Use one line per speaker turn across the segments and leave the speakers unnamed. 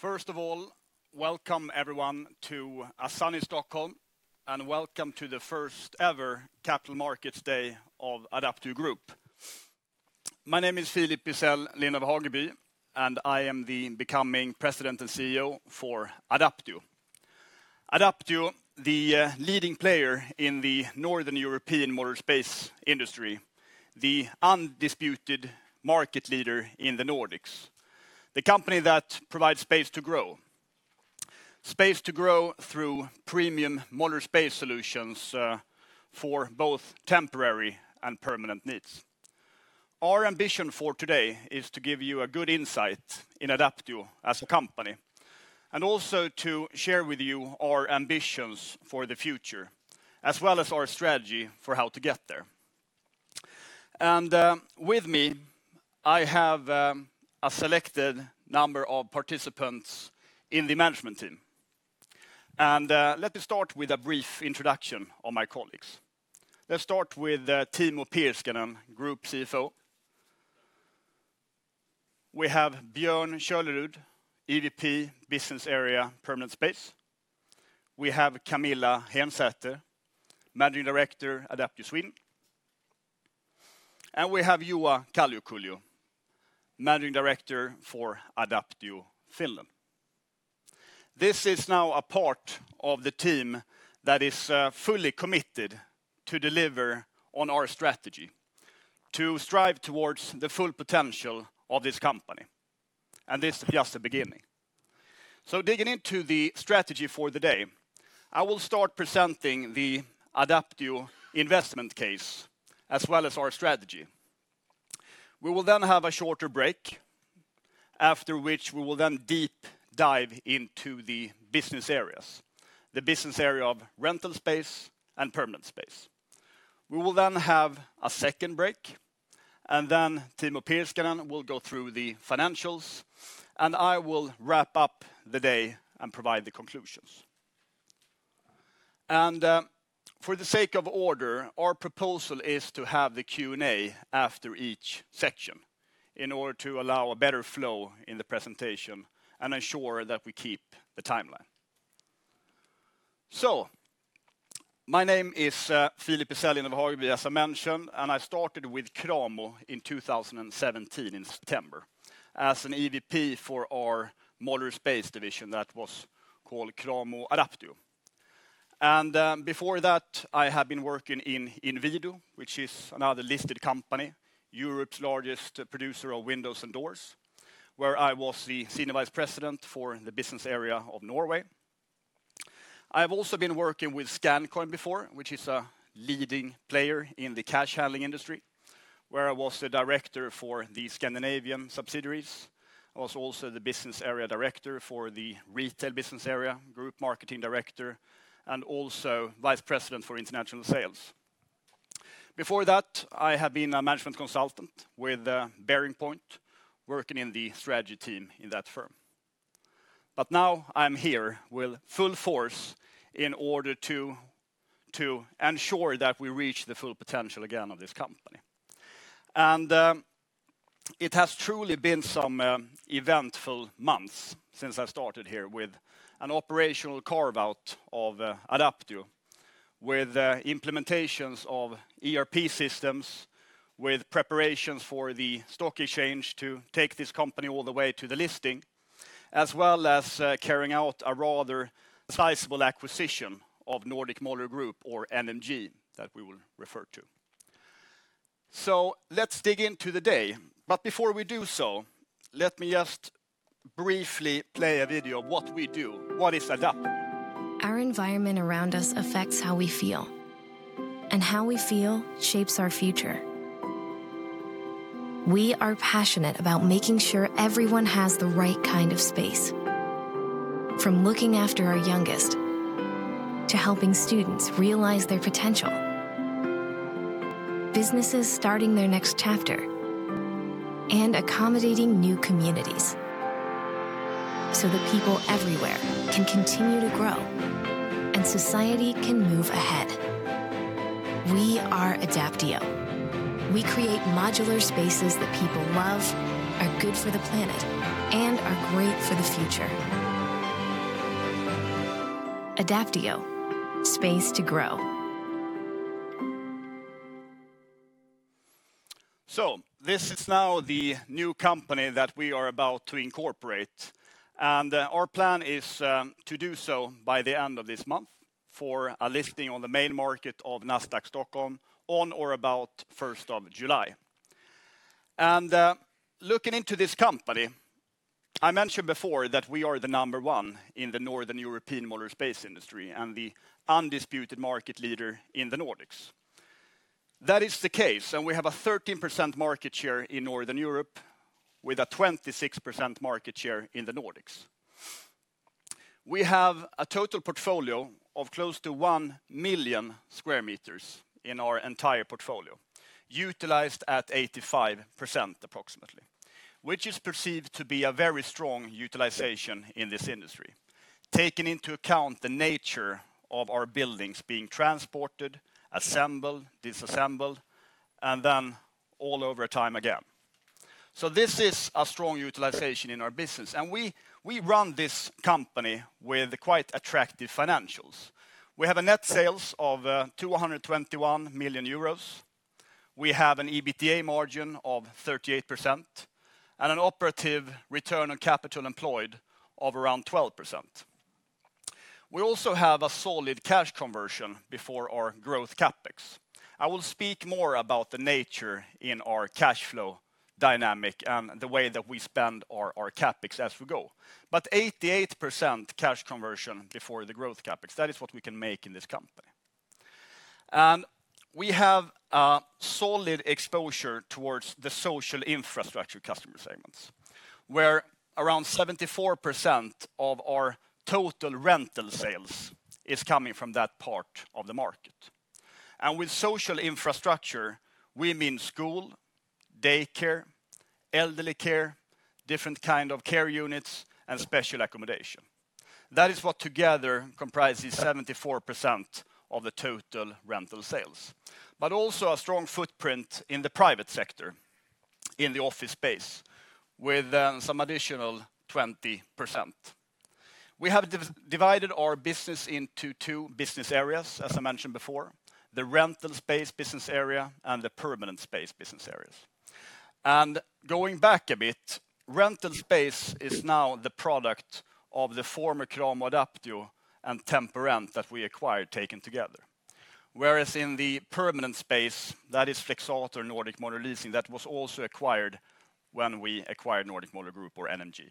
First of all, welcome everyone to a sunny Stockholm, welcome to the first ever Capital Markets Day of Adapteo Group. My name is Philip Isell Lind af Hageby, I am the becoming President and CEO for Adapteo. Adapteo, the leading player in the Northern European modular space industry, the undisputed market leader in the Nordics. The company that provides space to grow. Space to grow through premium modular space solutions for both temporary and permanent needs. Our ambition for today is to give you a good insight in Adapteo as a company, also to share with you our ambitions for the future, as well as our strategy for how to get there. With me, I have a selected number of participants in the management team. Let me start with a brief introduction of my colleagues. Let's start with Timo Pirskanen, Group CFO. We have Björn Kölerud, EVP Business Area Permanent Space. We have Camilla Hensäter, Managing Director Adapteo Sweden. We have Juha Kalliokulju, Managing Director for Adapteo Finland. This is now a part of the team that is fully committed to deliver on our strategy, to strive towards the full potential of this company. This is just the beginning. Digging into the strategy for the day, I will start presenting the Adapteo investment case, as well as our strategy. We will have a shorter break, after which we will deep dive into the business areas, the business area of rental space and permanent space. We will have a second break, Timo Pirskanen will go through the financials, I will wrap up the day and provide the conclusions. For the sake of order, our proposal is to have the Q&A after each section in order to allow a better flow in the presentation and ensure that we keep the timeline. My name is Philip Isell Lind af Hageby, as I mentioned, I started with Cramo in 2017 in September as an EVP for our modular space division that was called Cramo Adapteo. Before that, I had been working in Inwido, which is another listed company, Europe's largest producer of windows and doors, where I was the Senior Vice President for the business area of Norway. I have also been working with SCAN COIN before, which is a leading player in the cash handling industry, where I was the director for the Scandinavian subsidiaries. I was also the Business Area Director for the retail business area, Group Marketing Director, and also Vice President for International Sales. Before that, I had been a management consultant with BearingPoint, working in the strategy team in that firm. Now I'm here with full force in order to ensure that we reach the full potential again of this company. It has truly been some eventful months since I started here with an operational carve-out of Adapteo, with implementations of ERP systems, with preparations for the stock exchange to take this company all the way to the listing, as well as carrying out a rather sizable acquisition of Nordic Modular Group, or NMG, that we will refer to. Let's dig into the day. Before we do so, let me just briefly play a video of what we do. What is Adapteo?
Our environment around us affects how we feel. How we feel shapes our future. We are passionate about making sure everyone has the right kind of space. From looking after our youngest to helping students realize their potential, businesses starting their next chapter, accommodating new communities so that people everywhere can continue to grow. Society can move ahead. We are Adapteo. We create modular spaces that people love, are good for the planet. Are great for the future. Adapteo, space to grow.
This is now the new company that we are about to incorporate. Our plan is to do so by the end of this month for a listing on the main market of Nasdaq Stockholm on or about 1st of July. Looking into this company, I mentioned before that we are the number one in the Northern European modular space industry and the undisputed market leader in the Nordics. That is the case. We have a 13% market share in Northern Europe with a 26% market share in the Nordics. We have a total portfolio of close to one million square meters in our entire portfolio, utilized at 85% approximately, which is perceived to be a very strong utilization in this industry. Taking into account the nature of our buildings being transported, assembled, disassembled, then all over again. This is a strong utilization in our business. We run this company with quite attractive financials. We have a net sales of 221 million euros. We have an EBITDA margin of 38% and an operative return on capital employed of around 12%. We also have a solid cash conversion before our growth CapEx. I will speak more about the nature in our cash flow dynamic and the way that we spend our CapEx as we go. 88% cash conversion before the growth CapEx, that is what we can make in this company. We have a solid exposure towards the social infrastructure customer segments, where around 74% of our total rental sales is coming from that part of the market. With social infrastructure, we mean school, daycare, elderly care, different kind of care units, special accommodation. That is what together comprises 74% of the total rental sales. Also a strong footprint in the private sector, in the office space, with some additional 20%. We have divided our business into two business areas, as I mentioned before, the rental space business area and the permanent space business areas. Going back a bit, rental space is now the product of the former Cramo Adapteo and Temporent that we acquired taken together. Whereas in the permanent space, that is Flexator Nordic Modular Leasing, that was also acquired when we acquired Nordic Modular Group or NMG.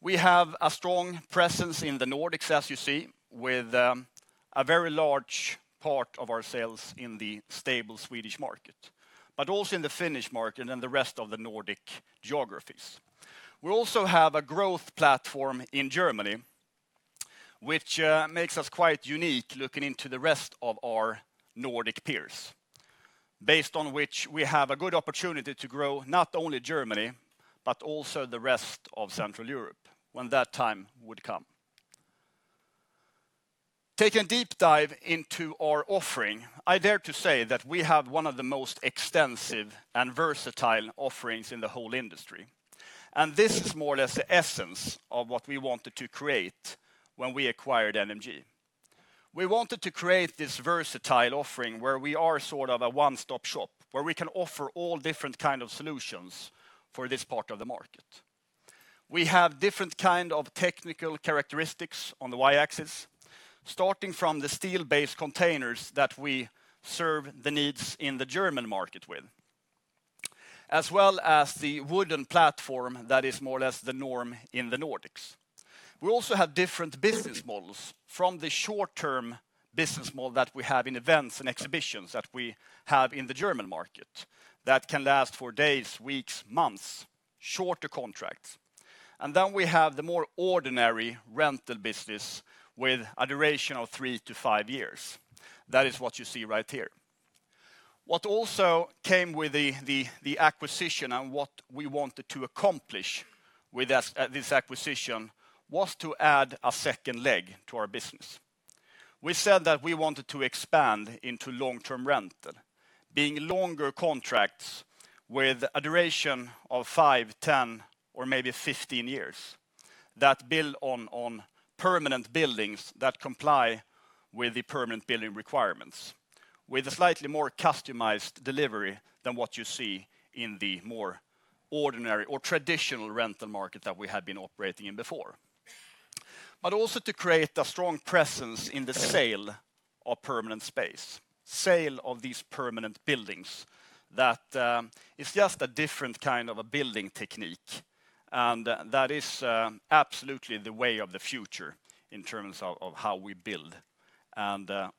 We have a strong presence in the Nordics, as you see, with a very large part of our sales in the stable Swedish market, but also in the Finnish market. The rest of the Nordic geographies. We also have a growth platform in Germany, which makes us quite unique looking into the rest of our Nordic peers, based on which we have a good opportunity to grow, not only Germany, but also the rest of Central Europe when that time would come. Take a deep dive into our offering. I dare to say that we have one of the most extensive and versatile offerings in the whole industry. This is more or less the essence of what we wanted to create when we acquired NMG. We wanted to create this versatile offering where we are sort of a one-stop shop, where we can offer all different kind of solutions for this part of the market. We have different kind of technical characteristics on the Y-axis, starting from the steel-based containers that we serve the needs in the German market with, as well as the wooden platform that is more or less the norm in the Nordics. We also have different business models from the short-term business model that we have in events and exhibitions that we have in the German market that can last for days, weeks, months, shorter contracts. Then we have the more ordinary rental business with a duration of three to five years. That is what you see right here. What also came with the acquisition and what we wanted to accomplish with this acquisition was to add a second leg to our business. We said that we wanted to expand into long-term rental, being longer contracts with a duration of five, 10, or maybe 15 years, that build on permanent buildings that comply with the permanent building requirements, with a slightly more customized delivery than what you see in the more ordinary or traditional rental market that we had been operating in before. Also to create a strong presence in the sale of permanent space, sale of these permanent buildings, that is just a different kind of a building technique. That is absolutely the way of the future in terms of how we build. This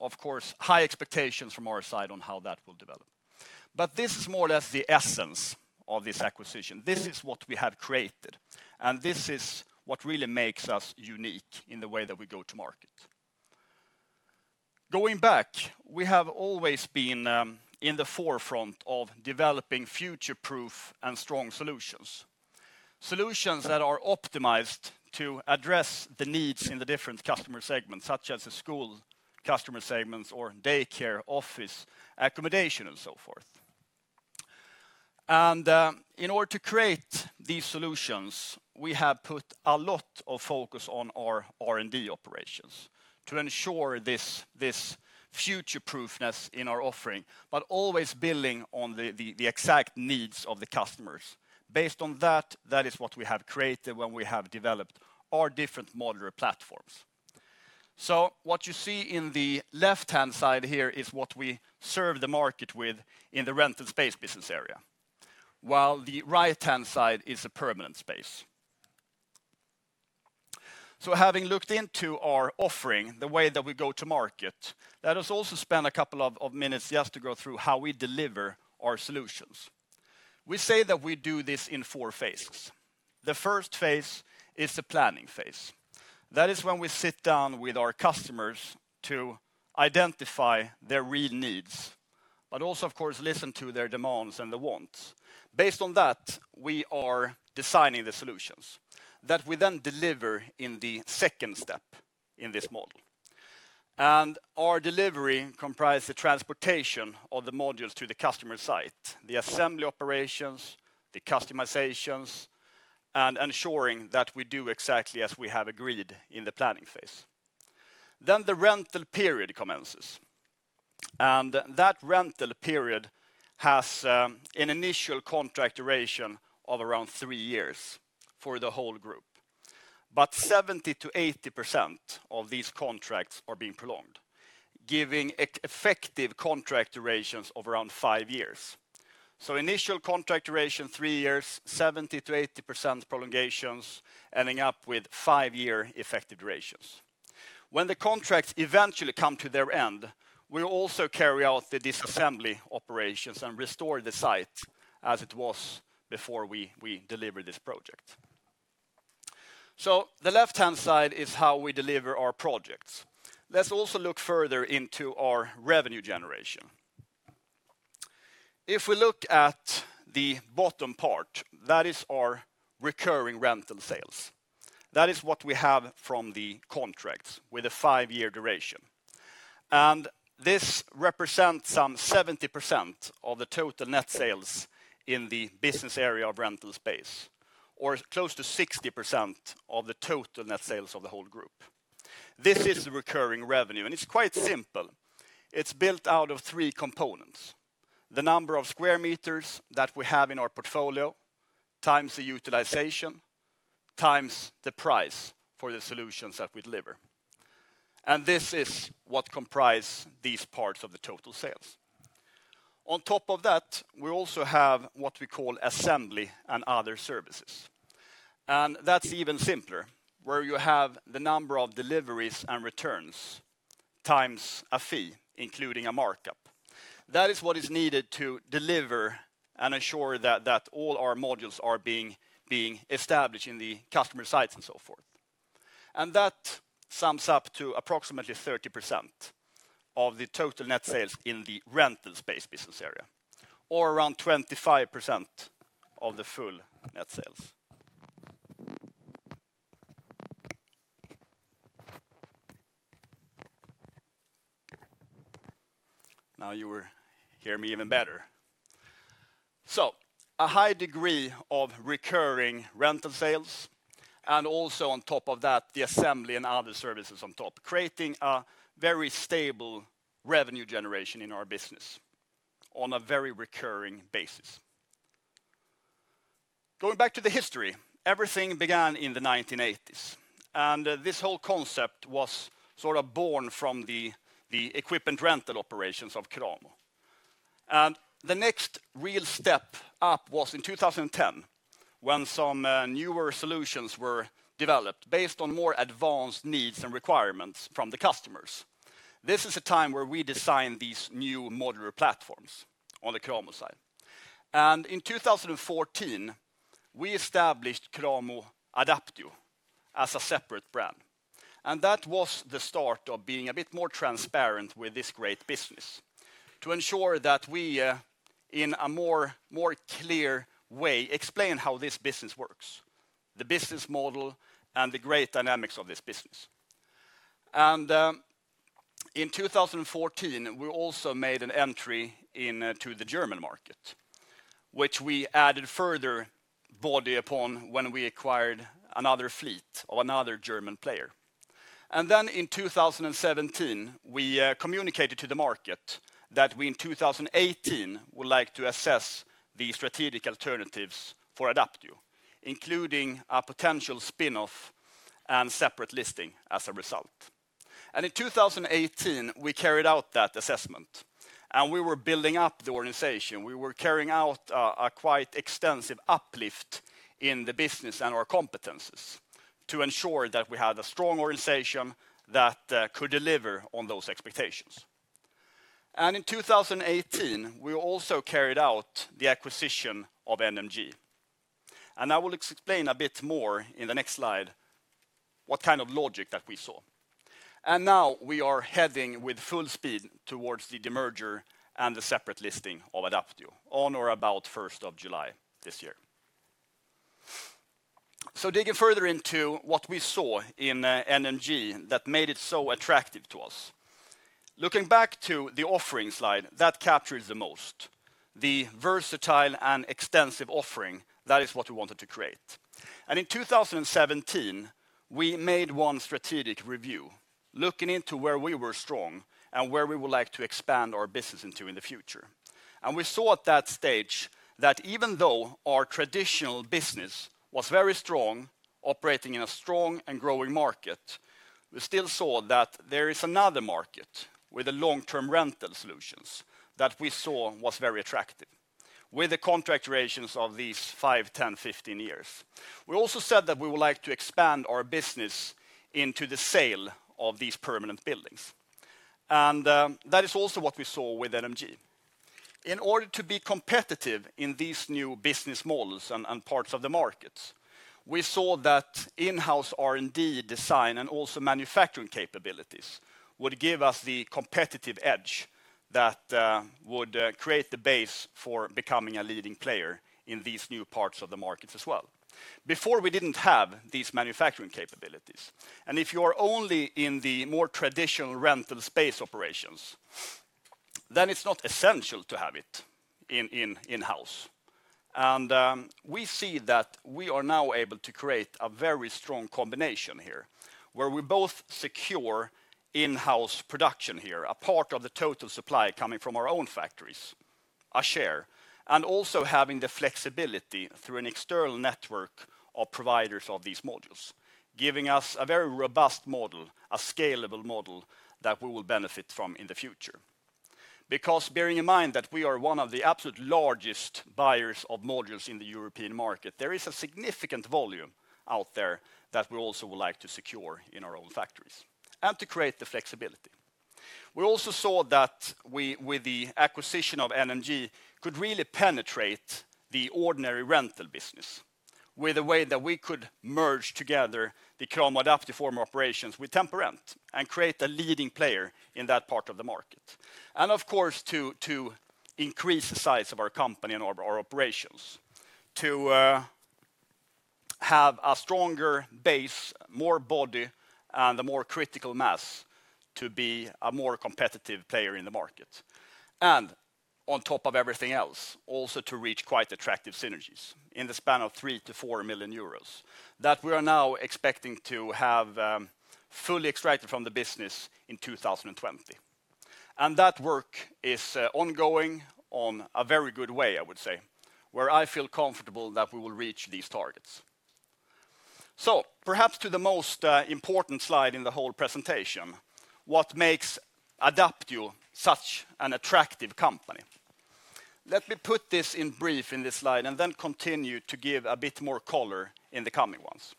is more or less the essence of this acquisition. This is what we have created, and this is what really makes us unique in the way that we go to market. Going back, we have always been in the forefront of developing future-proof and strong solutions. Solutions that are optimized to address the needs in the different customer segments, such as the school customer segments or daycare, office, accommodation, and so forth. In order to create these solutions, we have put a lot of focus on our R&D operations to ensure this future-proofness in our offering, but always building on the exact needs of the customers. Based on that is what we have created when we have developed our different modular platforms. What you see in the left-hand side here is what we serve the market with in the rental space business area, while the right-hand side is a permanent space. Having looked into our offering, the way that we go to market, let us also spend a couple of minutes just to go through how we deliver our solutions. We say that we do this in four phases. The first phase is the planning phase. That is when we sit down with our customers to identify their real needs. But also, of course, listen to their demands and the wants. Based on that, we are designing the solutions that we then deliver in the second step in this model. And our delivery comprise the transportation of the modules to the customer site, the assembly operations, the customizations, and ensuring that we do exactly as we have agreed in the planning phase. Then the rental period commences, and that rental period has an initial contract duration of around 3 years for the whole group. 70%-80% of these contracts are being prolonged, giving effective contract durations of around 5 years. Initial contract duration, 3 years, 70%-80% prolongations, ending up with 5-year effective durations. When the contracts eventually come to their end, we will also carry out the disassembly operations and restore the site as it was before we delivered this project. The left-hand side is how we deliver our projects. Let's also look further into our revenue generation. If we look at the bottom part, that is our recurring rental sales. That is what we have from the contracts with a 5-year duration. And this represents some 70% of the total net sales in the business area of rental space, or close to 60% of the total net sales of the whole group. This is recurring revenue, and it's quite simple. It's built out of 3 components, the number of square meters that we have in our portfolio, times the utilization, times the price for the solutions that we deliver. And this is what comprise these parts of the total sales. On top of that, we also have what we call assembly and other services. And that's even simpler, where you have the number of deliveries and returns, times a fee, including a markup. That is what is needed to deliver and ensure that all our modules are being established in the customer sites and so forth. And that sums up to approximately 30% of the total net sales in the rental space business area, or around 25% of the full net sales. Now you will hear me even better. A high degree of recurring rental sales, and also on top of that, the assembly and other services on top, creating a very stable revenue generation in our business on a very recurring basis. Going back to the history, everything began in the 1980s, and this whole concept was sort of born from the equipment rental operations of Cramo. And the next real step up was in 2010, when some newer solutions were developed based on more advanced needs and requirements from the customers. This is a time where we designed these new modular platforms on the Cramo side. And in 2014, we established Cramo Adapteo as a separate brand. And that was the start of being a bit more transparent with this great business to ensure that we, in a more clear way, explain how this business works, the business model, and the great dynamics of this business. In 2014, we also made an entry into the German market, which we added further body upon when we acquired another fleet of another German player. In 2017, we communicated to the market that we, in 2018, would like to assess the strategic alternatives for Adapteo, including a potential spin-off and separate listing as a result. In 2018, we carried out that assessment, and we were building up the organization. We were carrying out a quite extensive uplift in the business and our competencies to ensure that we had a strong organization that could deliver on those expectations. In 2018, we also carried out the acquisition of NMG. I will explain a bit more in the next slide what kind of logic that we saw. Now we are heading with full speed towards the demerger and the separate listing of Adapteo on or about 1st of July this year. Digging further into what we saw in NMG that made it so attractive to us. Looking back to the offering slide, that captures the most. The versatile and extensive offering, that is what we wanted to create. In 2017, we made one strategic review, looking into where we were strong and where we would like to expand our business into in the future. We saw at that stage that even though our traditional business was very strong, operating in a strong and growing market, we still saw that there is another market with the long-term rental solutions that we saw was very attractive with the contract durations of these five, 10, 15 years. We also said that we would like to expand our business into the sale of these permanent buildings. That is also what we saw with NMG. In order to be competitive in these new business models and parts of the markets, we saw that in-house R&D design and also manufacturing capabilities would give us the competitive edge that would create the base for becoming a leading player in these new parts of the markets as well. Before, we didn't have these manufacturing capabilities, and if you are only in the more traditional rental space operations, then it's not essential to have it in-house. We see that we are now able to create a very strong combination here, where we both secure in-house production here, a part of the total supply coming from our own factories, a share, and also having the flexibility through an external network of providers of these modules, giving us a very robust model, a scalable model that we will benefit from in the future. Because bearing in mind that we are one of the absolute largest buyers of modules in the European market, there is a significant volume out there that we also would like to secure in our own factories and to create the flexibility. We also saw that with the acquisition of NMG could really penetrate the ordinary rental business with a way that we could merge together the Cramo Adapteo former operations with Temporent and create a leading player in that part of the market. To increase the size of our company and our operations to have a stronger base, more body, and a more critical mass to be a more competitive player in the market. On top of everything else, also to reach quite attractive synergies in the span of 3 million-4 million euros that we are now expecting to have fully extracted from the business in 2020. That work is ongoing in a very good way, I would say, where I feel comfortable that we will reach these targets. Perhaps to the most important slide in the whole presentation, what makes Adapteo such an attractive company? Let me put this in brief in this slide and then continue to give a bit more color in the coming ones.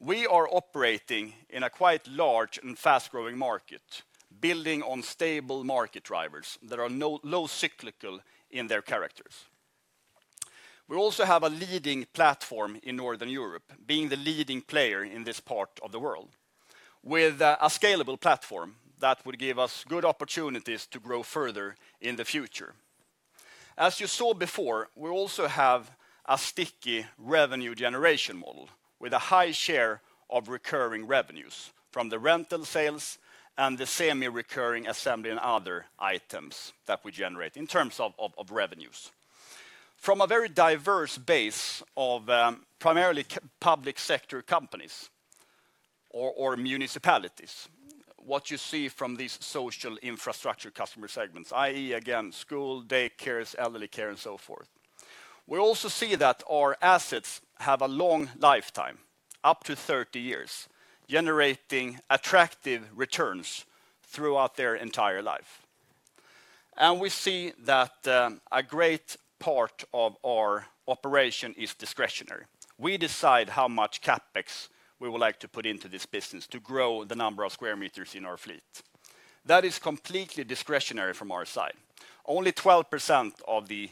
We are operating in a quite large and fast-growing market, building on stable market drivers that are low cyclical in their characters. We also have a leading platform in Northern Europe, being the leading player in this part of the world with a scalable platform that would give us good opportunities to grow further in the future. As you saw before, we also have a sticky revenue generation model with a high share of recurring revenues from the rental sales and the semi-recurring assembly and other items that we generate in terms of revenues. From a very diverse base of primarily public sector companies or municipalities, what you see from these social infrastructure customer segments, i.e. again, school, day cares, elderly care, and so forth. We also see that our assets have a long lifetime, up to 30 years, generating attractive returns throughout their entire life. We see that a great part of our operation is discretionary. We decide how much CapEx we would like to put into this business to grow the number of square meters in our fleet. That is completely discretionary from our side. Only 12% of the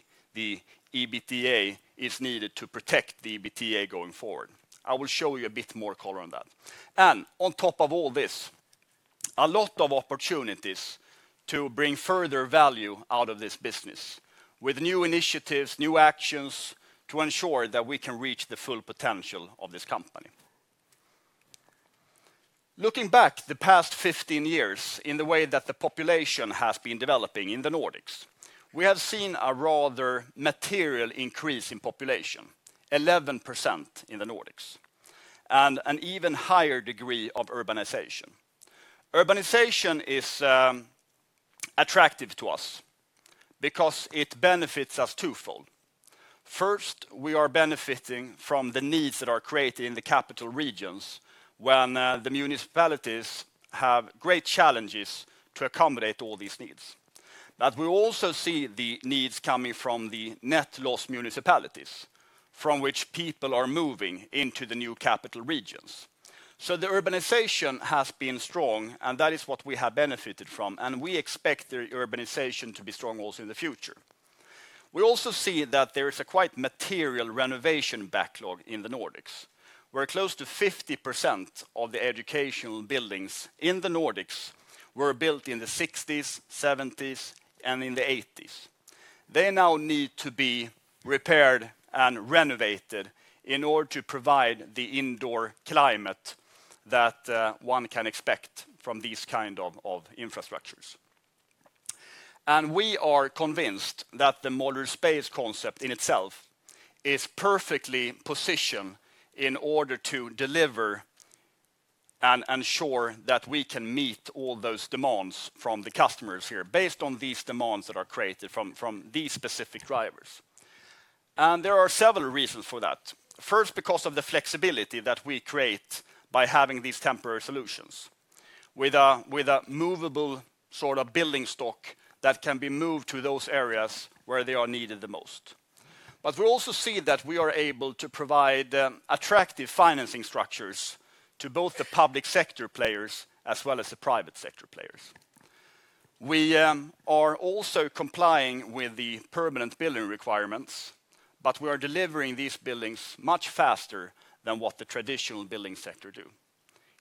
EBITDA is needed to protect the EBITDA going forward. I will show you a bit more color on that. On top of all this, a lot of opportunities to bring further value out of this business with new initiatives, new actions to ensure that we can reach the full potential of this company. Looking back the past 15 years in the way that the population has been developing in the Nordics, we have seen a rather material increase in population, 11% in the Nordics, and an even higher degree of urbanization. Urbanization is attractive to us because it benefits us twofold. First, we are benefiting from the needs that are created in the capital regions when the municipalities have great challenges to accommodate all these needs. We also see the needs coming from the net loss municipalities from which people are moving into the new capital regions. The urbanization has been strong, and that is what we have benefited from, and we expect the urbanization to be strong also in the future. We also see that there is a quite material renovation backlog in the Nordics, where close to 50% of the educational buildings in the Nordics were built in the '60s, '70s, and in the '80s. They now need to be repaired and renovated in order to provide the indoor climate that one can expect from these kind of infrastructures. We are convinced that the modular space concept in itself is perfectly positioned in order to deliver and ensure that we can meet all those demands from the customers here based on these demands that are created from these specific drivers. There are several reasons for that. First, because of the flexibility that we create by having these temporary solutions with a movable sort of building stock that can be moved to those areas where they are needed the most. We also see that we are able to provide attractive financing structures to both the public sector players as well as the private sector players. We are also complying with the permanent building requirements, but we are delivering these buildings much faster than what the traditional building sector do,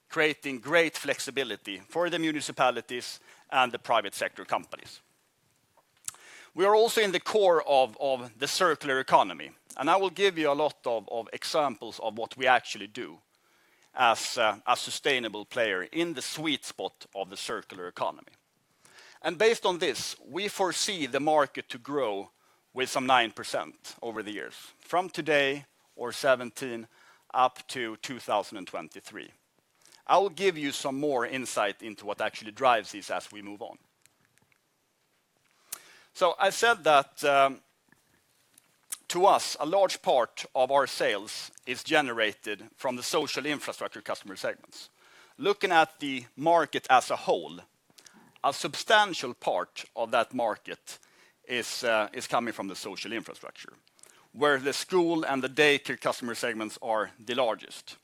creating great flexibility for the municipalities and the private sector companies. We are also in the core of the circular economy, and I will give you a lot of examples of what we actually do as a sustainable player in the sweet spot of the circular economy. Based on this, we foresee the market to grow with some 9% over the years, from today or 2017 up to 2023. I will give you some more insight into what actually drives this as we move on. I said that to us, a large part of our sales is generated from the social infrastructure customer segments. Looking at the market as a whole, a substantial part of that market is coming from the social infrastructure, where the school and the daycare customer segments are the largest.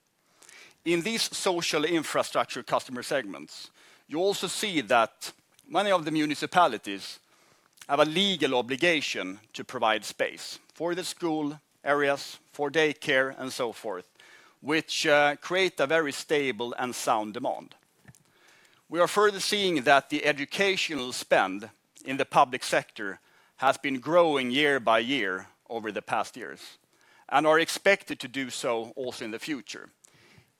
In these social infrastructure customer segments, you also see that many of the municipalities have a legal obligation to provide space for the school areas, for daycare, and so forth, which create a very stable and sound demand. We are further seeing that the educational spend in the public sector has been growing year by year over the past years and are expected to do so also in the future.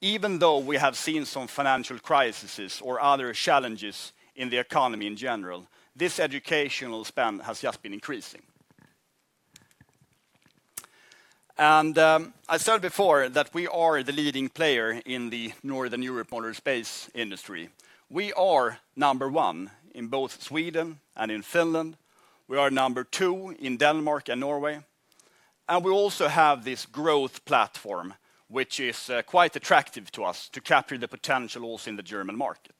Even though we have seen some financial crises or other challenges in the economy in general, this educational spend has just been increasing. I said before that we are the leading player in the Northern Europe modular space industry. We are number one in both Sweden and in Finland. We are number two in Denmark and Norway, and we also have this growth platform, which is quite attractive to us to capture the potential also in the German market.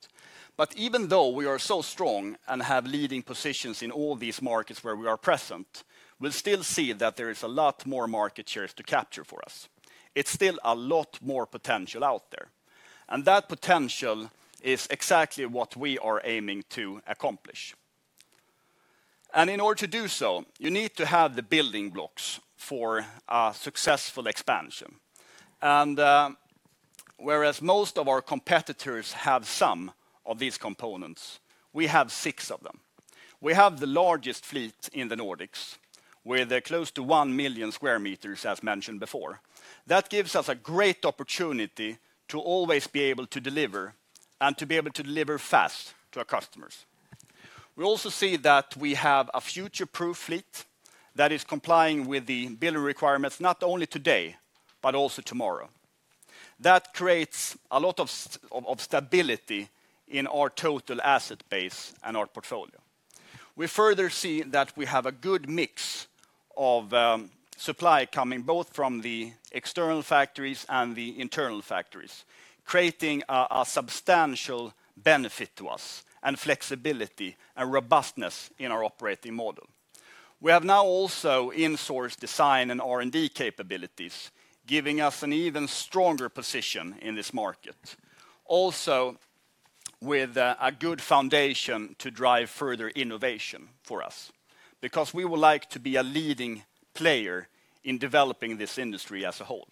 Even though we are so strong and have leading positions in all these markets where we are present, we still see that there is a lot more market shares to capture for us. It's still a lot more potential out there, and that potential is exactly what we are aiming to accomplish. In order to do so, you need to have the building blocks for a successful expansion. Whereas most of our competitors have some of these components, we have six of them. We have the largest fleet in the Nordics, with close to 1 million square meters, as mentioned before. That gives us a great opportunity to always be able to deliver and to be able to deliver fast to our customers. We also see that we have a future-proof fleet that is complying with the building requirements, not only today, but also tomorrow. That creates a lot of stability in our total asset base and our portfolio. We further see that we have a good mix of supply coming both from the external factories and the internal factories, creating a substantial benefit to us and flexibility and robustness in our operating model. We have now also insourced design and R&D capabilities, giving us an even stronger position in this market. With a good foundation to drive further innovation for us, because we would like to be a leading player in developing this industry as a whole.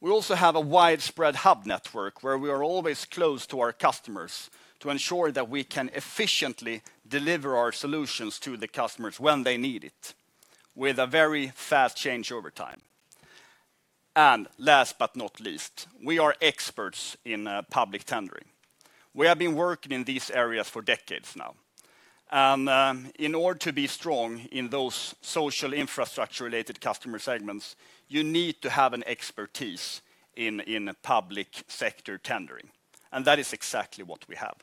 We also have a widespread hub network where we are always close to our customers to ensure that we can efficiently deliver our solutions to the customers when they need it with a very fast changeover time. Last but not least, we are experts in public tendering. We have been working in these areas for decades now. In order to be strong in those social infrastructure-related customer segments, you need to have an expertise in public sector tendering, and that is exactly what we have.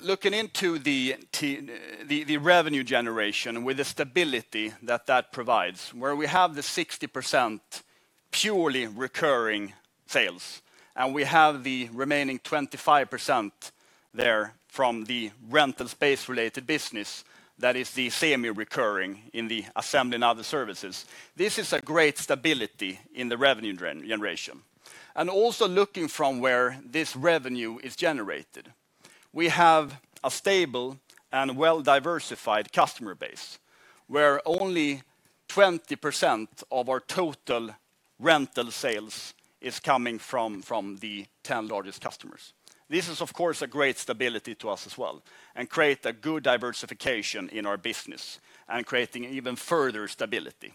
Looking into the revenue generation with the stability that that provides, where we have the 60% purely recurring sales, and we have the remaining 25% there from the rental space-related business, that is the semi-recurring in the assembly and other services. This is a great stability in the revenue generation. Also looking from where this revenue is generated. We have a stable and well-diversified customer base, where only 20% of our total rental sales is coming from the 10 largest customers. This is, of course, a great stability to us as well and create a good diversification in our business and creating even further stability.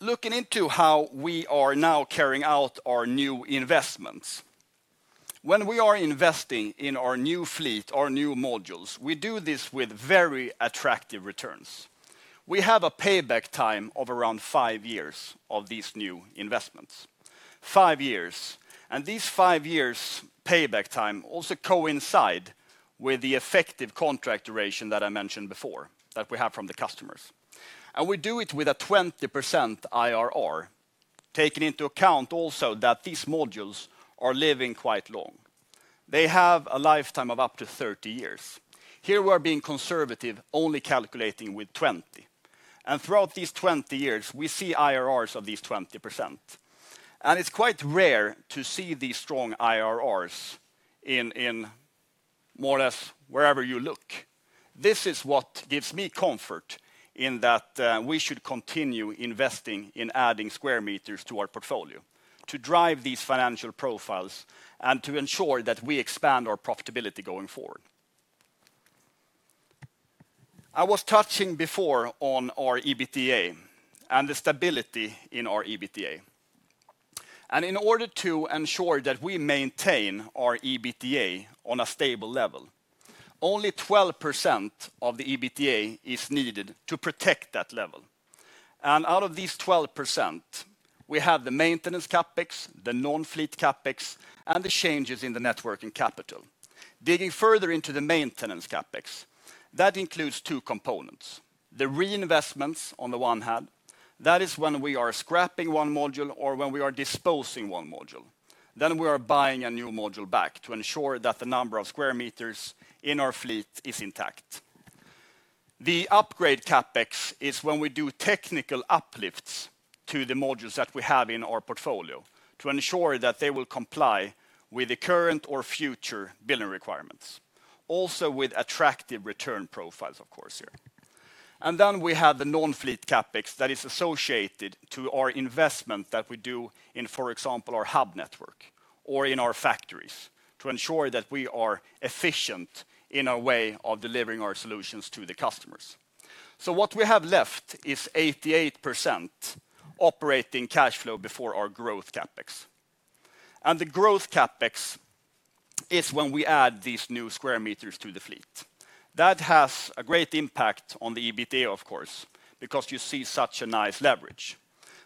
Looking into how we are now carrying out our new investments. When we are investing in our new fleet or new modules, we do this with very attractive returns. We have a payback time of around five years of these new investments. Five years. These five years payback time also coincide with the effective contract duration that I mentioned before that we have from the customers. We do it with a 20% IRR. Taking into account also that these modules are living quite long. They have a lifetime of up to 30 years. Here we are being conservative, only calculating with 20. Throughout these 20 years, we see IRRs of at least 20%. It's quite rare to see these strong IRRs in more or less wherever you look. This is what gives me comfort in that we should continue investing in adding square meters to our portfolio to drive these financial profiles and to ensure that we expand our profitability going forward. I was touching before on our EBITDA and the stability in our EBITDA. In order to ensure that we maintain our EBITDA on a stable level, only 12% of the EBITDA is needed to protect that level. Out of this 12%, we have the maintenance CapEx, the non-fleet CapEx, and the changes in the net working capital. Digging further into the maintenance CapEx, that includes two components. The reinvestments on the one hand. That is when we are scrapping one module or when we are disposing one module. We are buying a new module back to ensure that the number of square meters in our fleet is intact. The upgrade CapEx is when we do technical uplifts to the modules that we have in our portfolio to ensure that they will comply with the current or future billing requirements, also with attractive return profiles, of course, here. We have the non-fleet CapEx that is associated to our investment that we do in, for example, our hub network or in our factories to ensure that we are efficient in our way of delivering our solutions to the customers. What we have left is 88% operating cash flow before our growth CapEx. The growth CapEx is when we add these new square meters to the fleet. That has a great impact on the EBITDA, of course, because you see such a nice leverage.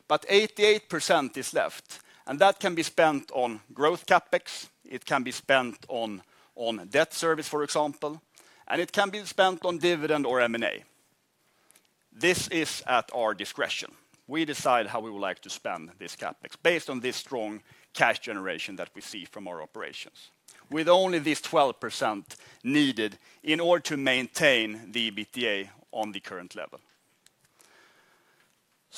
88% is left, and that can be spent on growth CapEx, it can be spent on debt service, for example, and it can be spent on dividend or M&A. This is at our discretion. We decide how we would like to spend this CapEx based on this strong cash generation that we see from our operations, with only this 12% needed in order to maintain the EBITDA on the current level.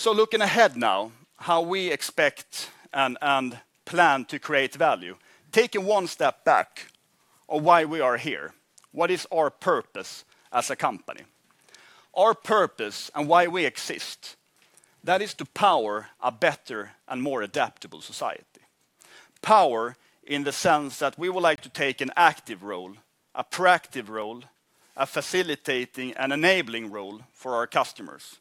Looking ahead now, how we expect and plan to create value. Taking one step back on why we are here, what is our purpose as a company? Our purpose and why we exist, that is to power a better and more adaptable society. Power in the sense that we would like to take an active role, a proactive role, a facilitating and enabling role for our customers.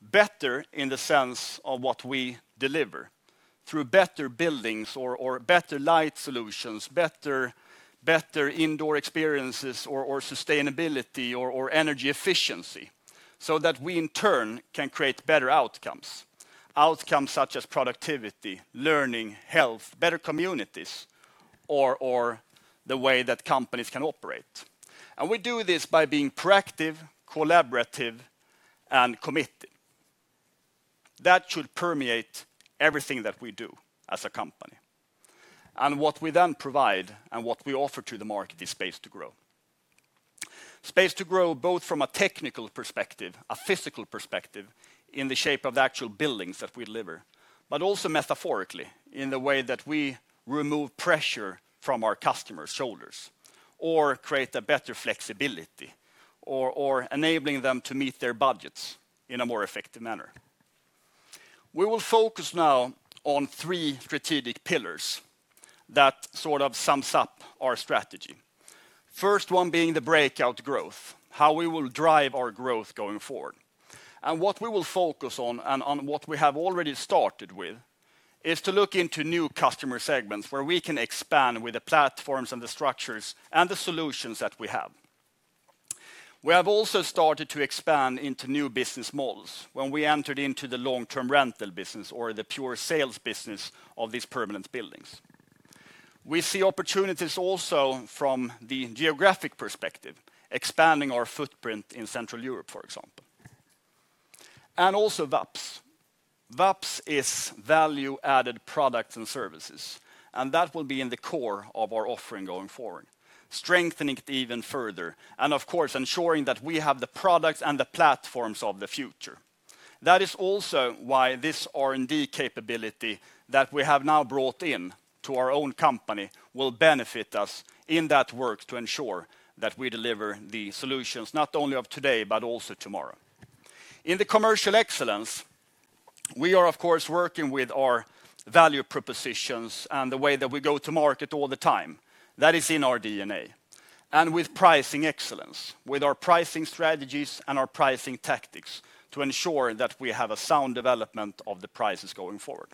Better in the sense of what we deliver through better buildings or better light solutions, better indoor experiences or sustainability or energy efficiency, so that we in turn can create better outcomes. Outcomes such as productivity, learning, health, better communities or the way that companies can operate. We do this by being proactive, collaborative, and committed. That should permeate everything that we do as a company. What we then provide and what we offer to the market is space to grow. Space to grow, both from a technical perspective, a physical perspective in the shape of the actual buildings that we deliver, but also metaphorically in the way that we remove pressure from our customers' shoulders or create a better flexibility or enabling them to meet their budgets in a more effective manner. We will focus now on three strategic pillars that sort of sums up our strategy. First one being the breakout growth, how we will drive our growth going forward. What we will focus on and what we have already started with is to look into new customer segments where we can expand with the platforms and the structures and the solutions that we have. We have also started to expand into new business models when we entered into the long-term rental business or the pure sales business of these permanent buildings. We see opportunities also from the geographic perspective, expanding our footprint in Central Europe, for example. Also VAPS. VAPS is Value Added Products and Services. That will be in the core of our offering going forward, strengthening it even further, of course, ensuring that we have the products and the platforms of the future. That is also why this R&D capability that we have now brought in to our own company will benefit us in that work to ensure that we deliver the solutions not only of today, but also tomorrow. In the commercial excellence, we are, of course, working with our value propositions and the way that we go to market all the time. That is in our DNA. With pricing excellence, with our pricing strategies and our pricing tactics to ensure that we have a sound development of the prices going forward.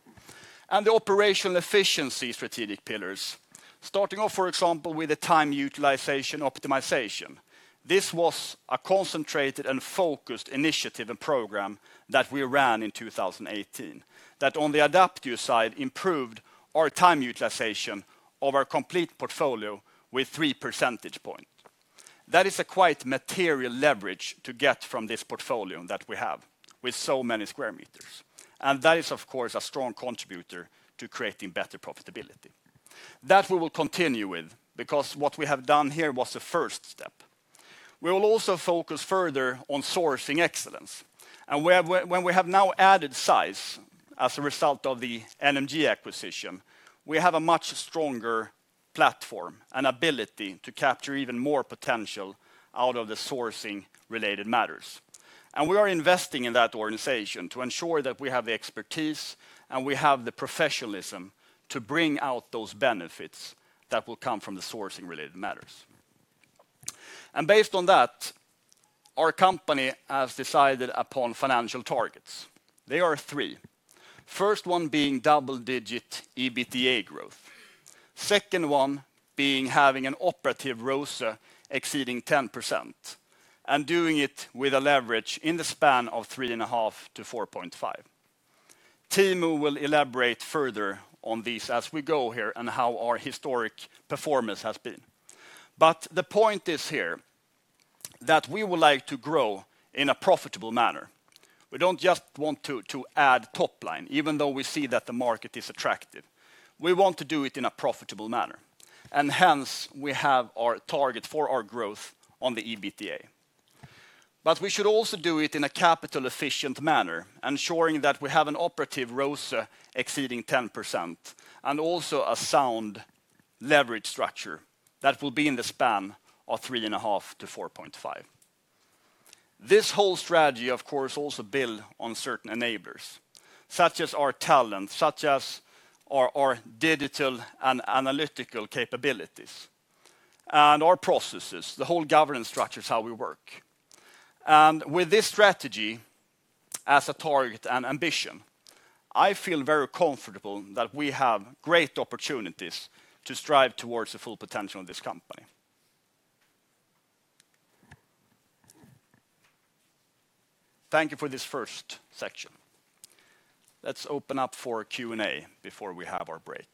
The operational efficiency strategic pillars. Starting off, for example, with the time utilization optimization. This was a concentrated and focused initiative and program that we ran in 2018 that on the Adapteo side improved our time utilization of our complete portfolio with 3 percentage points. That is a quite material leverage to get from this portfolio that we have with so many square meters. That is, of course, a strong contributor to creating better profitability. That we will continue with, because what we have done here was the first step. We will also focus further on sourcing excellence. When we have now added size as a result of the NMG acquisition, we have a much stronger platform and ability to capture even more potential out of the sourcing related matters. We are investing in that organization to ensure that we have the expertise and we have the professionalism to bring out those benefits that will come from the sourcing related matters. Based on that, our company has decided upon financial targets. There are three. First one being double-digit EBITDA growth, second one being having an operative ROACE exceeding 10%, and doing it with a leverage in the span of 3.5 to 4.5. Timo will elaborate further on these as we go here and how our historic performance has been. The point is here that we would like to grow in a profitable manner. We don't just want to add top line, even though we see that the market is attractive. We want to do it in a profitable manner. Hence, we have our target for our growth on the EBITDA. We should also do it in a capital efficient manner, ensuring that we have an operative ROACE exceeding 10% and also a sound leverage structure that will be in the span of 3.5 to 4.5. This whole strategy, of course, also build on certain enablers. Such as our talent, such as our digital and analytical capabilities. Our processes, the whole governance structures, how we work. With this strategy as a target and ambition, I feel very comfortable that we have great opportunities to strive towards the full potential of this company. Thank you for this first section. Let's open up for Q&A before we have our break.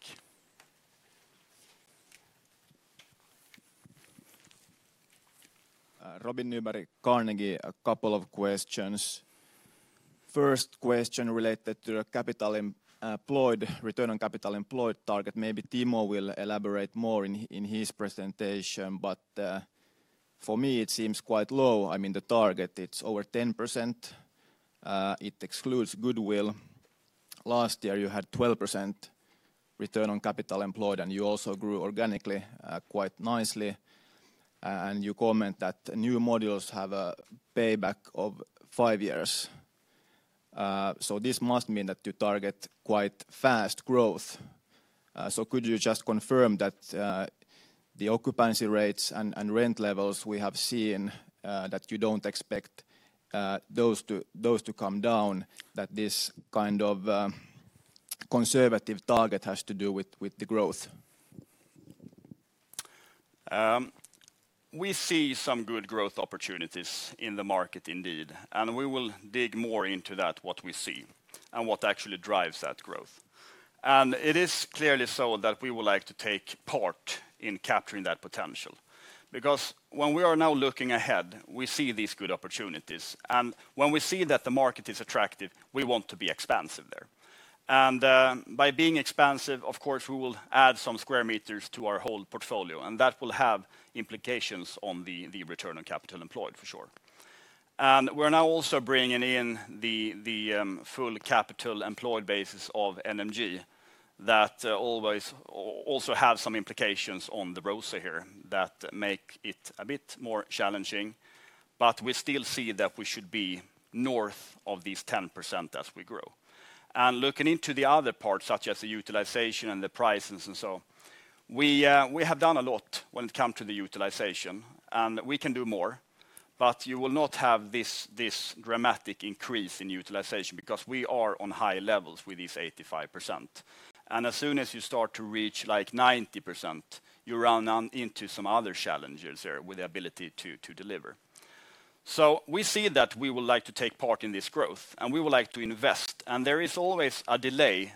Robin Nyberg, Carnegie. A couple of questions. First question related to the return on capital employed target. Maybe Timo will elaborate more in his presentation, but for me, it seems quite low. The target, it's over 10%. It excludes goodwill. Last year, you had 12% return on capital employed, and you also grew organically quite nicely. You comment that new modules have a payback of five years. This must mean that you target quite fast growth. Could you just confirm that the occupancy rates and rent levels we have seen, that you don't expect those to come down, that this kind of conservative target has to do with the growth?
We see some good growth opportunities in the market indeed, we will dig more into that, what we see and what actually drives that growth. It is clearly so that we would like to take part in capturing that potential. Because when we are now looking ahead, we see these good opportunities. When we see that the market is attractive, we want to be expansive there. By being expansive, of course, we will add some square meters to our whole portfolio, that will have implications on the return on capital employed for sure. We're now also bringing in the full capital employed basis of NMG that always also have some implications on the ROACE here that make it a bit more challenging, but we still see that we should be north of this 10% as we grow. Looking into the other parts, such as the utilization and the prices and so, we have done a lot when it come to the utilization, we can do more, but you will not have this dramatic increase in utilization because we are on high levels with this 85%. As soon as you start to reach like 90%, you run into some other challenges there with the ability to deliver. We see that we would like to take part in this growth, we would like to invest. There is always a delay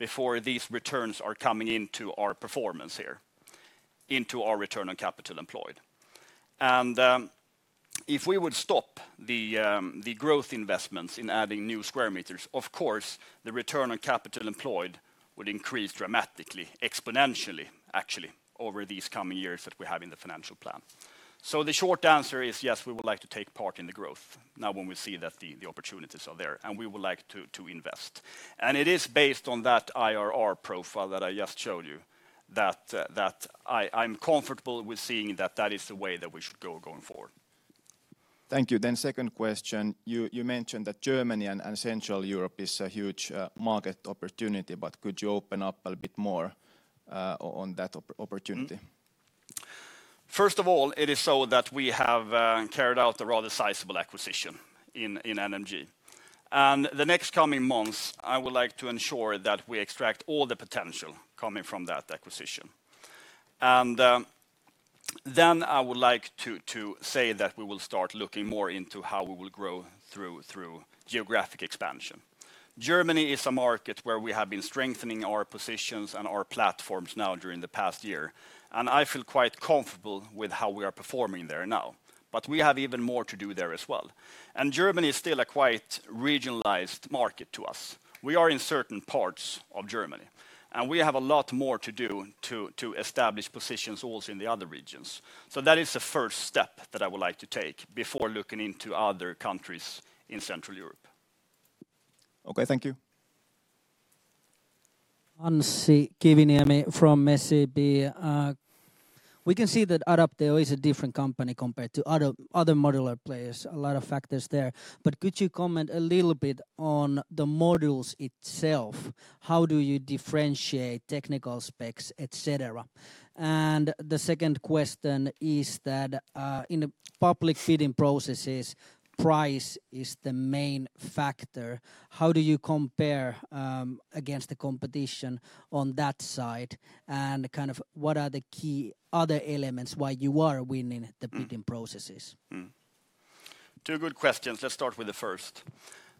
before these returns are coming into our performance here, into our return on capital employed. If we would stop the growth investments in adding new square meters, of course, the return on capital employed would increase dramatically, exponentially, actually, over these coming years that we have in the financial plan. The short answer is yes, we would like to take part in the growth now when we see that the opportunities are there, we would like to invest. It is based on that IRR profile that I just showed you that I'm comfortable with seeing that that is the way that we should go going forward.
Thank you. Second question. You mentioned that Germany and Central Europe is a huge market opportunity, could you open up a bit more on that opportunity?
First of all, it is so that we have carried out a rather sizable acquisition in NMG. The next coming months, I would like to ensure that we extract all the potential coming from that acquisition. I would like to say that we will start looking more into how we will grow through geographic expansion. Germany is a market where we have been strengthening our positions and our platforms now during the past year. I feel quite comfortable with how we are performing there now, we have even more to do there as well. Germany is still a quite regionalized market to us. We are in certain parts of Germany, and we have a lot more to do to establish positions also in the other regions. That is the first step that I would like to take before looking into other countries in Central Europe.
Okay. Thank you.
Anssi Kiviniemi from SEB. We can see that Adapteo is a different company compared to other modular players, a lot of factors there. Could you comment a little bit on the modules itself? How do you differentiate technical specs, et cetera? The second question is that in the public bidding processes, price is the main factor. How do you compare against the competition on that side and what are the key other elements why you are winning the bidding processes?
Two good questions. Let's start with the first.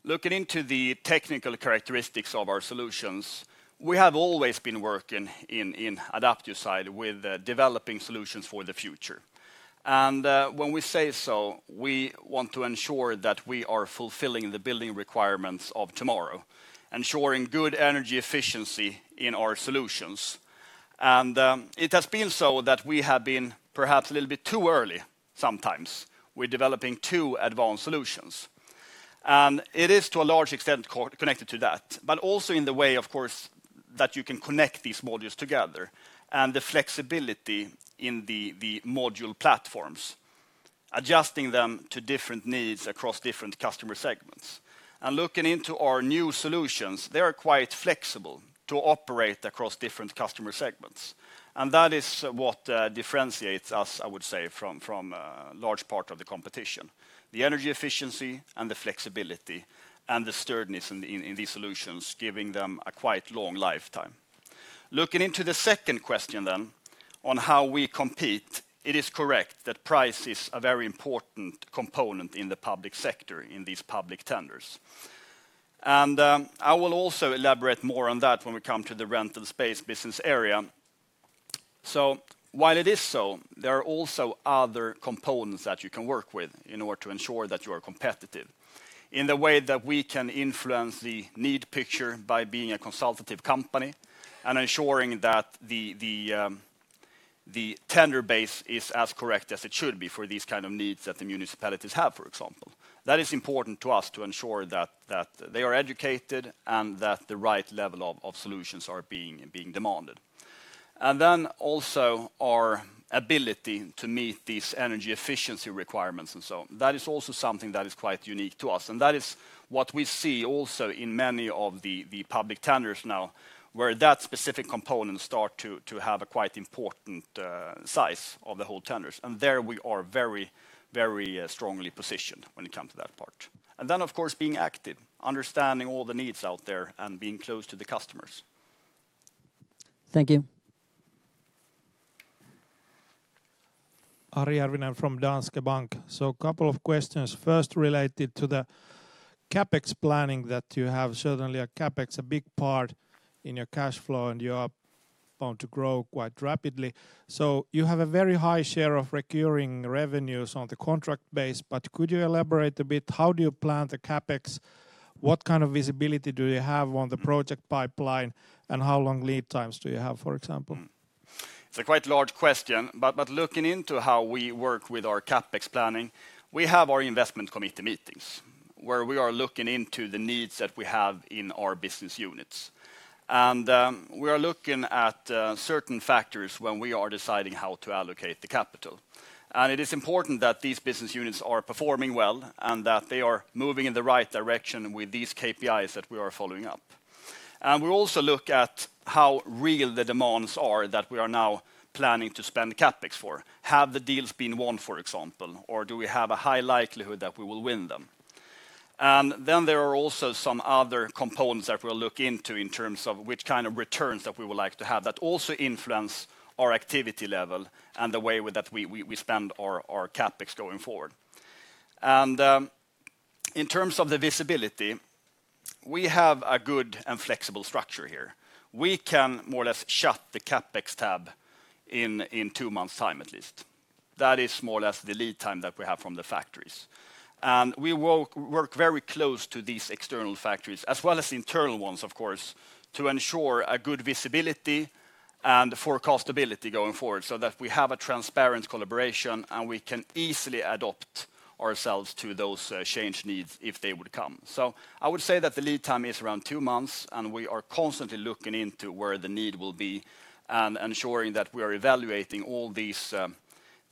Looking into the technical characteristics of our solutions, we have always been working in Adapteo side with developing solutions for the future. When we say so, we want to ensure that we are fulfilling the building requirements of tomorrow, ensuring good energy efficiency in our solutions. It has been so that we have been perhaps a little bit too early sometimes with developing too advanced solutions. It is to a large extent connected to that, but also in the way, of course, that you can connect these modules together and the flexibility in the module platforms, adjusting them to different needs across different customer segments. Looking into our new solutions, they are quite flexible to operate across different customer segments. That is what differentiates us, I would say, from a large part of the competition, the energy efficiency and the flexibility and the sturdiness in these solutions, giving them a quite long lifetime. Looking into the second question then on how we compete, it is correct that price is a very important component in the public sector in these public tenders. I will also elaborate more on that when we come to the rental space business area. While it is so, there are also other components that you can work with in order to ensure that you are competitive. In the way that we can influence the need picture by being a consultative company and ensuring that the tender base is as correct as it should be for these kind of needs that the municipalities have, for example. That is important to us to ensure that they are educated and that the right level of solutions are being demanded. Then also our ability to meet these energy efficiency requirements and so on. That is also something that is quite unique to us, and that is what we see also in many of the public tenders now, where that specific component start to have a quite important size of the whole tenders. There we are very strongly positioned when it comes to that part. Then, of course, being active, understanding all the needs out there and being close to the customers.
Thank you.
Ari Järvinen from Danske Bank. Couple of questions. First, related to the CapEx planning that you have. Certainly, a CapEx, a big part in your cash flow, and you are bound to grow quite rapidly. You have a very high share of recurring revenues on the contract base, but could you elaborate a bit? How do you plan the CapEx? What kind of visibility do you have on the project pipeline, and how long lead times do you have, for example?
It's a quite large question, but looking into how we work with our CapEx planning, we have our investment committee meetings where we are looking into the needs that we have in our business units. We are looking at certain factors when we are deciding how to allocate the capital. It is important that these business units are performing well and that they are moving in the right direction with these KPIs that we are following up. We also look at how real the demands are that we are now planning to spend CapEx for. Have the deals been won, for example, or do we have a high likelihood that we will win them? Then there are also some other components that we'll look into in terms of which kind of returns that we would like to have that also influence our activity level and the way that we spend our CapEx going forward. In terms of the visibility, we have a good and flexible structure here. We can more or less shut the CapEx tab in two months' time, at least. That is more or less the lead time that we have from the factories. We work very close to these external factories as well as internal ones, of course, to ensure a good visibility and forecastability going forward so that we have a transparent collaboration, and we can easily adapt ourselves to those change needs if they would come. I would say that the lead time is around two months, and we are constantly looking into where the need will be and ensuring that we are evaluating all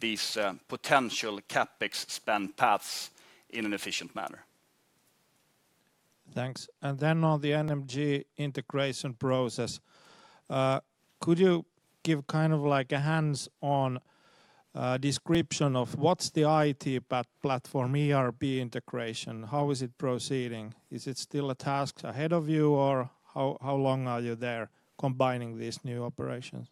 these potential CapEx spend paths in an efficient manner.
Thanks. Then on the NMG integration process, could you give kind of like a hands-on description of what's the IT platform, ERP integration? How is it proceeding? Is it still a task ahead of you, or how long are you there combining these new operations?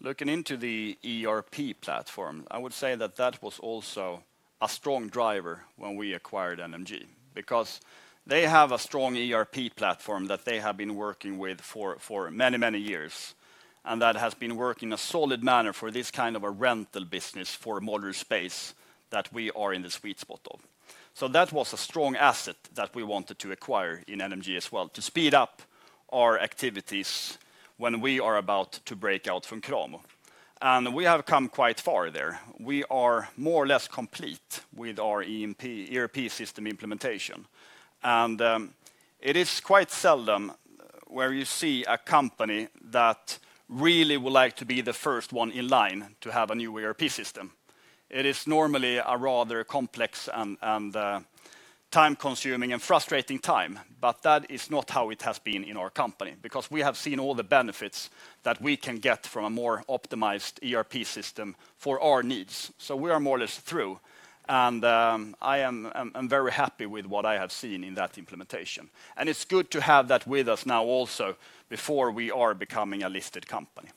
Looking into the ERP platform, I would say that that was also a strong driver when we acquired NMG, because they have a strong ERP platform that they have been working with for many years, and that has been working a solid manner for this kind of a rental business for modular space that we are in the sweet spot of. That was a strong asset that we wanted to acquire in NMG as well to speed up our activities when we are about to break out from Cramo. We have come quite far there. We are more or less complete with our ERP system implementation. It is quite seldom where you see a company that really would like to be the first one in line to have a new ERP system. It is normally a rather complex and time-consuming and frustrating time, but that is not how it has been in our company, because we have seen all the benefits that we can get from a more optimized ERP system for our needs. We are more or less through, and I'm very happy with what I have seen in that implementation. It's good to have that with us now also before we are becoming a listed company.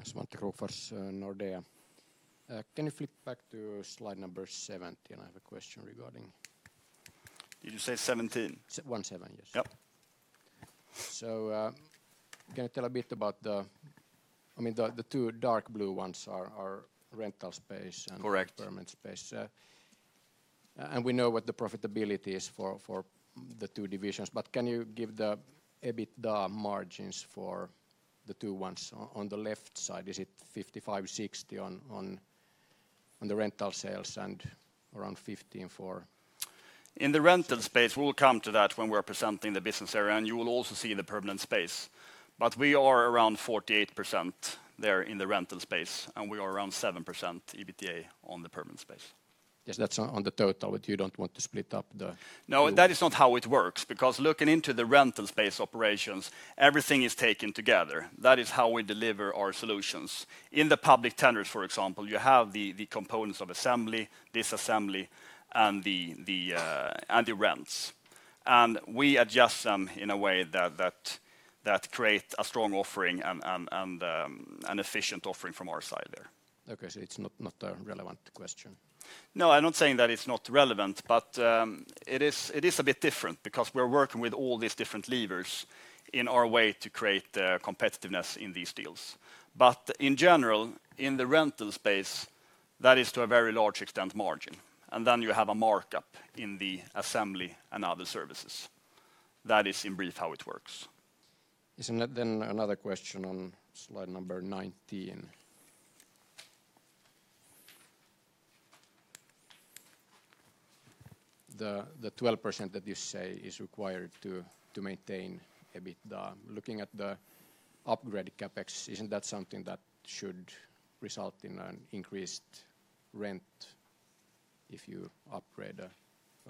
That's Matti Krooks, Nordea. Can you flip back to slide number 17? I have a question regarding
Did you say 17?
17, yes.
Yep.
Can you tell a bit about the two dark blue ones are rental space.
Correct
permanent space. We know what the profitability is for the two divisions. Can you give the EBITDA margins for the two ones on the left side? Is it 55%, 60% on the rental sales and around 15%?
In the rental space, we will come to that when we're presenting the business area, and you will also see the permanent space. We are around 48% there in the rental space, and we are around 7% EBITDA on the permanent space.
Yes. That's on the total. You don't want to split up the two.
No, that is not how it works, because looking into the rental space operations, everything is taken together. That is how we deliver our solutions. In the public tenders, for example, you have the components of assembly, disassembly, and the rents. We adjust them in a way that create a strong offering and an efficient offering from our side there.
Okay. It's not a relevant question.
No, I'm not saying that it's not relevant, but it is a bit different because we're working with all these different levers in our way to create competitiveness in these deals. In general, in the rental space, that is to a very large extent margin. You have a markup in the assembly and other services. That is, in brief, how it works.
Isn't that then another question on slide number 19. The 12% that you say is required to maintain EBITDA. Looking at the upgrade CapEx, isn't that something that should result in an increased rent if you upgrade a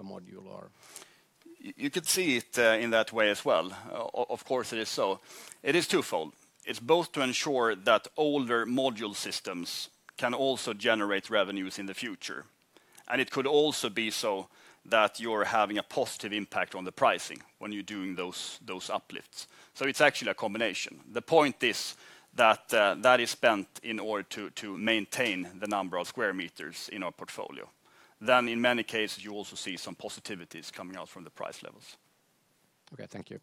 module or
You could see it in that way as well. Of course, it is so. It is twofold. It's both to ensure that older module systems can also generate revenues in the future. It could also be so that you're having a positive impact on the pricing when you're doing those uplifts. It's actually a combination. The point is that is spent in order to maintain the number of square meters in our portfolio. In many cases, you also see some positivities coming out from the price levels.
Okay. Thank you.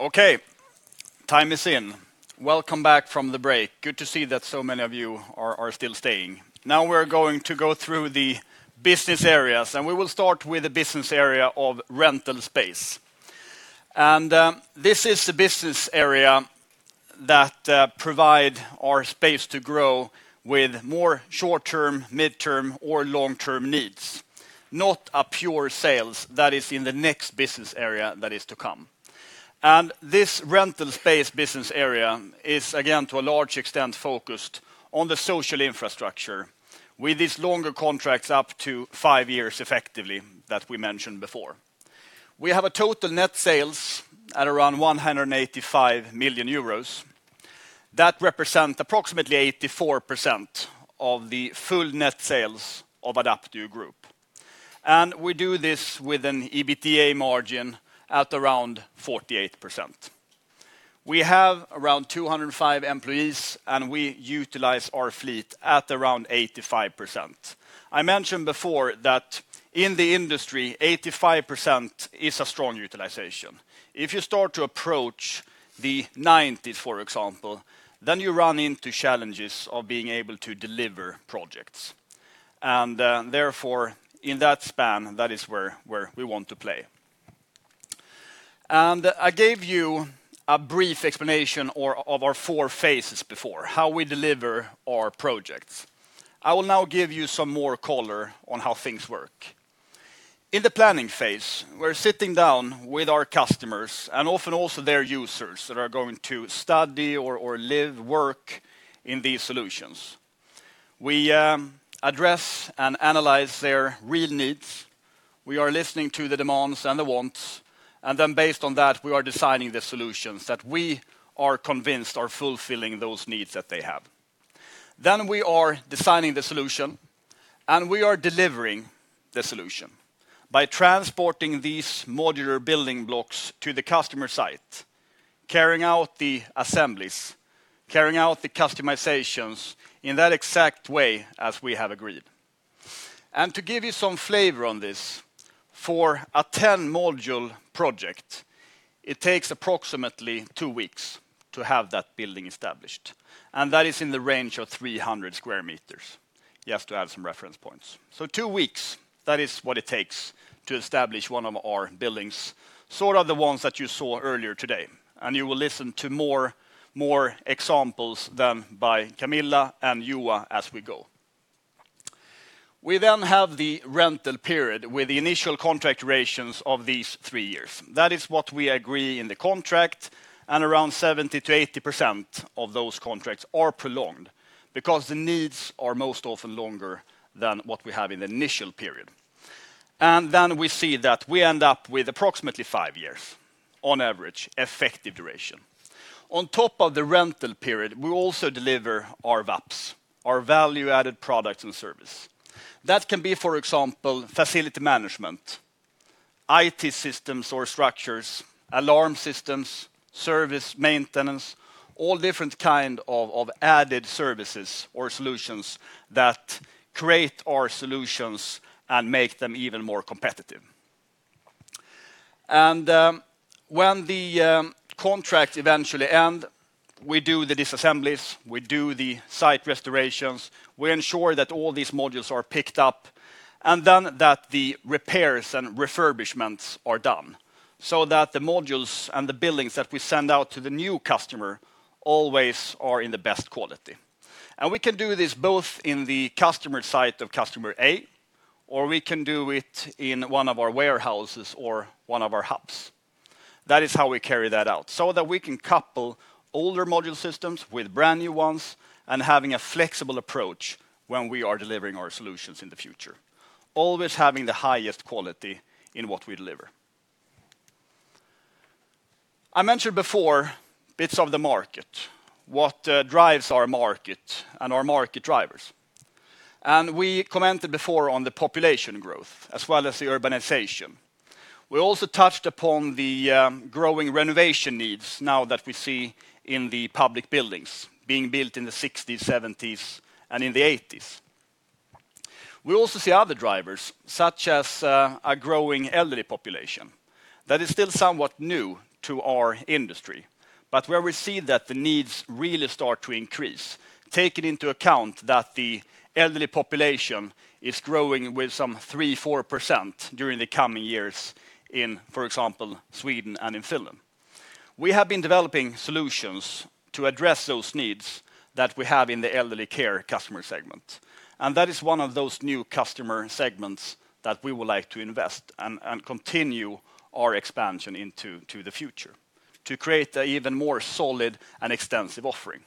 Okay. Time is in. Welcome back from the break. Good to see that so many of you are still staying. Now we're going to go through the business areas. We will start with the business area of rental space. This is the business area that provide our space to grow with more short-term, midterm, or long-term needs, not a pure sales. That is in the next business area that is to come. This rental space business area is, again, to a large extent, focused on the social infrastructure with these longer contracts up to five years effectively that we mentioned before. We have a total net sales at around 185 million euros. That represent approximately 84% of the full net sales of Adapteo Group. We do this with an EBITDA margin at around 48%. We have around 205 employees, and we utilize our fleet at around 85%. I mentioned before that in the industry, 85% is a strong utilization. If you start to approach the 90s, for example, then you run into challenges of being able to deliver projects. Therefore, in that span, that is where we want to play. I gave you a brief explanation of our four phases before, how we deliver our projects. I will now give you some more color on how things work. In the planning phase, we're sitting down with our customers and often also their users that are going to study or live, work in these solutions. We address and analyze their real needs. We are listening to the demands and the wants. Then based on that, we are designing the solutions that we are convinced are fulfilling those needs that they have. We are designing the solution. We are delivering the solution by transporting these modular building blocks to the customer site, carrying out the assemblies, carrying out the customizations in that exact way as we have agreed. To give you some flavor on this, for a 10-module project, it takes approximately two weeks to have that building established, and that is in the range of 300 sq m. Just to add some reference points. Two weeks, that is what it takes to establish one of our buildings, sort of the ones that you saw earlier today. You will listen to more examples then by Camilla and Juha as we go. We have the rental period with the initial contract durations of these three years. That is what we agree in the contract, and around 70%-80% of those contracts are prolonged because the needs are most often longer than what we have in the initial period. We see that we end up with approximately five years on average effective duration. On top of the rental period, we also deliver our VAPS, our value-added product and service. That can be, for example, facility management, IT systems or structures, alarm systems, service maintenance, all different kind of added services or solutions that create our solutions and make them even more competitive. When the contract eventually end, we do the disassemblies, we do the site restorations. We ensure that all these modules are picked up, and then that the repairs and refurbishments are done, so that the modules and the buildings that we send out to the new customer always are in the best quality. We can do this both in the customer site of customer A, or we can do it in one of our warehouses or one of our hubs. That is how we carry that out, so that we can couple older module systems with brand-new ones and having a flexible approach when we are delivering our solutions in the future. Always having the highest quality in what we deliver. I mentioned before bits of the market, what drives our market and our market drivers. We commented before on the population growth as well as the urbanization. We also touched upon the growing renovation needs now that we see in the public buildings being built in the '60s, '70s and in the '80s. We also see other drivers, such as a growing elderly population. That is still somewhat new to our industry. Where we see that the needs really start to increase, taking into account that the elderly population is growing with some 3%-4% during the coming years in, for example, Sweden and in Finland. We have been developing solutions to address those needs that we have in the elderly care customer segment. That is one of those new customer segments that we would like to invest and continue our expansion into the future to create an even more solid and extensive offering.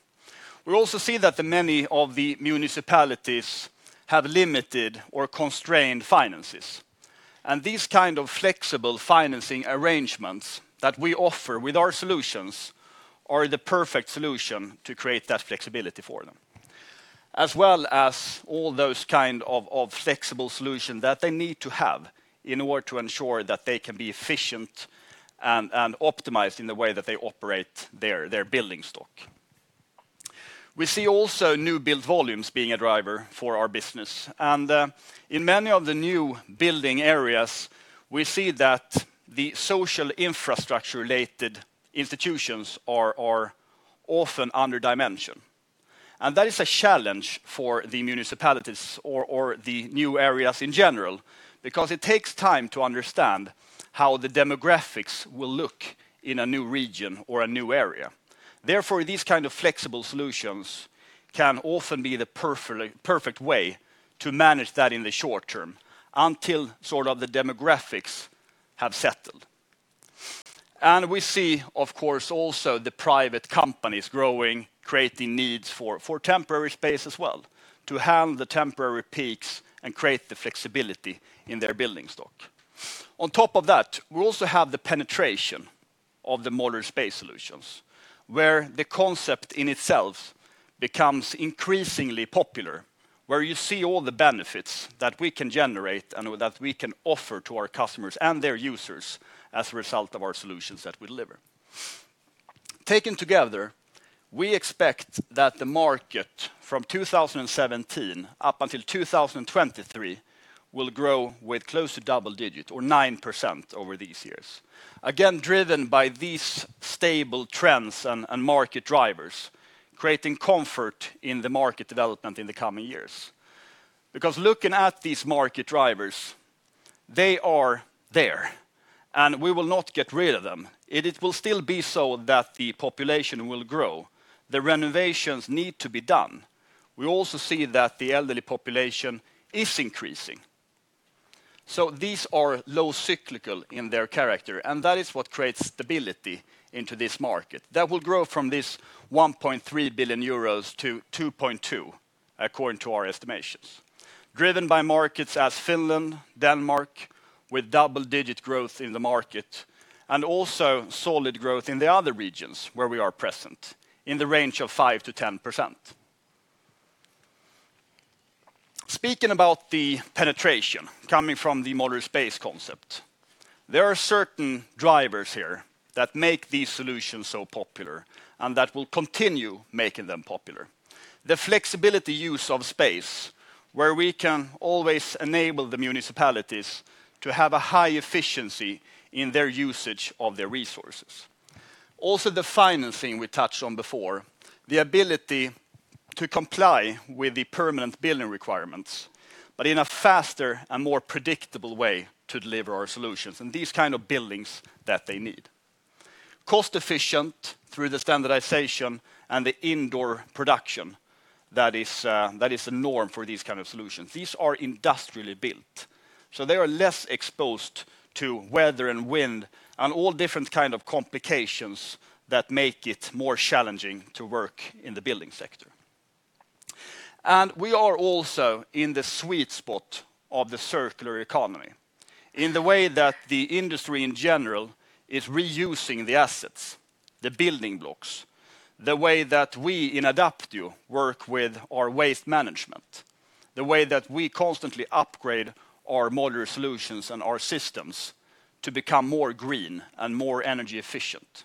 We also see that many of the municipalities have limited or constrained finances, and these kind of flexible financing arrangements that we offer with our solutions are the perfect solution to create that flexibility for them. As well as all those kind of flexible solution that they need to have in order to ensure that they can be efficient and optimized in the way that they operate their building stock. We see also new build volumes being a driver for our business. In many of the new building areas, we see that the social infrastructure-related institutions are often under dimension. That is a challenge for the municipalities or the new areas in general because it takes time to understand how the demographics will look in a new region or a new area. Therefore, these kind of flexible solutions can often be the perfect way to manage that in the short term until the demographics have settled. We see, of course, also the private companies growing, creating needs for temporary space as well, to handle the temporary peaks and create the flexibility in their building stock. On top of that, we also have the penetration of the modular space solutions, where the concept in itself becomes increasingly popular, where you see all the benefits that we can generate and that we can offer to our customers and their users as a result of our solutions that we deliver. Taken together, we expect that the market from 2017 up until 2023 will grow with close to double digit or 9% over these years. Again, driven by these stable trends and market drivers, creating comfort in the market development in the coming years. Looking at these market drivers, they are there. We will not get rid of them. It will still be so that the population will grow. The renovations need to be done. We also see that the elderly population is increasing. These are low cyclical in their character, and that is what creates stability into this market. That will grow from this 1.3 billion-2.2 billion euros according to our estimations. Driven by markets as Finland, Denmark, with double-digit growth in the market, and also solid growth in the other regions where we are present, in the range of 5%-10%. Speaking about the penetration coming from the modular space concept, there are certain drivers here that make these solutions so popular and that will continue making them popular. The flexibility use of space, where we can always enable the municipalities to have a high efficiency in their usage of their resources. Also, the financing we touched on before, the ability to comply with the permanent building requirements, but in a faster and more predictable way to deliver our solutions and these kind of buildings that they need. Cost-efficient through the standardization and the indoor production that is the norm for these kind of solutions. These are industrially built, so they are less exposed to weather and wind and all different kind of complications that make it more challenging to work in the building sector. We are also in the sweet spot of the circular economy in the way that the industry in general is reusing the assets, the building blocks. The way that we in Adapteo work with our waste management, the way that we constantly upgrade our modular solutions and our systems to become more green and more energy efficient.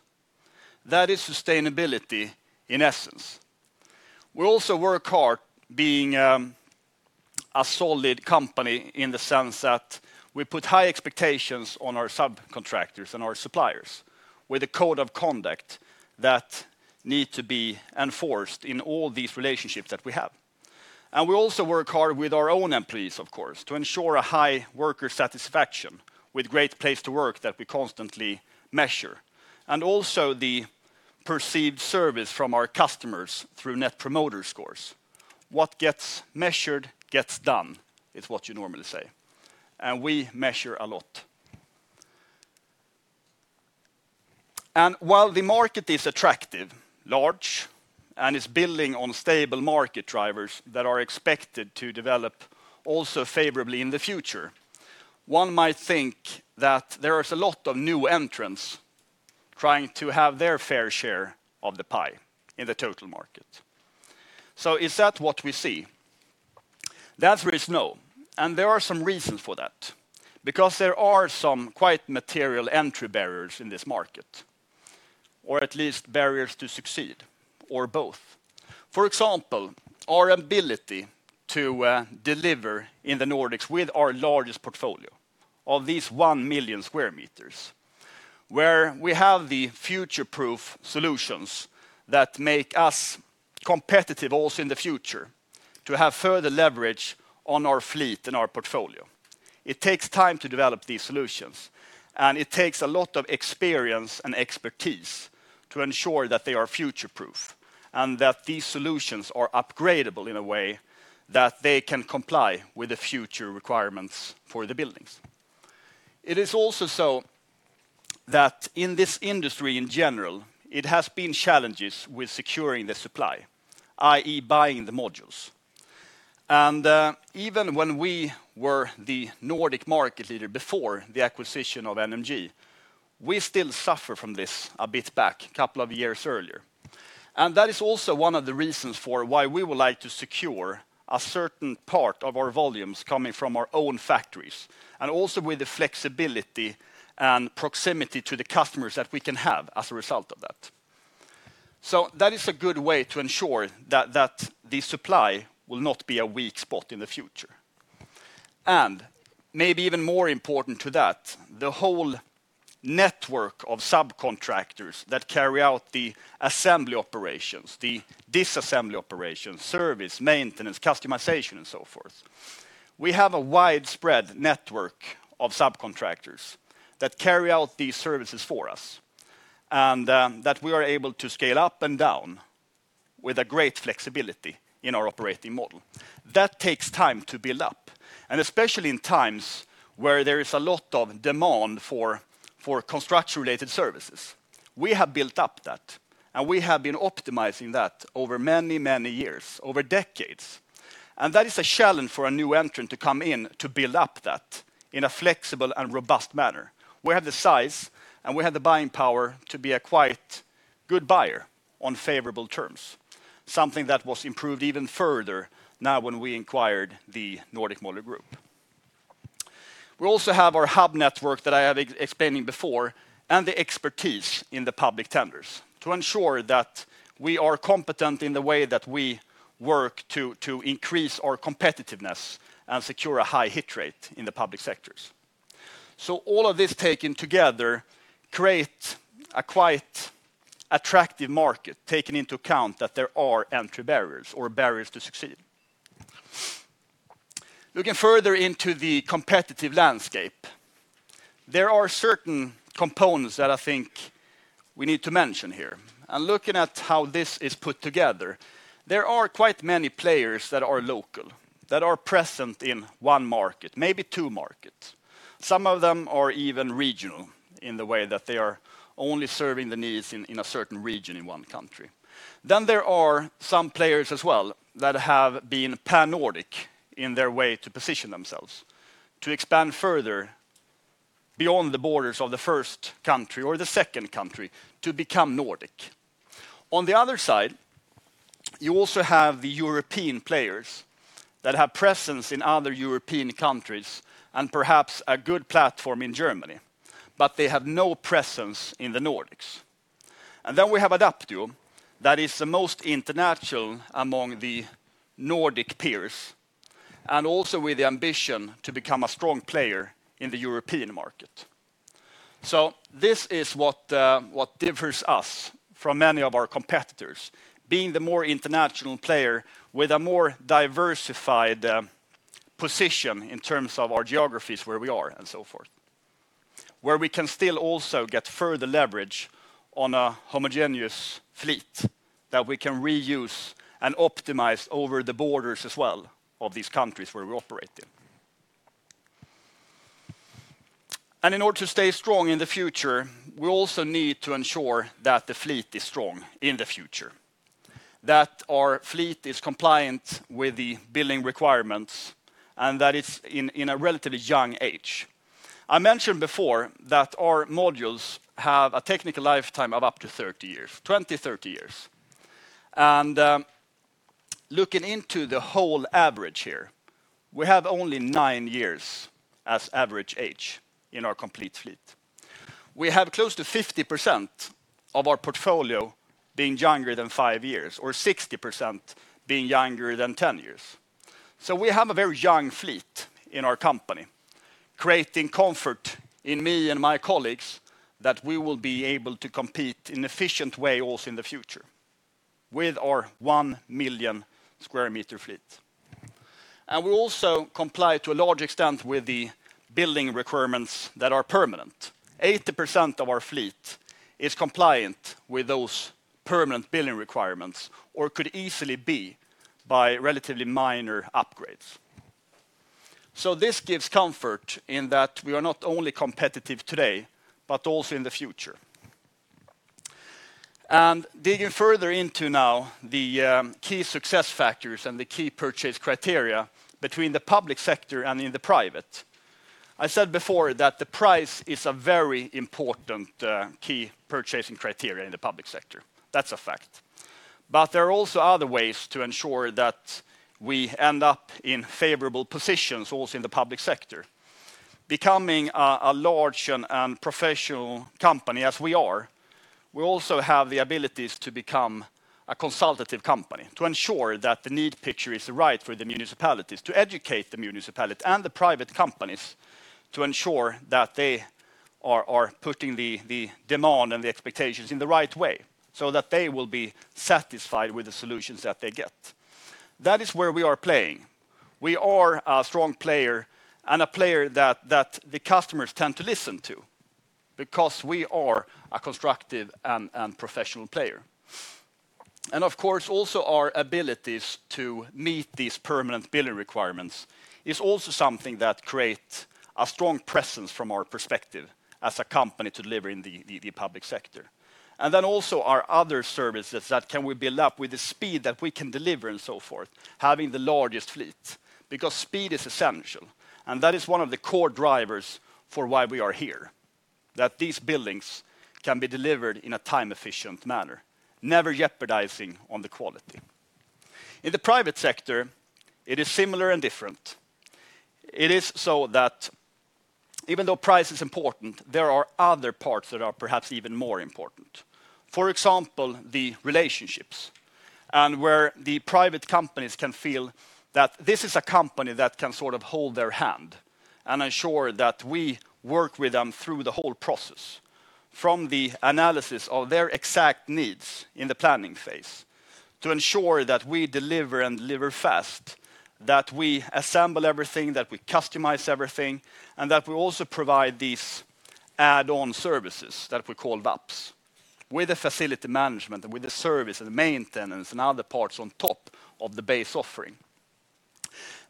That is sustainability in essence. We also work hard being a solid company in the sense that we put high expectations on our subcontractors and our suppliers with a code of conduct that need to be enforced in all these relationships that we have. We also work hard with our own employees, of course, to ensure a high worker satisfaction with great place to work that we constantly measure. Also the perceived service from our customers through Net Promoter Scores. What gets measured gets done, is what you normally say. We measure a lot. While the market is attractive, large, and is building on stable market drivers that are expected to develop also favorably in the future, one might think that there is a lot of new entrants trying to have their fair share of the pie in the total market. Is that what we see? The answer is no. There are some reasons for that, because there are some quite material entry barriers in this market, or at least barriers to succeed, or both. For example, our ability to deliver in the Nordics with our largest portfolio of these 1 million square meters, where we have the future-proof solutions that make us competitive also in the future to have further leverage on our fleet and our portfolio. It takes time to develop these solutions, and it takes a lot of experience and expertise to ensure that they are future-proof and that these solutions are upgradable in a way that they can comply with the future requirements for the buildings. It is also so that in this industry in general, it has been challenges with securing the supply, i.e., buying the modules. Even when we were the Nordic market leader before the acquisition of NMG, we still suffer from this a bit back, couple of years earlier. That is also one of the reasons for why we would like to secure a certain part of our volumes coming from our own factories, and also with the flexibility and proximity to the customers that we can have as a result of that. That is a good way to ensure that the supply will not be a weak spot in the future. Maybe even more important to that, the whole network of subcontractors that carry out the assembly operations, the disassembly operations, service, maintenance, customization, and so forth. We have a widespread network of subcontractors that carry out these services for us, and that we are able to scale up and down with a great flexibility in our operating model. That takes time to build up, and especially in times where there is a lot of demand for construction-related services. We have built up that, and we have been optimizing that over many, many years, over decades. That is a challenge for a new entrant to come in to build up that in a flexible and robust manner. We have the size and we have the buying power to be a quite good buyer on favorable terms. Something that was improved even further now when we acquired the Nordic Modular Group. We also have our hub network that I have explaining before, and the expertise in the public tenders to ensure that we are competent in the way that we work to increase our competitiveness and secure a high hit rate in the public sectors. All of this taken together create a quite attractive market, taking into account that there are entry barriers or barriers to succeed. Looking further into the competitive landscape, there are certain components that I think we need to mention here. Looking at how this is put together, there are quite many players that are local, that are present in one market, maybe two markets. Some of them are even regional in the way that they are only serving the needs in a certain region in one country. There are some players as well that have been pan-Nordic in their way to position themselves, to expand further beyond the borders of the first country or the second country to become Nordic. On the other side, you also have the European players that have presence in other European countries and perhaps a good platform in Germany, but they have no presence in the Nordics. We have Adapteo, that is the most international among the Nordic peers, and also with the ambition to become a strong player in the European market. This is what differs us from many of our competitors, being the more international player with a more diversified position in terms of our geographies, where we are, and so forth, where we can still also get further leverage on a homogeneous fleet that we can reuse and optimize over the borders as well of these countries where we operate in. In order to stay strong in the future, we also need to ensure that the fleet is strong in the future, that our fleet is compliant with the building requirements, and that it's in a relatively young age. I mentioned before that our modules have a technical lifetime of up to 30 years, 20, 30 years. Looking into the whole average here, we have only nine years as average age in our complete fleet. We have close to 50% of our portfolio being younger than five years, or 60% being younger than 10 years. We have a very young fleet in our company, creating comfort in me and my colleagues that we will be able to compete in efficient way also in the future with our 1 million square meter fleet. We also comply to a large extent with the building requirements that are permanent. 80% of our fleet is compliant with those permanent building requirements, or could easily be by relatively minor upgrades. This gives comfort in that we are not only competitive today, but also in the future. Digging further into now the key success factors and the key purchase criteria between the public sector and in the private. I said before that the price is a very important key purchasing criteria in the public sector. That's a fact. There are also other ways to ensure that we end up in favorable positions also in the public sector. Becoming a large and professional company as we are, we also have the abilities to become a consultative company to ensure that the need picture is right for the municipalities, to educate the municipalities and the private companies to ensure that they are putting the demand and the expectations in the right way so that they will be satisfied with the solutions that they get. That is where we are playing. We are a strong player and a player that the customers tend to listen to because we are a constructive and professional player. Of course, also our abilities to meet these permanent building requirements is also something that create a strong presence from our perspective as a company delivering the public sector. Also our other services that can we build up with the speed that we can deliver and so forth, having the largest fleet, because speed is essential, and that is one of the core drivers for why we are here. These buildings can be delivered in a time-efficient manner, never jeopardizing on the quality. In the private sector, it is similar and different. It is so that even though price is important, there are other parts that are perhaps even more important. For example, the relationships and where the private companies can feel that this is a company that can sort of hold their hand and ensure that we work with them through the whole process, from the analysis of their exact needs in the planning phase to ensure that we deliver and deliver fast, that we assemble everything, that we customize everything, and that we also provide these add-on services that we call VAPS, with the facility management and with the service and maintenance and other parts on top of the base offering.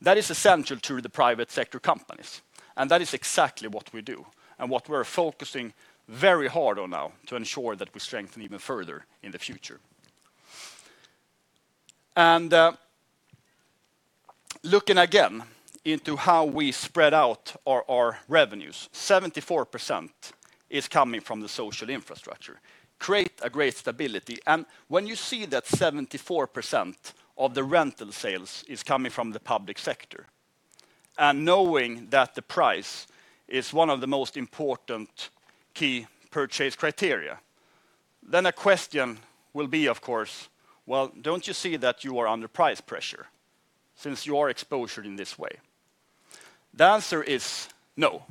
That is essential to the private sector companies, and that is exactly what we do and what we're focusing very hard on now to ensure that we strengthen even further in the future. Looking again into how we spread out our revenues, 74% is coming from the social infrastructure, create a great stability. When you see that 74% of the rental sales is coming from the public sector, and knowing that the price is one of the most important key purchase criteria, a question will be, of course, "Well, don't you see that you are under price pressure since you are exposed in this way?" The answer is no.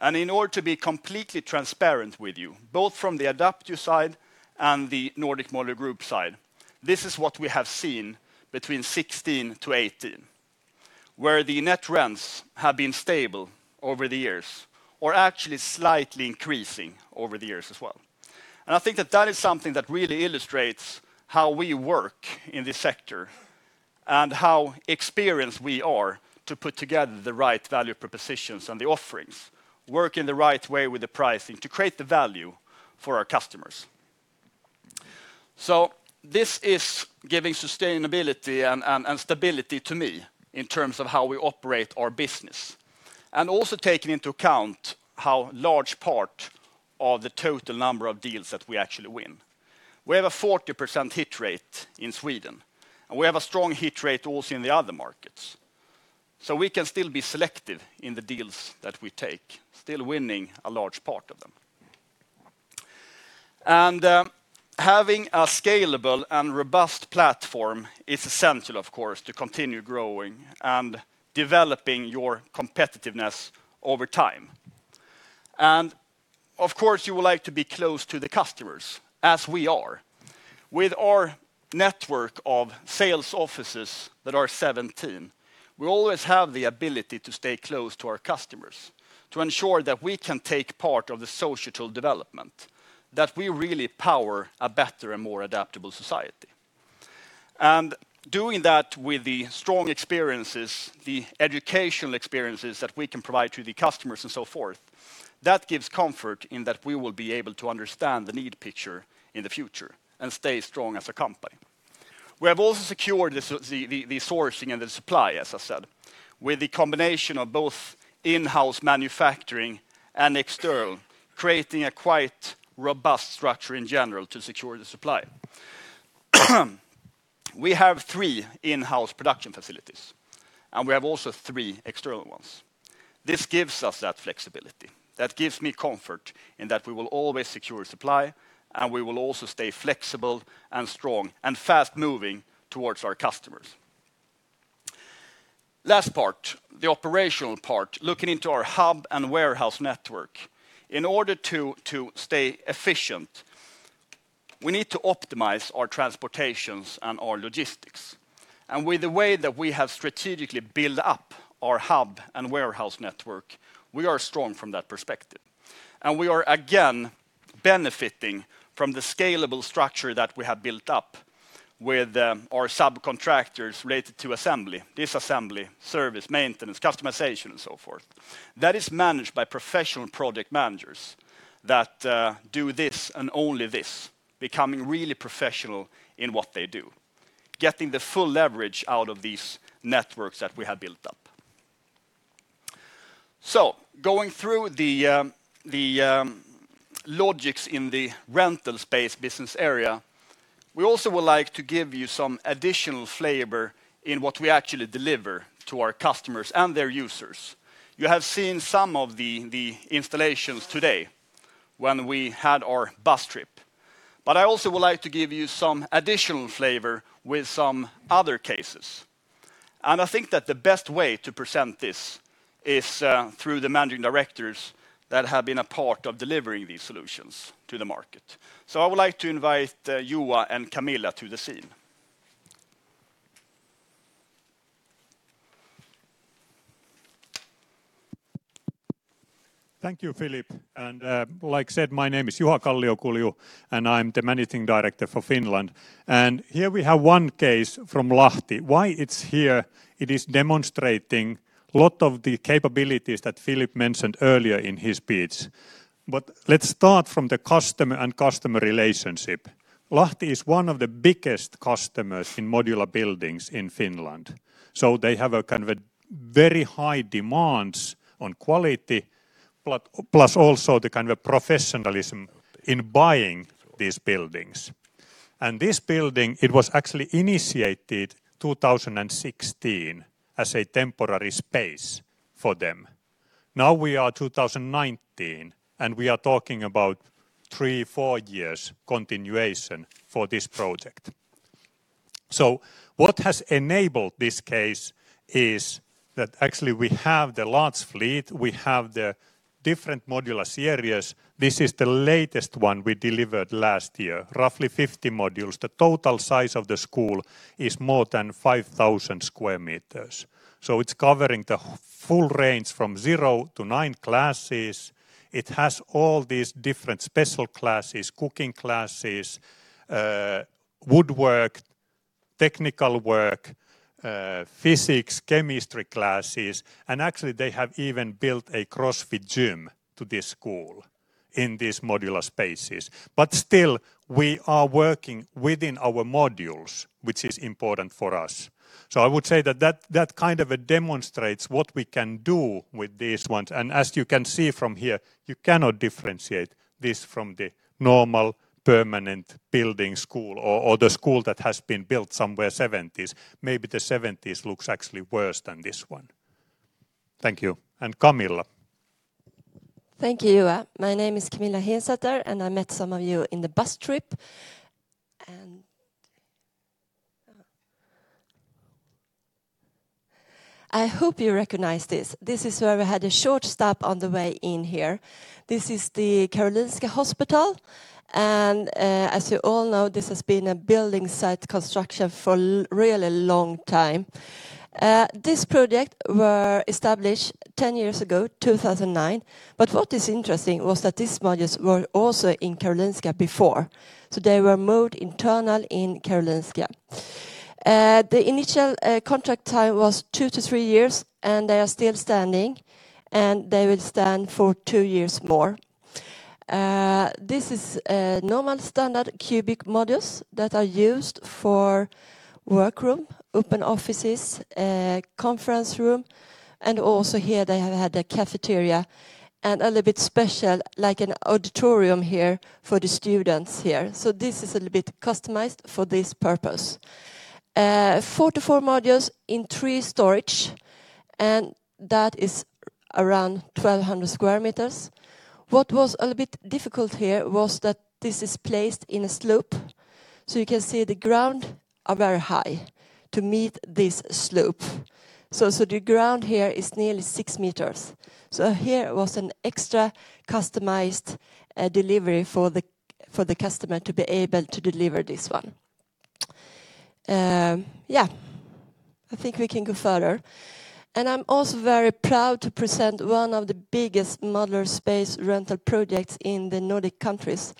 In order to be completely transparent with you, both from the Adapteo side and the Nordic Modular Group side, this is what we have seen between 2016-2018, where the net rents have been stable over the years or actually slightly increasing over the years as well. I think that is something that really illustrates how we work in this sector and how experienced we are to put together the right value propositions and the offerings, work in the right way with the pricing to create the value for our customers. This is giving sustainability and stability to me in terms of how we operate our business, and also taking into account how large part of the total number of deals that we actually win. We have a 40% hit rate in Sweden, and we have a strong hit rate also in the other markets. We can still be selective in the deals that we take, still winning a large part of them. Having a scalable and robust platform is essential, of course, to continue growing and developing your competitiveness over time. Of course, you would like to be close to the customers as we are. With our network of sales offices that are 17, we always have the ability to stay close to our customers to ensure that we can take part of the societal development, that we really power a better and more adaptable society. Doing that with the strong experiences, the educational experiences that we can provide to the customers and so forth, that gives comfort in that we will be able to understand the need picture in the future and stay strong as a company. We have also secured the sourcing and the supply, as I said, with the combination of both in-house manufacturing and external, creating a quite robust structure in general to secure the supply. We have three in-house production facilities, and we have also three external ones. This gives us that flexibility. That gives me comfort in that we will always secure supply, and we will also stay flexible and strong and fast-moving towards our customers. Last part, the operational part, looking into our hub and warehouse network. In order to stay efficient, we need to optimize our transportations and our logistics. With the way that we have strategically built up our hub and warehouse network, we are strong from that perspective. We are again benefiting from the scalable structure that we have built up with our subcontractors related to assembly, disassembly, service, maintenance, customization, and so forth. That is managed by professional project managers that do this and only this, becoming really professional in what they do, getting the full leverage out of these networks that we have built up. Going through the logics in the rental space business area, we also would like to give you some additional flavor in what we actually deliver to our customers and their users. You have seen some of the installations today when we had our bus trip. I also would like to give you some additional flavor with some other cases. I think that the best way to present this is through the Managing Directors that have been a part of delivering these solutions to the market. I would like to invite Juha and Camilla to the scene.
Thank you, Philip. Like said, my name is Juha Kalliokulju, and I'm the Managing Director for Finland. Here we have one case from Lahti. Why it's here? It is demonstrating lot of the capabilities that Philip mentioned earlier in his pitch. Let's start from the customer and customer relationship. Lahti is one of the biggest customers in modular buildings in Finland, so they have a very high demands on quality, plus also the kind of professionalism in buying these buildings. This building, it was actually initiated 2016 as a temporary space for them. Now we are 2019, and we are talking about three, four years continuation for this project. What has enabled this case is that actually we have the large fleet, we have the different modular series. This is the latest one we delivered last year, roughly 50 modules. The total size of the school is more than 5,000 sq m. It's covering the full range from 0 to 9 classes. It has all these different special classes, cooking classes, woodwork, technical work, physics, chemistry classes, and actually, they have even built a CrossFit gym to this school in these modular spaces. Still, we are working within our modules, which is important for us. I would say that kind of demonstrates what we can do with these ones. As you can see from here, you cannot differentiate this from the normal permanent building school or the school that has been built somewhere 1970s. Maybe the 1970s looks actually worse than this one. Thank you. And Camilla.
Thank you, Juha. My name is Camilla Hensäter. I met some of you in the bus trip. I hope you recognize this. This is where we had a short stop on the way in here. This is the Karolinska University Hospital, and as you all know, this has been a building site construction for a really long time. This project was established 10 years ago, 2009. What is interesting was that these modules were also in Karolinska before. They were moved internal in Karolinska. The initial contract time was two to three years, and they are still standing, and they will stand for two years more. This is normal standard cubic modules that are used for workroom, open offices, conference room, and also here they have had a cafeteria and a little bit special, like an auditorium here for the students here. This is a little bit customized for this purpose. 44 modules in three stories, and that is around 1,200 sq m. What was a little bit difficult here was that this is placed in a slope, so you can see the ground is very high to meet this slope. The ground here is nearly 6 meters. Here was an extra customized delivery for the customer to be able to deliver this one. I think we can go further. I'm also very proud to present one of the biggest modular space rental projects in the Nordic countries.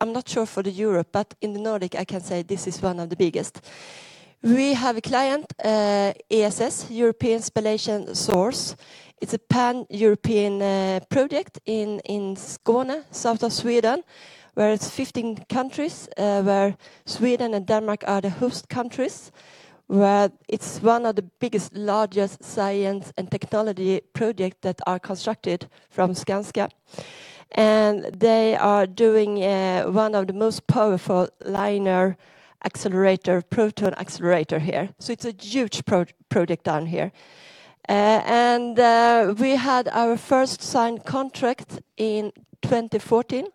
I'm not sure for Europe, but in the Nordic, I can say this is one of the biggest. We have a client, ESS, European Spallation Source. It's a pan-European project in Skåne, south of Sweden, where it's 15 countries, where Sweden and Denmark are the host countries, where it's one of the biggest, largest science and technology projects that are constructed from Skanska. They are doing one of the most powerful linear accelerator, proton accelerator here. It's a huge project down here. We had our first signed contract in 2014,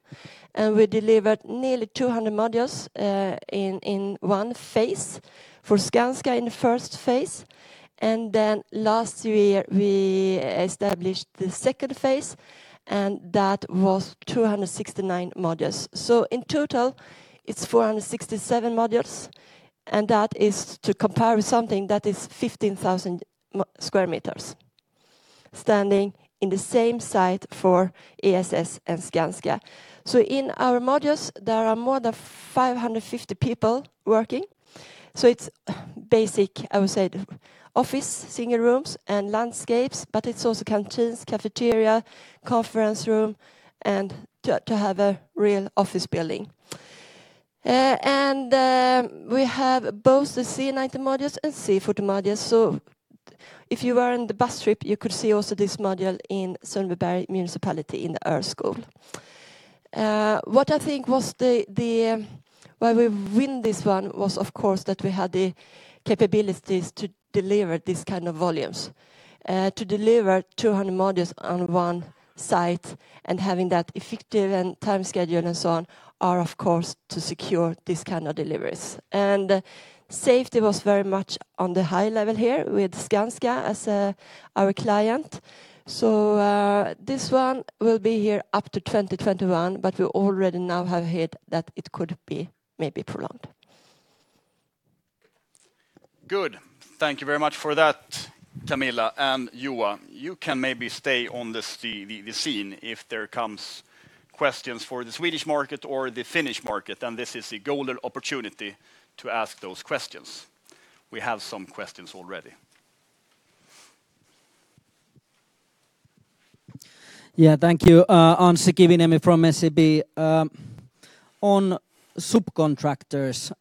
and we delivered nearly 200 modules in one phase for Skanska in the first phase. Last year, we established the second phase, and that was 269 modules. In total, it's 467 modules, and that is to compare with something that is 15,000 sq m standing in the same site for ESS and Skanska. In our modules, there are more than 550 people working. It's basic, I would say, office, single rooms, and landscapes, but it's also canteens, cafeteria, conference room, and to have a real office building. We have both the C90 modules and C40 modules. If you were on the bus trip, you could see also this module in Sundbyberg Municipality in the Örskolan. What I think why we win this one was, of course, that we had the capabilities to deliver this kind of volumes, to deliver 200 modules on one site and having that effective and time schedule and so on are, of course, to secure this kind of deliveries. Safety was very much on the high level here with Skanska as our client. This one will be here up to 2021, but we already now have heard that it could be maybe prolonged.
Good. Thank you very much for that, Camilla. Juha, you can maybe stay on the scene if there comes questions for the Swedish market or the Finnish market, then this is a golden opportunity to ask those questions. We have some questions already.
Yeah. Thank you. Anssi Kiviniemi from SEB. On subcontractors,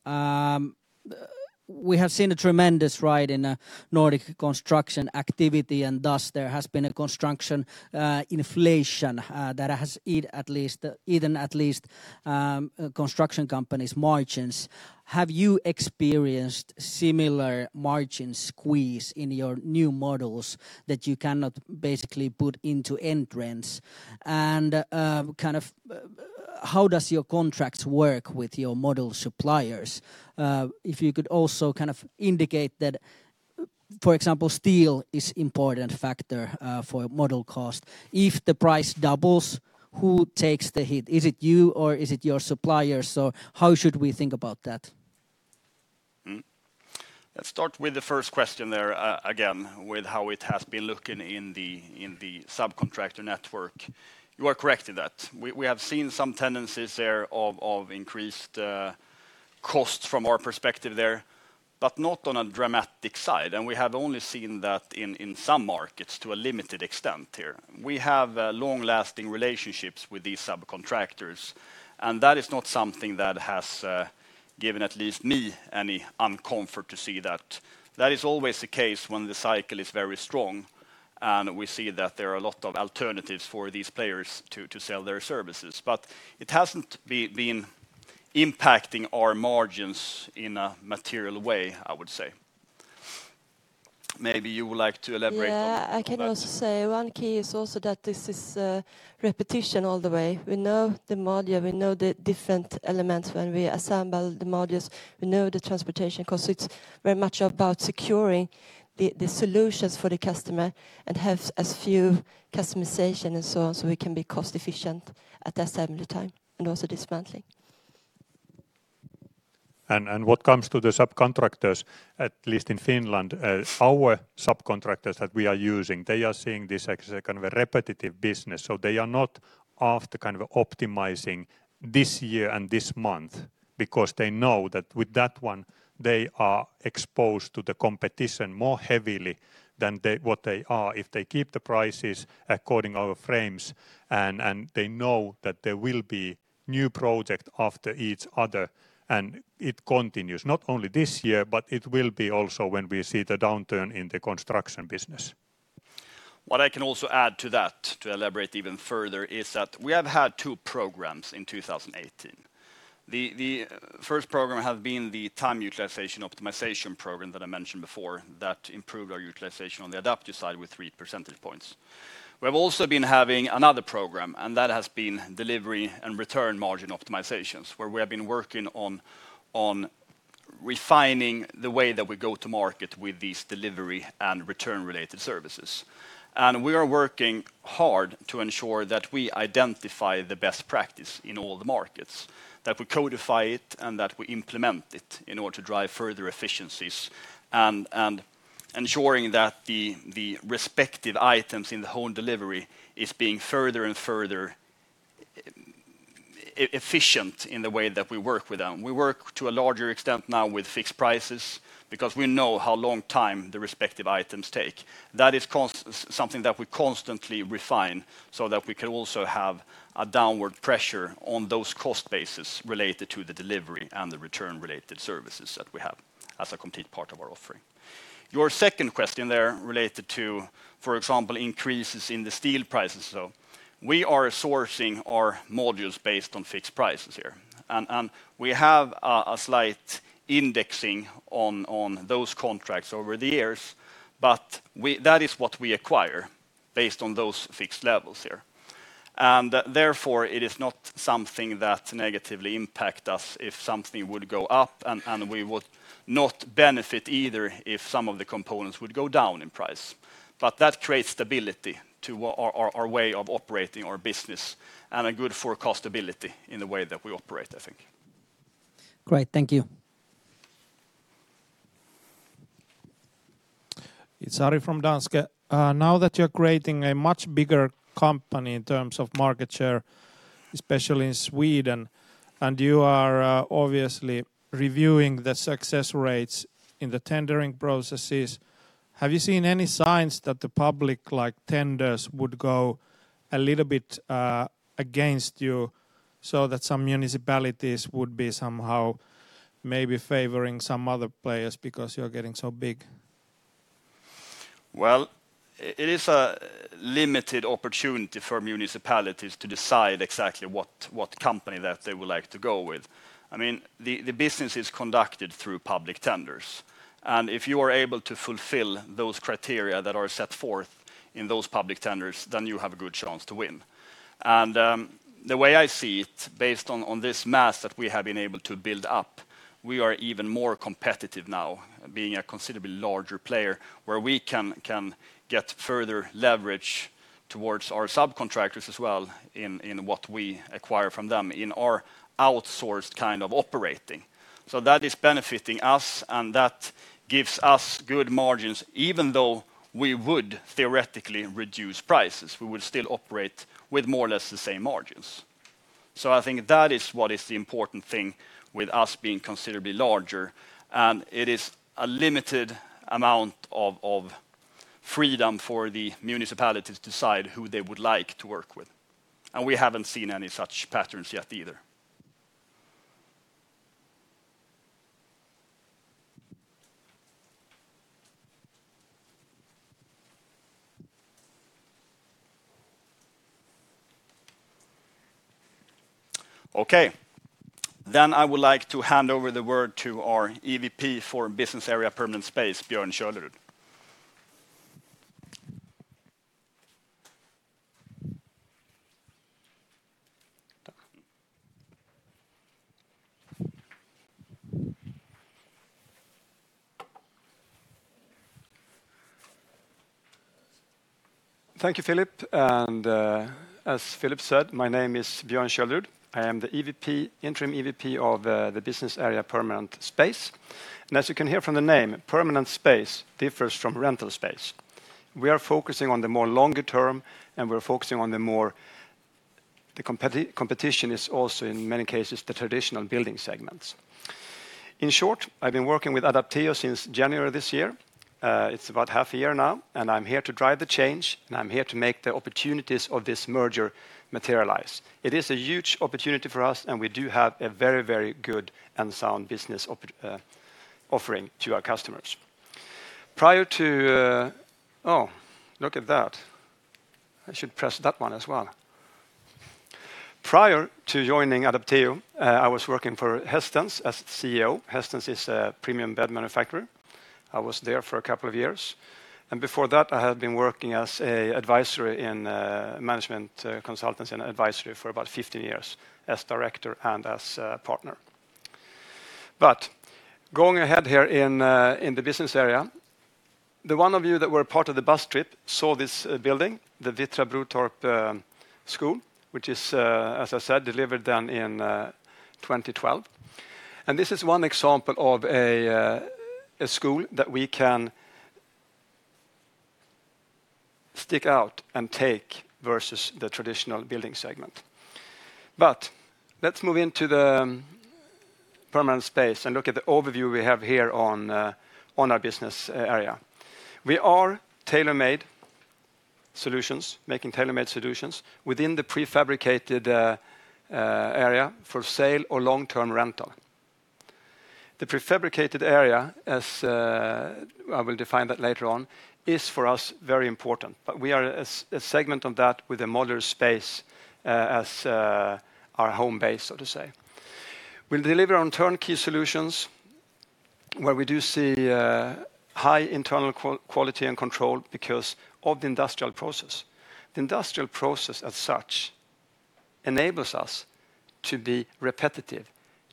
we have seen a tremendous ride in Nordic construction activity, and thus there has been a construction inflation, that has eaten at least construction companies' margins. Have you experienced similar margin squeeze in your new models that you cannot basically put into end rents? How does your contracts work with your module suppliers? If you could also indicate that, for example, steel is important factor for module cost. If the price doubles, who takes the hit? Is it you or is it your suppliers, or how should we think about that?
Let's start with the first question there, again, with how it has been looking in the subcontractor network. You are correct in that. We have seen some tendencies there of increased costs from our perspective there, but not on a dramatic side. We have only seen that in some markets to a limited extent here. We have long-lasting relationships with these subcontractors, and that is not something that has given at least me any uncomfort to see that. That is always the case when the cycle is very strong and we see that there are a lot of alternatives for these players to sell their services. It hasn't been impacting our margins in a material way, I would say.
Maybe you would like to elaborate on that.
Yeah, I can also say one key is also that this is repetition all the way. We know the module, we know the different elements. When we assemble the modules, we know the transportation, because it is very much about securing the solutions for the customer and have as few customizations and so on, so we can be cost efficient at assembly time, and also dismantling.
What comes to the subcontractors, at least in Finland, our subcontractors that we are using, they are seeing this as a kind of a repetitive business. They are not after optimizing this year and this month, because they know that with that one, they are exposed to the competition more heavily than what they are if they keep the prices according our frames and they know that there will be new projects after each other, and it continues, not only this year, but it will be also when we see the downturn in the construction business.
What I can also add to that, to elaborate even further, is that we have had two programs in 2018. The first program has been the time utilization optimization program that I mentioned before that improved our utilization on the Adapteo side with three percentage points. We have also been having another program, and that has been delivery and return margin optimizations, where we have been working on refining the way that we go to market with these delivery and return-related services. We are working hard to ensure that we identify the best practices in all the markets, that we codify it, and that we implement it in order to drive further efficiencies, and ensuring that the respective items in the home delivery is being further and further efficient in the way that we work with them. We work to a larger extent now with fixed prices because we know how long time the respective items take. That is something that we constantly refine so that we can also have a downward pressure on those cost bases related to the delivery and the return-related services that we have as a complete part of our offering. Your second question there related to, for example, increases in the steel prices. We are sourcing our modules based on fixed prices here. We have a slight indexing on those contracts over the years, but that is what we acquire based on those fixed levels here. Therefore, it is not something that negatively impact us if something would go up, and we would not benefit either if some of the components would go down in price. That creates stability to our way of operating our business, and a good forecast ability in the way that we operate, I think.
Great. Thank you.
It's Ari from Danske Bank. Now that you're creating a much bigger company in terms of market share, especially in Sweden, and you are obviously reviewing the success rates in the tendering processes, have you seen any signs that the public tenders would go a little bit against you, so that some municipalities would be somehow maybe favoring some other players because you're getting so big?
Well, it is a limited opportunity for municipalities to decide exactly what company that they would like to go with. The business is conducted through public tenders, and if you are able to fulfill those criteria that are set forth in those public tenders, then you have a good chance to win. The way I see it, based on this mass that we have been able to build up, we are even more competitive now, being a considerably larger player, where we can get further leverage towards our subcontractors as well in what we acquire from them in our outsourced kind of operating. That is benefiting us, and that gives us good margins. Even though we would theoretically reduce prices, we would still operate with more or less the same margins. I think that is what is the important thing with us being considerably larger, and it is a limited amount of freedom for the municipalities to decide who they would like to work with. We haven't seen any such patterns yet either. Okay. I would like to hand over the word to our EVP for business area Permanent Space, Björn Kölerud.
Thank you, Philip, and, as Philip said, my name is Björn Kölerud. I am the interim EVP of the business area Permanent Space. As you can hear from the name, Permanent Space differs from rental space. We are focusing on the more longer term, the competition is also, in many cases, the traditional building segments. In short, I've been working with Adapteo since January this year. It's about half a year now, and I'm here to drive the change, and I'm here to make the opportunities of this merger materialize. It is a huge opportunity for us, and we do have a very good and sound business offering to our customers. Prior to joining Adapteo, I was working for Hästens as CEO. Hästens is a premium bed manufacturer. I was there for a couple of years, and before that, I had been working as an advisory in management consultancy and advisory for about 15 years as director and as partner. Going ahead here in the business area, the one of you that were part of the bus trip saw this building, the Vittra Kronhusparken School, which is, as I said, delivered down in 2012. This is one example of a school that we can stick out and take versus the traditional building segment. Let's move into the permanent space and look at the overview we have here on our business area. We are tailor-made solutions, making tailor-made solutions within the prefabricated area for sale or long-term rental. The prefabricated area, as I will define that later on, is for us, very important. We are a segment on that with a modular space as our home base, so to say. We will deliver on turnkey solutions where we do see high internal quality and control because of the industrial process. The industrial process as such enables us to be repetitive,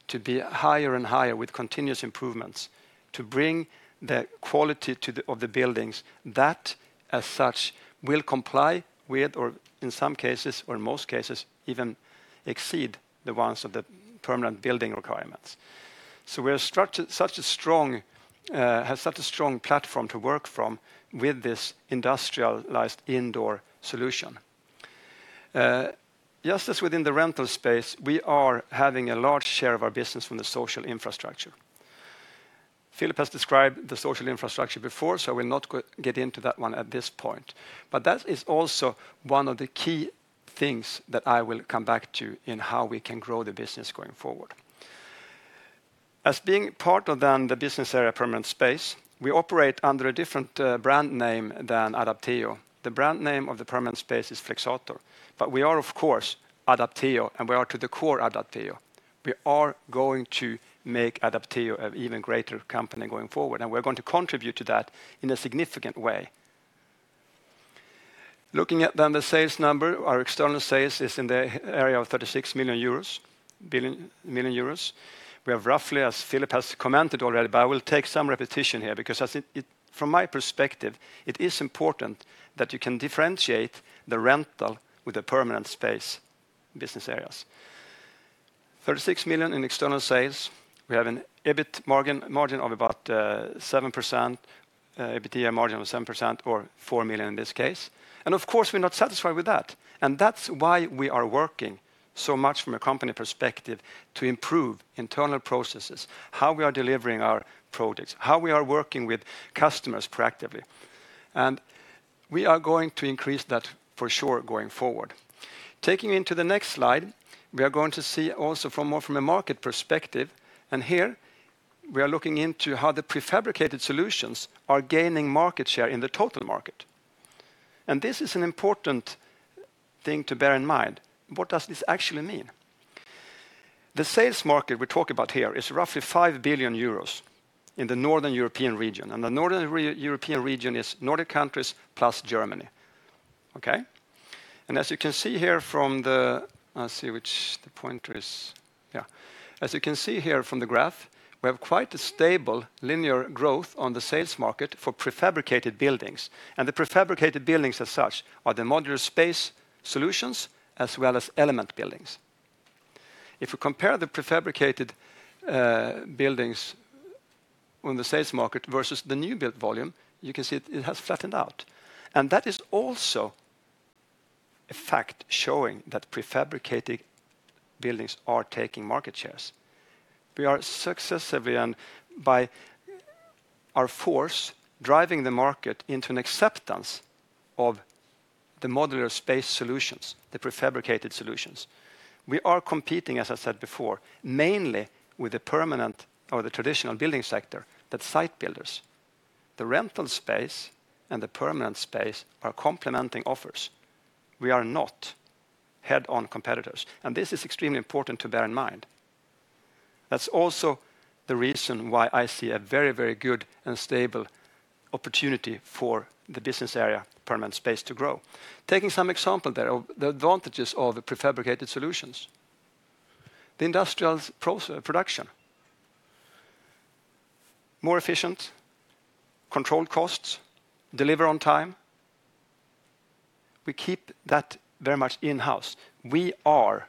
to be higher and higher with continuous improvements, to bring the quality of the buildings that as such, will comply with or in some cases or in most cases even exceed the ones of the permanent building requirements. We have such a strong platform to work from with this industrialized indoor solution. Just as within the rental space, we are having a large share of our business from the social infrastructure. Philip has described the social infrastructure before, so I will not get into that one at this point. That is also one of the key things that I will come back to in how we can grow the business going forward. As being part of the business area permanent space, we operate under a different brand name than Adapteo. The brand name of the permanent space is Flexator. We are, of course, Adapteo, and we are to the core Adapteo. We are going to make Adapteo an even greater company going forward, and we are going to contribute to that in a significant way. Looking at the sales number, our external sales is in the area of 36 million euros. We have roughly, as Philip has commented already, but I will take some repetition here because from my perspective, it is important that you can differentiate the rental with the permanent space business areas. 36 million in external sales. We have an EBIT margin of about 7%, EBITDA margin of 7% or 4 million in this case. Of course, we are not satisfied with that. That's why we are working so much from a company perspective to improve internal processes, how we are delivering our products, how we are working with customers proactively. We are going to increase that for sure going forward. Taking into the next slide, we are going to see also from a market perspective, here we are looking into how the prefabricated solutions are gaining market share in the total market. This is an important thing to bear in mind. What does this actually mean? The sales market we talk about here is roughly 5 billion euros in the Northern European region. The Northern European region is Nordic countries plus Germany. Okay? As you can see here from the Let's see which the pointer is. As you can see here from the graph, we have quite a stable linear growth on the sales market for prefabricated buildings. The prefabricated buildings as such are the modular space solutions as well as element buildings. If you compare the prefabricated buildings on the sales market versus the new build volume, you can see it has flattened out. That is also a fact showing that prefabricated buildings are taking market shares. We are successively and by our force, driving the market into an acceptance of the modular space solutions, the prefabricated solutions. We are competing, as I said before, mainly with the permanent or the traditional building sector, the site builders. The rental space and the permanent space are complementing offers. We are not head-on competitors. This is extremely important to bear in mind. That's also the reason why I see a very, very good and stable opportunity for the business area Permanent Space to grow. Taking some example there of the advantages of the prefabricated solutions. The industrial production. More efficient, controlled costs, deliver on time. We keep that very much in-house. We are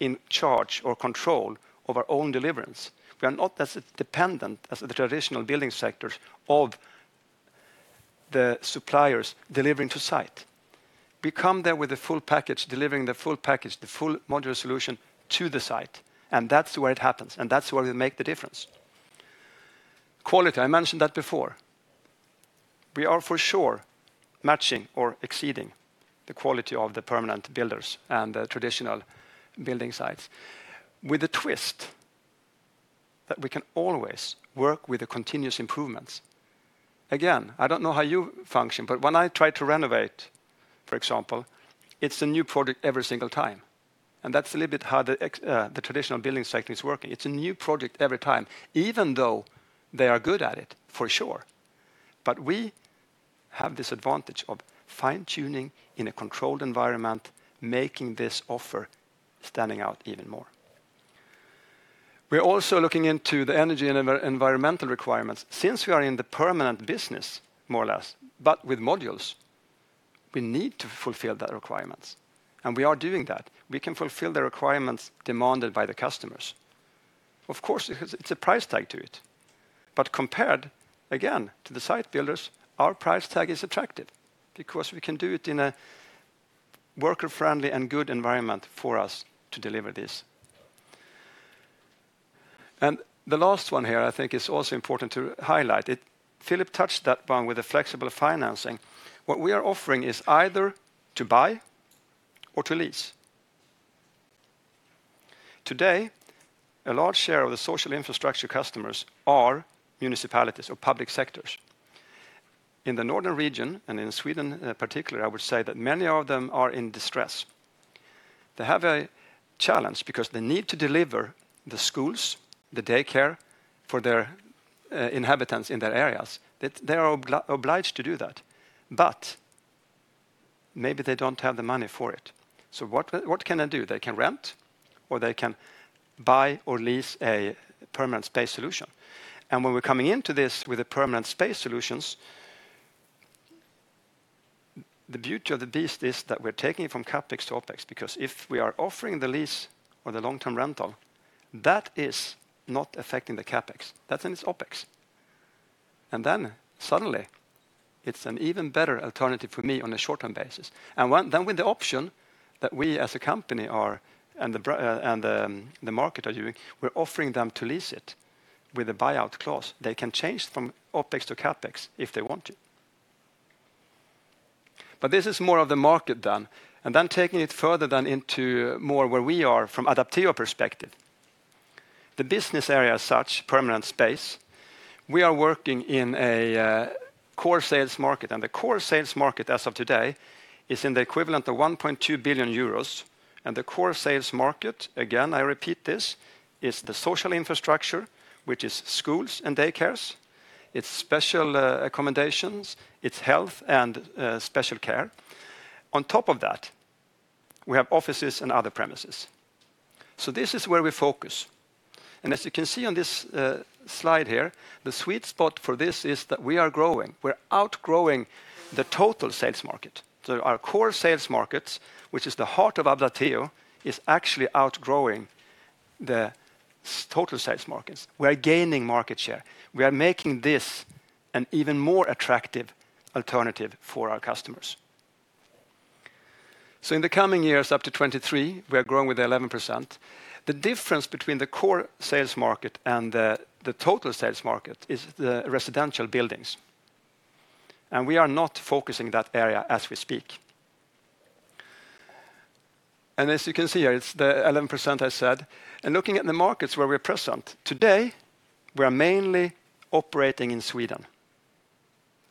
in charge or control of our own deliverance. We are not as dependent as the traditional building sectors of the suppliers delivering to site. We come there with the full package, delivering the full package, the full modular solution to the site. That's where it happens, and that's where we make the difference. Quality, I mentioned that before. We are for sure matching or exceeding the quality of the permanent builders and the traditional building sites with a twist that we can always work with the continuous improvements. I don't know how you function, but when I try to renovate, for example, it's a new project every single time. That's a little bit how the traditional building sector is working. It's a new project every time, even though they are good at it, for sure. We have this advantage of fine-tuning in a controlled environment, making this offer standing out even more. We're also looking into the energy and environmental requirements. Since we are in the permanent business, more or less, but with modules, we need to fulfill the requirements. We are doing that. We can fulfill the requirements demanded by the customers. Of course, it's a price tag to it. Compared, again, to the site builders, our price tag is attractive because we can do it in a worker-friendly and good environment for us to deliver this. The last one here I think is also important to highlight. Philip touched that one with the flexible financing. What we are offering is either to buy or to lease. Today, a large share of the social infrastructure customers are municipalities or public sectors. In the northern region and in Sweden particularly, I would say that many of them are in distress. They have a challenge because they need to deliver the schools, the daycare for their inhabitants in their areas. They are obliged to do that. Maybe they don't have the money for it. What can they do? They can rent, or they can buy or lease a Permanent Space solution. When we're coming into this with the Permanent Space solutions, the beauty of the beast is that we're taking it from CapEx to OpEx, because if we are offering the lease or the long-term rental, that is not affecting the CapEx. That's in its OpEx. Suddenly it's an even better alternative for me on a short-term basis. With the option that we as a company are, and the market are doing, we're offering them to lease it with a buyout clause. They can change from OpEx to CapEx if they want to. This is more of the market then. Taking it further then into more where we are from Adapteo perspective. The business area as such, Permanent Space, we are working in a core sales market, and the core sales market as of today is in the equivalent of 1.2 billion euros. The core sales market, again, I repeat this, is the social infrastructure, which is schools and daycares. It's special accommodations. It's health and special care. On top of that, we have offices and other premises. This is where we focus. As you can see on this slide here, the sweet spot for this is that we are growing. We're outgrowing the total sales market. Our core sales markets, which is the heart of Adapteo, is actually outgrowing the total sales markets. We are gaining market share. We are making this an even more attractive alternative for our customers. In the coming years up to 2023, we are growing with 11%. The difference between the core sales market and the total sales market is the residential buildings. We are not focusing that area as we speak. As you can see here, it's the 11% I said. Looking at the markets where we're present, today, we're mainly operating in Sweden.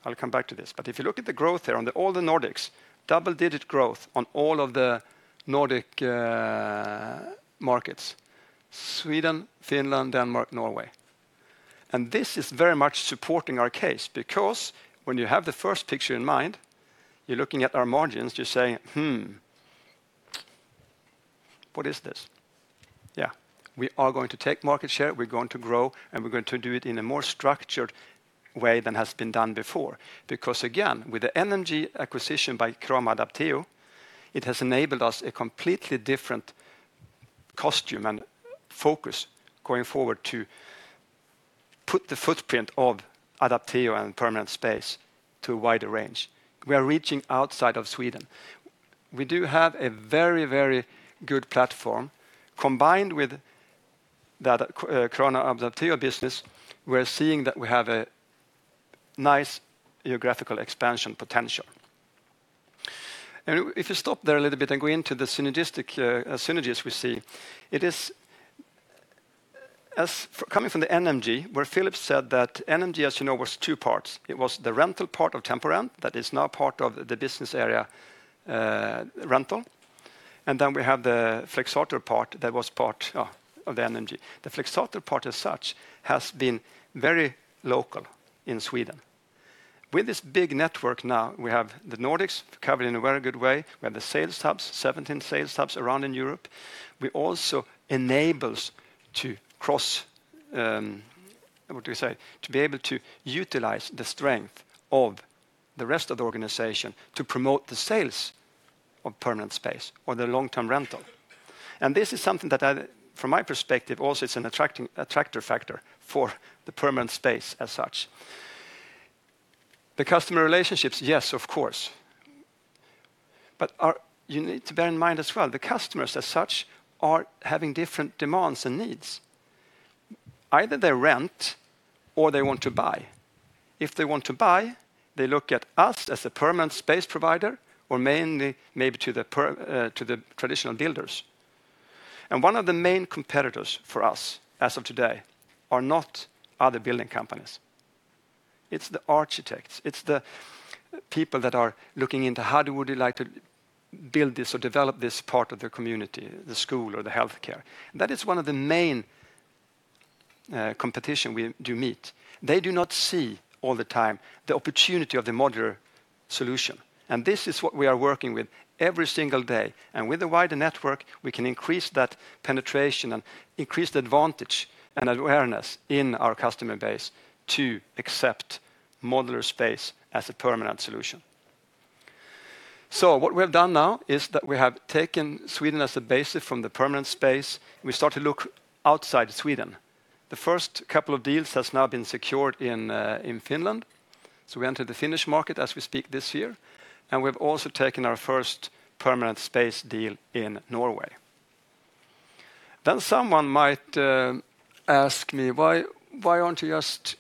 I'll come back to this. If you look at the growth there on all the Nordics, double-digit growth on all of the Nordic markets, Sweden, Finland, Denmark, Norway. This is very much supporting our case because when you have the first picture in mind, you're looking at our margins, you're saying, "Hmm, what is this?" Yeah. We are going to take market share, we're going to grow, and we're going to do it in a more structured way than has been done before. Because again, with the NMG acquisition by Cramo Adapteo, it has enabled us a completely different scope and focus going forward to put the footprint of Adapteo and permanent space to a wider range. We are reaching outside of Sweden. We do have a very, very good platform. Combined with that Cramo Adapteo business, we're seeing that we have a nice geographical expansion potential. If you stop there a little bit and go into the synergies we see, coming from the NMG, where Philip said that NMG, as you know, was two parts. It was the rental part of Temporent that is now part of the business area, rental. Then we have the Flexator part that was part of the NMG. The Flexator part as such has been very local in Sweden. With this big network now, we have the Nordics covered in a very good way. We have the sales hubs, 17 sales hubs around in Europe. We also enables to what do we say? To be able to utilize the strength of the rest of the organization to promote the sales of permanent space or the long-term rental. This is something that from my perspective also, it's an attractor factor for the permanent space as such. The customer relationships, yes, of course. You need to bear in mind as well, the customers as such are having different demands and needs. Either they rent or they want to buy. If they want to buy, they look at us as a permanent space provider, or mainly maybe to the traditional builders. One of the main competitors for us as of today are not other building companies. It's the architects. It's the people that are looking into how they would like to build this or develop this part of their community, the school or the healthcare. That is one of the main competition we do meet. They do not see all the time the opportunity of the modular solution. This is what we are working with every single day. With the wider network, we can increase that penetration and increase the advantage and awareness in our customer base to accept modular space as a permanent solution. What we have done now is that we have taken Sweden as a basis from the permanent space. We start to look outside Sweden. The first couple of deals has now been secured in Finland. We enter the Finnish market as we speak this year, and we've also taken our first permanent space deal in Norway. Someone might ask me, "Why aren't you just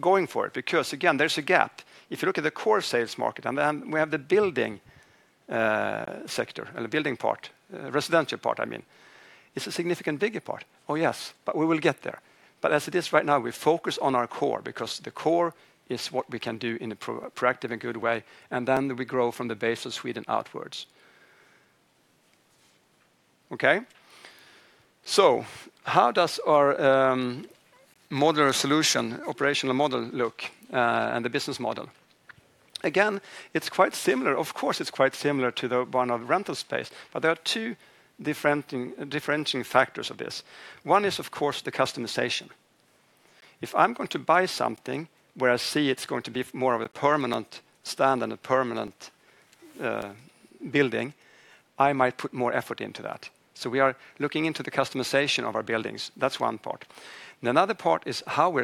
going for it?" Because, again, there's a gap. If you look at the core sales market, then we have the building sector or the building part, residential part, I mean. It's a significant bigger part. Oh, yes, but we will get there. As it is right now, we focus on our core because the core is what we can do in a proactive and good way, then we grow from the base of Sweden outwards. Okay. How does our modular solution operational model look, and the business model? Again, it's quite similar. Of course, it's quite similar to the one of rental space, but there are two differentiating factors of this. One is, of course, the customization. If I'm going to buy something where I see it's going to be more of a permanent stand and a permanent building, I might put more effort into that. We are looking into the customization of our buildings. That's one part. Another part is how we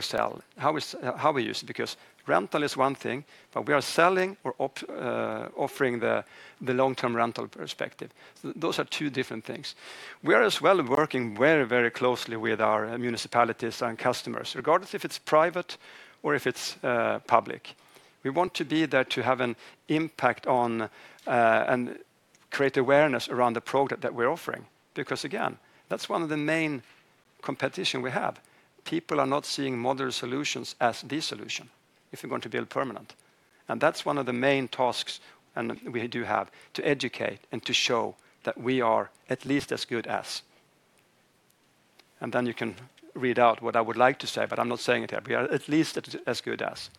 use it, because rental is one thing, but we are selling or offering the long-term rental perspective. Those are two different things. We are as well working very closely with our municipalities and customers, regardless if it's private or if it's public. We want to be there to have an impact on and create awareness around the product that we're offering. Because, again, that's one of the main competition we have. People are not seeing modular solutions as the solution if you're going to build permanent. That's one of the main tasks we do have, to educate and to show that we are at least as good as. You can read out what I would like to say, but I'm not saying it here. We are at least as good as.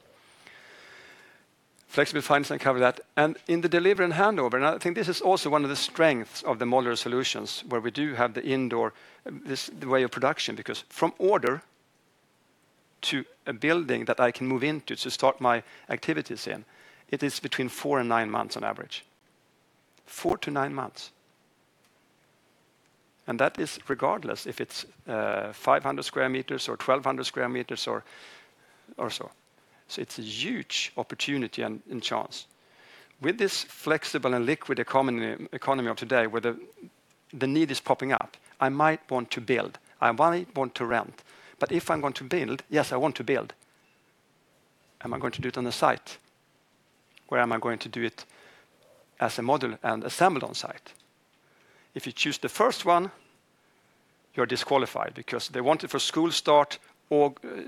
Flexible finance, I covered that. In the delivery and handover, I think this is also one of the strengths of the modular solutions, where we do have the indoor, this way of production, because from order to a building that I can move into to start my activities in, it is between four and nine months on average. Four to nine months. That is regardless if it's 500 square meters or 1,200 square meters or so. It's a huge opportunity and chance. With this flexible and liquid economy of today, where the need is popping up, I might want to build, I might want to rent. If I'm going to build, yes, I want to build. Am I going to do it on the site, or am I going to do it as a module and assemble on site? If you choose the first one, you're disqualified because they want it for school start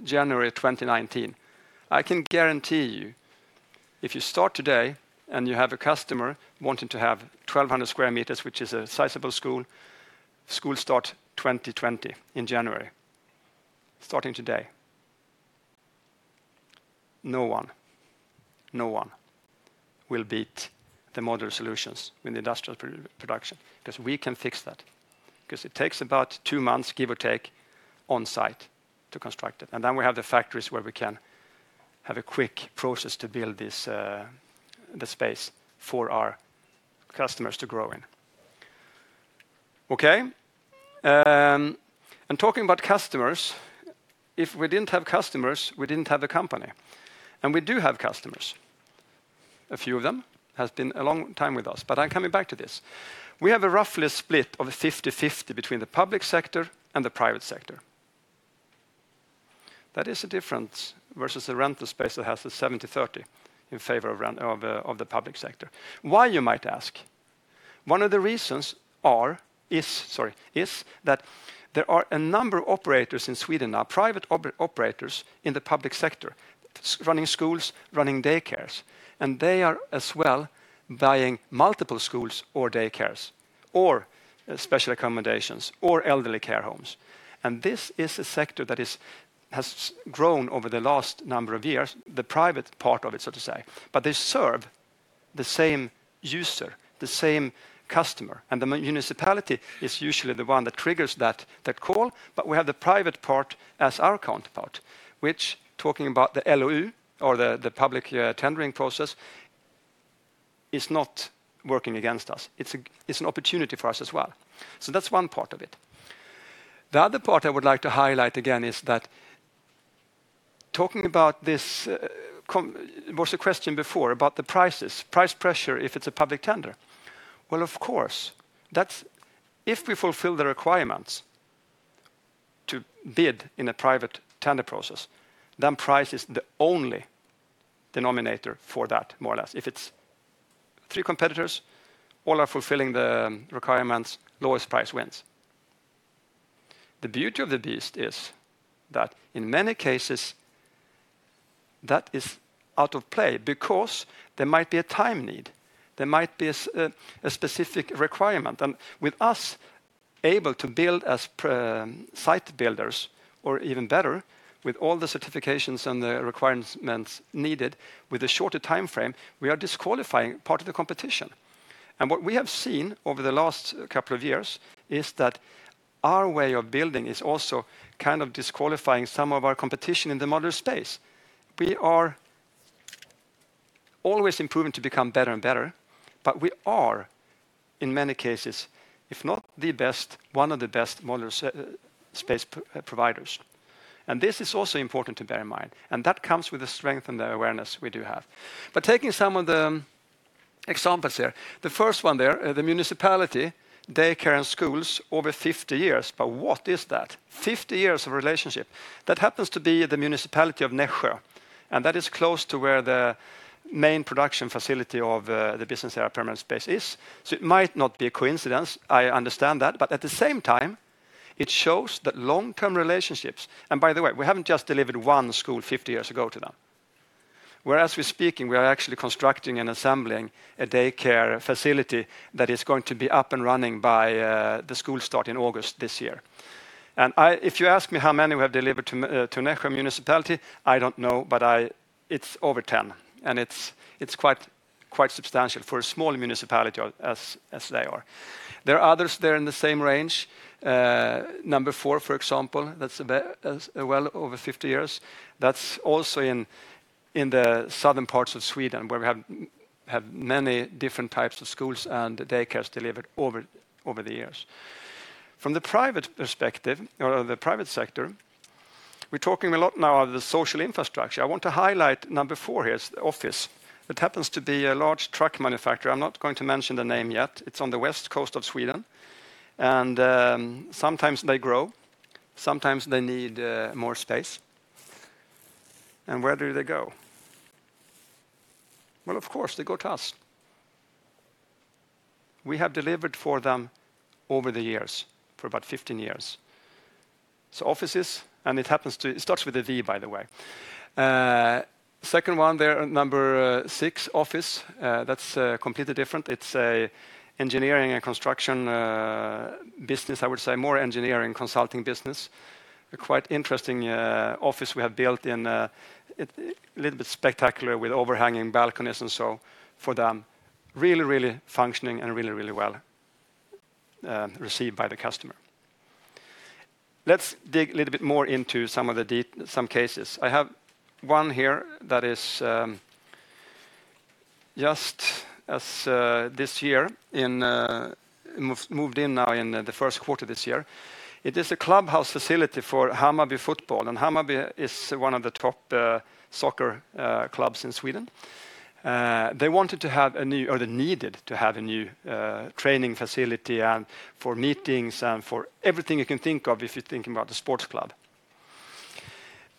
January 2019. I can guarantee you, if you start today and you have a customer wanting to have 1,200 sq m, which is a sizable school start 2020 in January, starting today. No one will beat the modular solutions in the industrial production because we can fix that. Because it takes about two months, give or take, on site to construct it. Then we have the factories where we can have a quick process to build the space for our customers to grow in. Okay. Talking about customers, if we didn't have customers, we didn't have a company. We do have customers. A few of them have been a long time with us. I'm coming back to this. We have a roughly split of 50/50 between the public sector and the private sector. That is a difference versus a rental space that has a 70/30 in favor of the public sector. Why, you might ask? One of the reasons is that there are a number of operators in Sweden now, private operators in the public sector, running schools, running daycares. They are buying multiple schools or daycares or special accommodations or elderly care homes. This is a sector that has grown over the last number of years, the private part of it, so to say. They serve the same user, the same customer. The municipality is usually the one that triggers that call. We have the private part as our counterpart, which, talking about the LOU or the public tendering process, is not working against us. It's an opportunity for us as well. That's one part of it. The other part I would like to highlight, again, is that talking about this, there was a question before about the prices, price pressure if it's a public tender. Well, of course. If we fulfill the requirements to bid in a private tender process, then price is the only denominator for that, more or less. If it's three competitors, all are fulfilling the requirements, lowest price wins. The beauty of the beast is that in many cases, that is out of play because there might be a time need. There might be a specific requirement. With us able to build as site builders, or even better, with all the certifications and the requirements needed with a shorter timeframe, we are disqualifying part of the competition. What we have seen over the last couple of years is that our way of building is also kind of disqualifying some of our competition in the modular space. We are always improving to become better and better. We are, in many cases, if not the best, one of the best modular space providers. This is also important to bear in mind. That comes with the strength and the awareness we do have. Taking some of the examples here. The first one there, the municipality, daycare, and schools, over 50 years. What is that? 50 years of relationship. That happens to be the municipality of Nässjö, and that is close to where the main production facility of the business area Permanent Space is. It might not be a coincidence, I understand that, but at the same time, it shows that long-term relationships. By the way, we haven't just delivered one school 50 years ago to them. As we're speaking, we are actually constructing and assembling a daycare facility that is going to be up and running by the school start in August this year. If you ask me how many we have delivered to Nässjö Municipality, I don't know, but it's over 10, and it's quite substantial for a small municipality as they are. There are others there in the same range. Number 4, for example, that's well over 50 years. That's also in the southern parts of Sweden, where we have had many different types of schools and daycares delivered over the years. From the private perspective or the private sector, we're talking a lot now of the social infrastructure. I want to highlight number 4 here, office. That happens to be a large truck manufacturer. I'm not going to mention the name yet. It's on the west coast of Sweden. Sometimes they grow, sometimes they need more space. Where do they go? Well, of course, they go to us. We have delivered for them over the years, for about 15 years. Offices, and it starts with a V, by the way. Second one there, number 6, office. That's completely different. It's an engineering and construction business, I would say more engineering consulting business. A quite interesting office we have built, a little bit spectacular with overhanging balconies and so for them. Really functioning and really well-received by the customer. Let's dig a little bit more into some cases. I have one here that is just as this year, moved in now in the first quarter this year. It is a clubhouse facility for Hammarby Football. Hammarby is one of the top soccer clubs in Sweden. They wanted to have a new, or they needed to have a new training facility and for meetings and for everything you can think of if you're thinking about a sports club.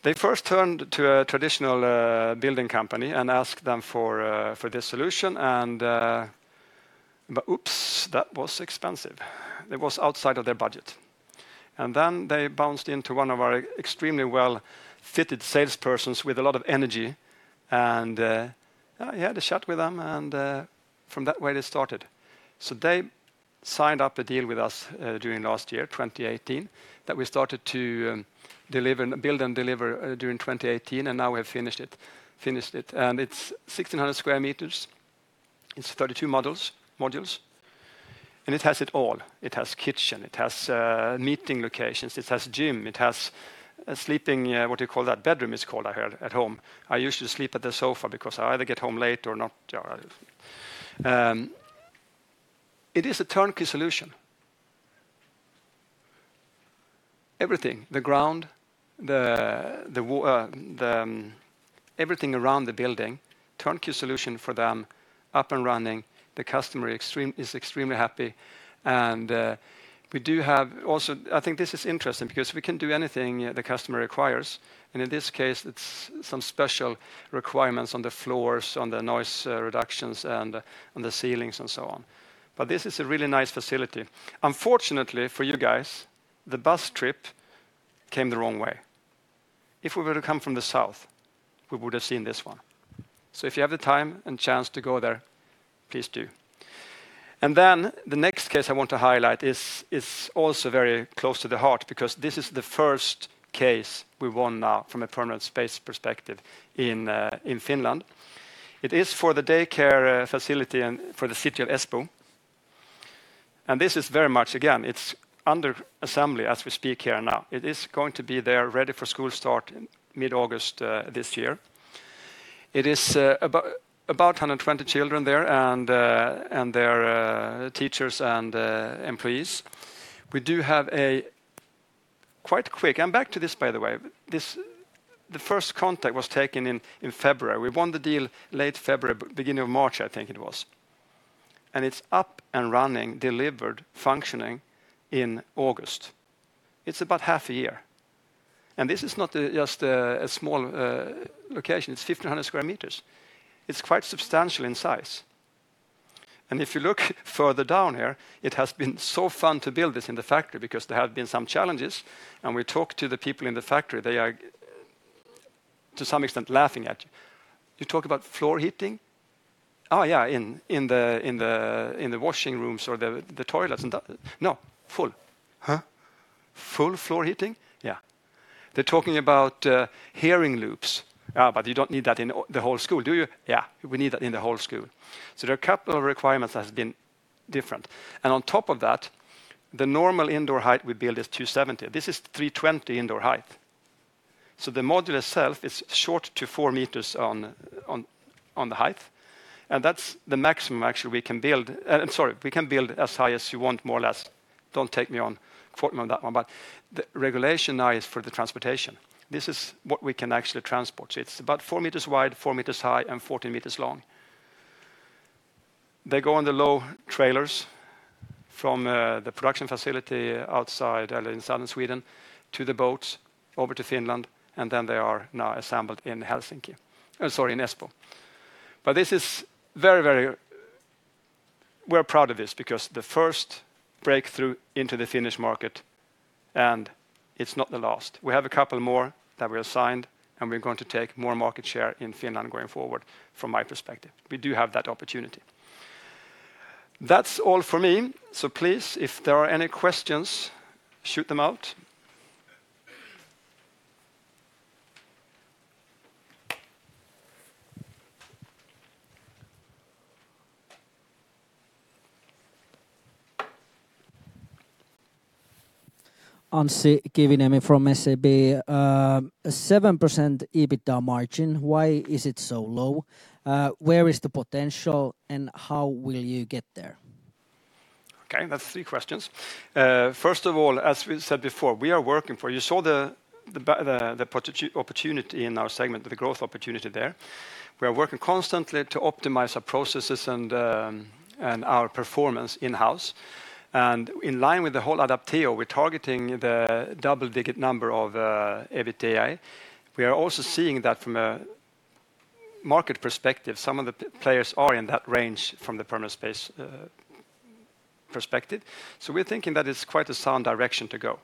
They first turned to a traditional building company and asked them for this solution, but oops, that was expensive. It was outside of their budget. They bounced into one of our extremely well-fitted salespersons with a lot of energy, and he had a chat with them, from that way, they started. They signed up a deal with us during last year, 2018, that we started to build and deliver during 2018, now we have finished it. It's 1,600 sq m. It's 32 modules. It has it all. It has kitchen, it has meeting locations, it has gym, it has sleeping, what do you call that? Bedroom, it's called at home. I usually sleep at the sofa because I either get home late or not. It is a turnkey solution. Everything, the ground, everything around the building, turnkey solution for them, up and running. The customer is extremely happy. We do have also, I think this is interesting because we can do anything the customer requires. In this case, it's some special requirements on the floors, on the noise reductions, and on the ceilings, and so on. This is a really nice facility. Unfortunately, for you guys, the bus trip came the wrong way. If we were to come from the south, we would have seen this one. If you have the time and chance to go there, please do. The next case I want to highlight is also very close to the heart because this is the first case we won now from a Permanent Space perspective in Finland. It is for the daycare facility and for the city of Espoo. This is very much, again, it's under assembly as we speak here now. It is going to be there ready for school start in mid-August this year. It is about 120 children there and their teachers and employees. We do have a quite quick, and back to this, by the way. The first contact was taken in February. We won the deal late February, beginning of March, I think it was. It's up and running, delivered, functioning in August. It's about half a year. This is not just a small location. It's 1,500 sq m. It's quite substantial in size. If you look further down here, it has been so fun to build this in the factory because there have been some challenges. We talked to the people in the factory, they are to some extent laughing at you. "You talk about floor heating?" "Oh, yeah. In the washing rooms or the toilets and that." "No, full." "Huh? Full floor heating?" "Yeah." They're talking about hearing loops. But you don't need that in the whole school, do you?" "Yeah, we need that in the whole school." There are a couple of requirements that have been different. On top of that, the normal indoor height we build is 270. This is 320 indoor height. The module itself is short to four meters on the height, and that's the maximum, actually, we can build. I'm sorry. We can build as high as you want, more or less. Don't quote me on that one. The regulation now is for the transportation. This is what we can actually transport. It's about four meters wide, four meters high, and 14 meters long. They go on the low trailers from the production facility outside in southern Sweden to the boats, over to Finland, and then they are now assembled in Helsinki. Sorry, in Espoo. We're proud of this because the first breakthrough into the Finnish market, and it's not the last. We have a couple more that we have signed, and we're going to take more market share in Finland going forward, from my perspective. We do have that opportunity. That's all from me. Please, if there are any questions, shoot them out.
Anssi Kiviniemi from SEB. 7% EBITDA margin, why is it so low? Where is the potential, how will you get there?
Okay. That's three questions. First of all, as we said before, you saw the opportunity in our segment, the growth opportunity there. We are working constantly to optimize our processes and our performance in-house. In line with the whole Adapteo, we're targeting the double-digit number of EBITDA. We are also seeing that from a market perspective, some of the players are in that range from the permanent space perspective. We're thinking that it's quite a sound direction to go.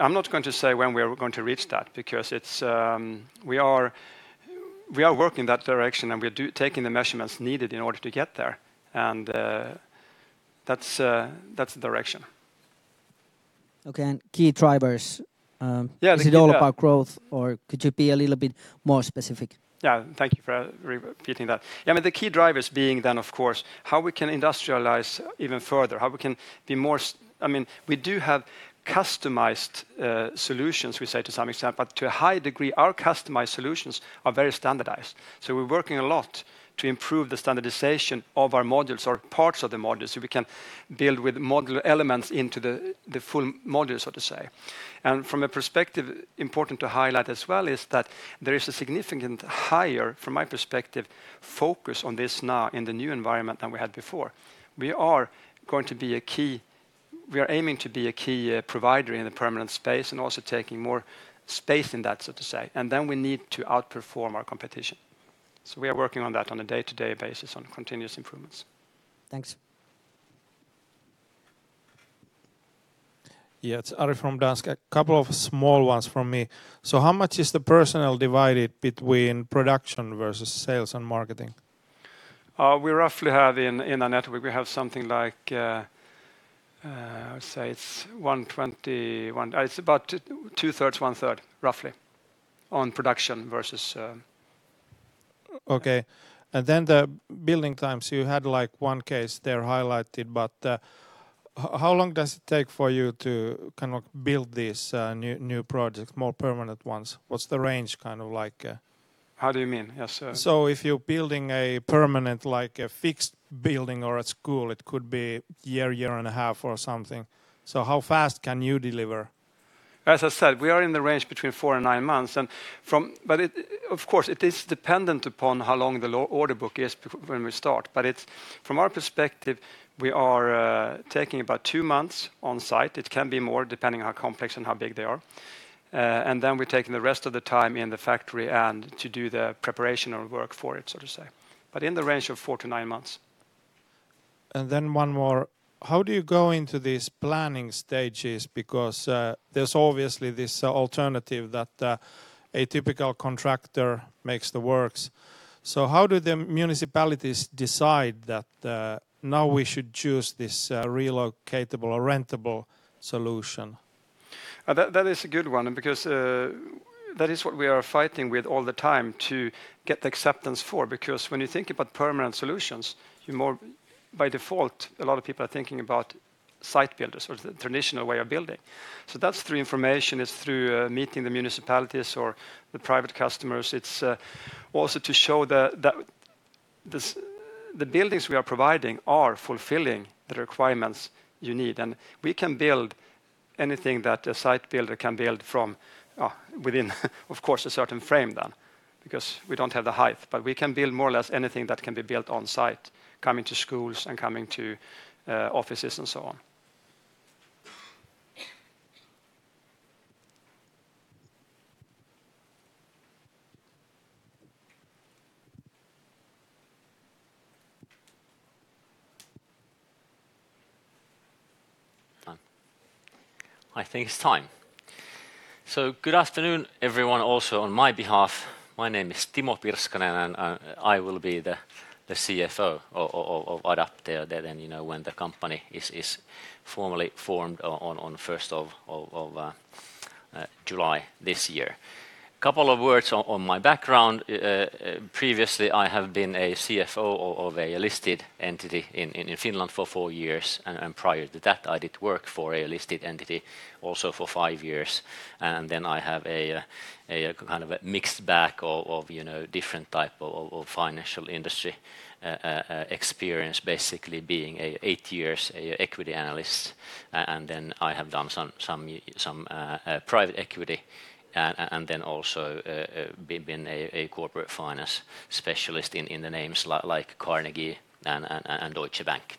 I'm not going to say when we are going to reach that, because we are working in that direction, and we are taking the measurements needed in order to get there. That's the direction.
Okay. Key drivers-
Yeah.
Is it all about growth, or could you be a little bit more specific?
Yeah. Thank you for repeating that. The key drivers being, of course, how we can industrialize even further. We do have customized solutions, we say to some extent, but to a high degree, our customized solutions are very standardized. We're working a lot to improve the standardization of our modules or parts of the modules, so we can build with modular elements into the full module, so to say. From a perspective, important to highlight as well, is that there is a significantly higher, from my perspective, focus on this now in the new environment than we had before. We are aiming to be a key provider in the permanent space, and also taking more space in that, so to say. We need to outperform our competition. We are working on that on a day-to-day basis on continuous improvements.
Thanks.
Yeah. It's Ari from Danske. A couple of small ones from me. How much is the personnel divided between production versus sales and marketing?
We roughly have, in our network, we have something like, it's about two-thirds, one-third, roughly, on production versus-
Okay. The building times, you had one case there highlighted, but how long does it take for you to build these new projects, more permanent ones? What's the range kind of like?
How do you mean? Yeah.
If you're building a permanent, like a fixed building or a school, it could be year and a half or something. How fast can you deliver?
As I said, we are in the range between four and nine months. Of course, it is dependent upon how long the order book is when we start. From our perspective, we are taking about two months on site. It can be more depending on how complex and how big they are. Then we're taking the rest of the time in the factory to do the preparation or work for it, so to say. In the range of four to nine months.
One more, how do you go into these planning stages? Because there's obviously this alternative that a typical contractor makes the works. How do the municipalities decide that now we should choose this relocatable or rentable solution?
That is a good one, because that is what we are fighting with all the time to get the acceptance for. When you think about permanent solutions, by default, a lot of people are thinking about site builders or the traditional way of building. That's through information, it's through meeting the municipalities or the private customers. It's also to show the buildings we are providing are fulfilling the requirements you need. We can build anything that a site builder can build from within of course, a certain frame then, because we don't have the height, but we can build more or less anything that can be built on site, coming to schools and coming to offices and so on.
Done. I think it's time. Good afternoon, everyone also on my behalf. My name is Timo Pirskanen. I will be the CFO of Adapteo then when the company is formally formed on 1st of July this year. Couple of words on my background. Previously, I have been a CFO of a listed entity in Finland for four years. Prior to that, I did work for a listed entity also for five years. I have a kind of mixed bag of different type of financial industry experience, basically being eight years an equity analyst. I have done some private equity, and also been a corporate finance specialist in the names like Carnegie and Deutsche Bank.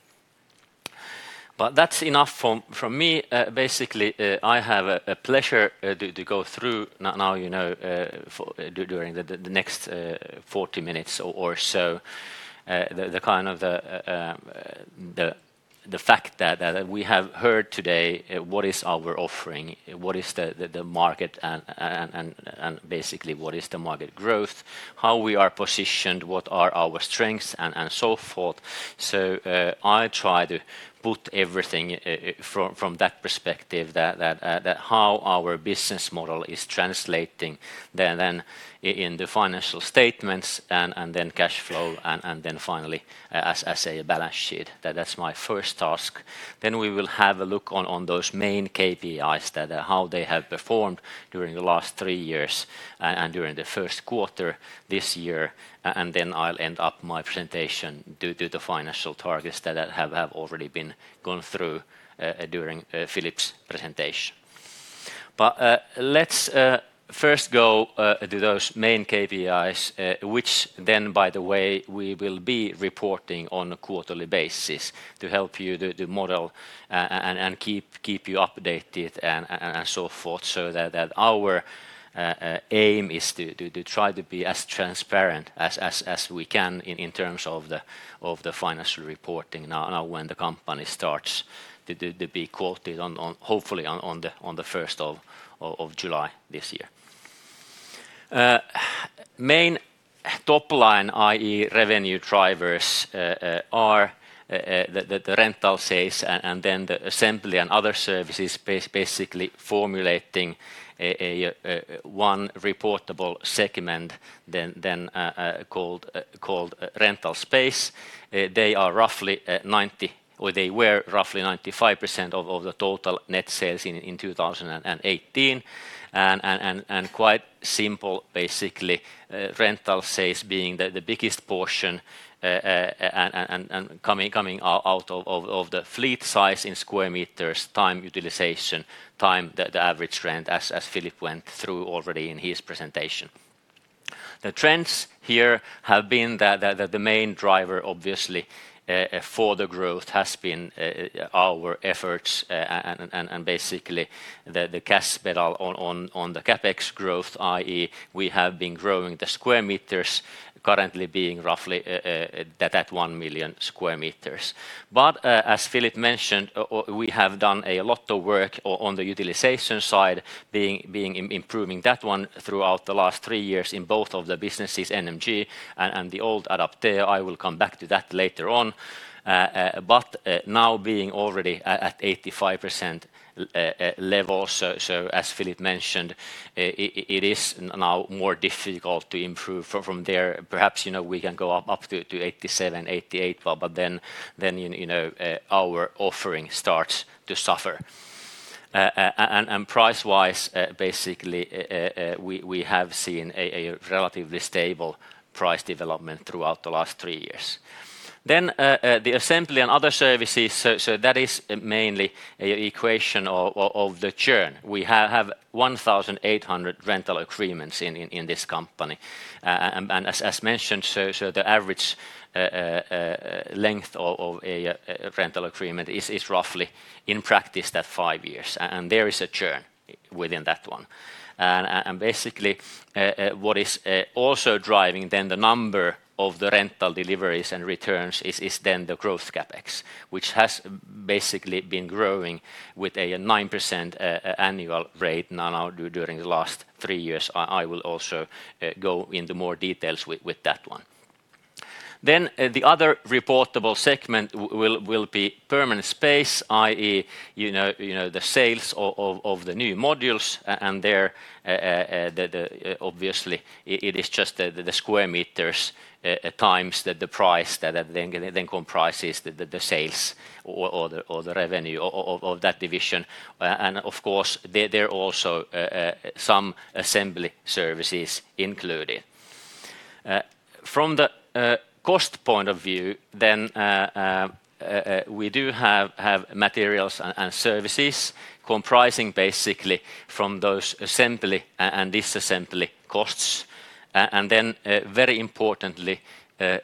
That's enough from me. I have a pleasure to go through now during the next 40 minutes or so, the fact that we have heard today what is our offering, what is the market, what is the market growth, how we are positioned, what are our strengths, and so forth. I try to put everything from that perspective that how our business model is translating then in the financial statements, cash flow, and finally as a balance sheet. That's my first task. We will have a look on those main KPIs that how they have performed during the last three years and during the 1st quarter this year. I'll end up my presentation due to the financial targets that have already been gone through during Philip's presentation. Let's first go to those main KPIs which then, by the way, we will be reporting on a quarterly basis to help you do the model and keep you updated and so forth. Our aim is to try to be as transparent as we can in terms of the financial reporting now when the company starts to be quoted hopefully on the 1st of July this year. Main top line revenue drivers are the rental sales and the assembly and other services basically formulating one reportable segment then called rental space. They were roughly 95% of the total net sales in 2018. Quite simple, basically, rental sales being the biggest portion and coming out of the fleet size in square meters, time utilization, time the average rent, as Philip went through already in his presentation. The trends here have been that the main driver, obviously, for the growth has been our efforts and basically the gas pedal on the CapEx growth, i.e. we have been growing the square meters currently being roughly at 1 million square meters. As Philip mentioned, we have done a lot of work on the utilization side, improving that one throughout the last three years in both of the businesses, NMG and the old Adapteo. I will come back to that later on. Now being already at 85% level. As Philip mentioned, it is now more difficult to improve from there. Perhaps, we can go up to 87%, 88%, but then our offering starts to suffer. Price-wise, basically, we have seen a relatively stable price development throughout the last three years. The assembly and other services, that is mainly a question of the churn. We have 1,800 rental agreements in this company. As mentioned, the average length of a rental agreement is roughly, in practice, five years, and there is a churn within that one. Basically, what is also driving the number of the rental deliveries and returns is the growth CapEx, which has basically been growing with a 9% annual rate now during the last three years. I will also go into more details with that one. The other reportable segment will be permanent space, i.e. the sales of the new modules, and there obviously it is just the square meters times the price that comprises the sales or the revenue of that division. Of course, there also some assembly services included. From the cost point of view, we do have materials and services comprising basically from those assembly and disassembly costs. Very importantly,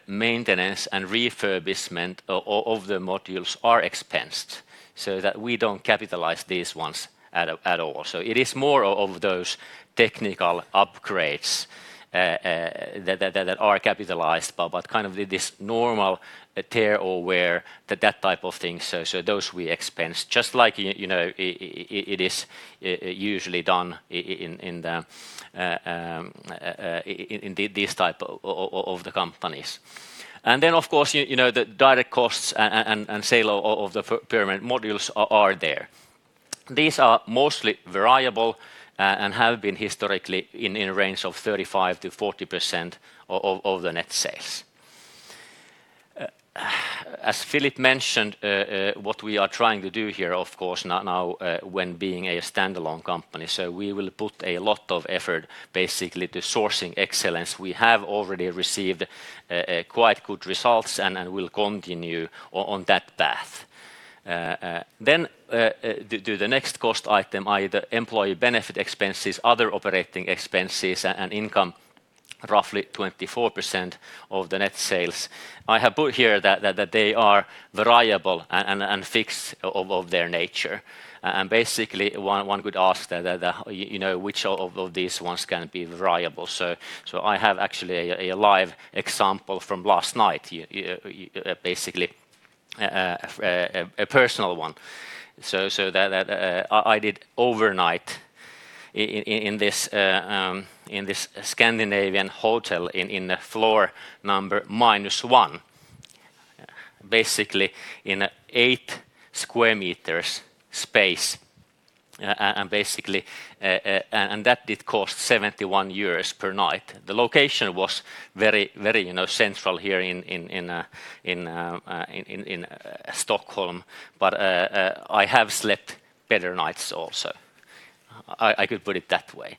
maintenance and refurbishment of the modules are expensed, so that we don't capitalize these ones at all. It is more of those technical upgrades that are capitalized, but this normal tear and wear, that type of thing, those we expense, just like it is usually done in these type of companies. Of course, the direct costs and sale of the permanent modules are there. These are mostly variable and have been historically in a range of 35%-40% of the net sales. As Philip mentioned, what we are trying to do here, of course, now when being a standalone company, we will put a lot of effort basically to sourcing excellence. We have already received quite good results, and will continue on that path. To the next cost item, employee benefit expenses, other operating expenses, and income, roughly 24% of the net sales. I have put here that they are variable and fixed of their nature. Basically one could ask that, which of these ones can be variable? I have actually a live example from last night, basically a personal one. That I did overnight in this Scandinavian hotel in the floor number -1, basically in an eight square meters space. It cost 71 euros per night. The location was very central here in Stockholm, but I have slept better nights also. I could put it that way.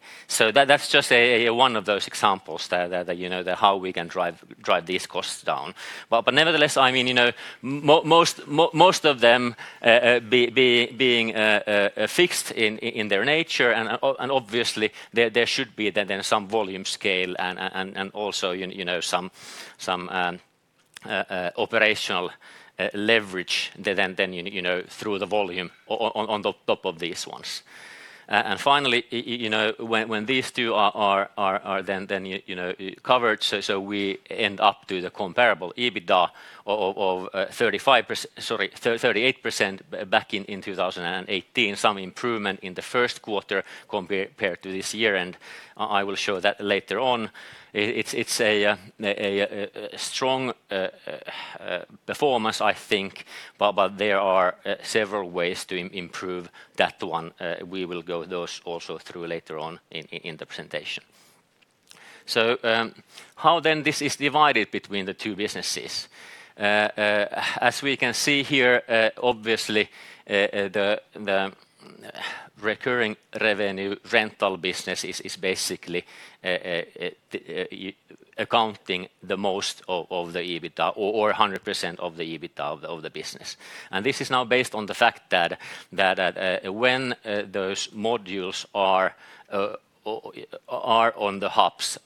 That's just one of those examples that how we can drive these costs down. Nevertheless, most of them being fixed in their nature, and obviously there should be then some volume scale and also some operational leverage then through the volume on the top of these ones. Finally, when these two are then covered, we end up to the comparable EBITDA of 38% back in 2018, some improvement in the first quarter compared to this year, and I will show that later on. It's a strong performance, I think, but there are several ways to improve that one. We will go those also through later on in the presentation. How then this is divided between the two businesses? As we can see here, obviously, the recurring revenue rental business is basically accounting the most of the EBITDA or 100% of the EBITDA of the business. This is now based on the fact that when those modules are on the hubs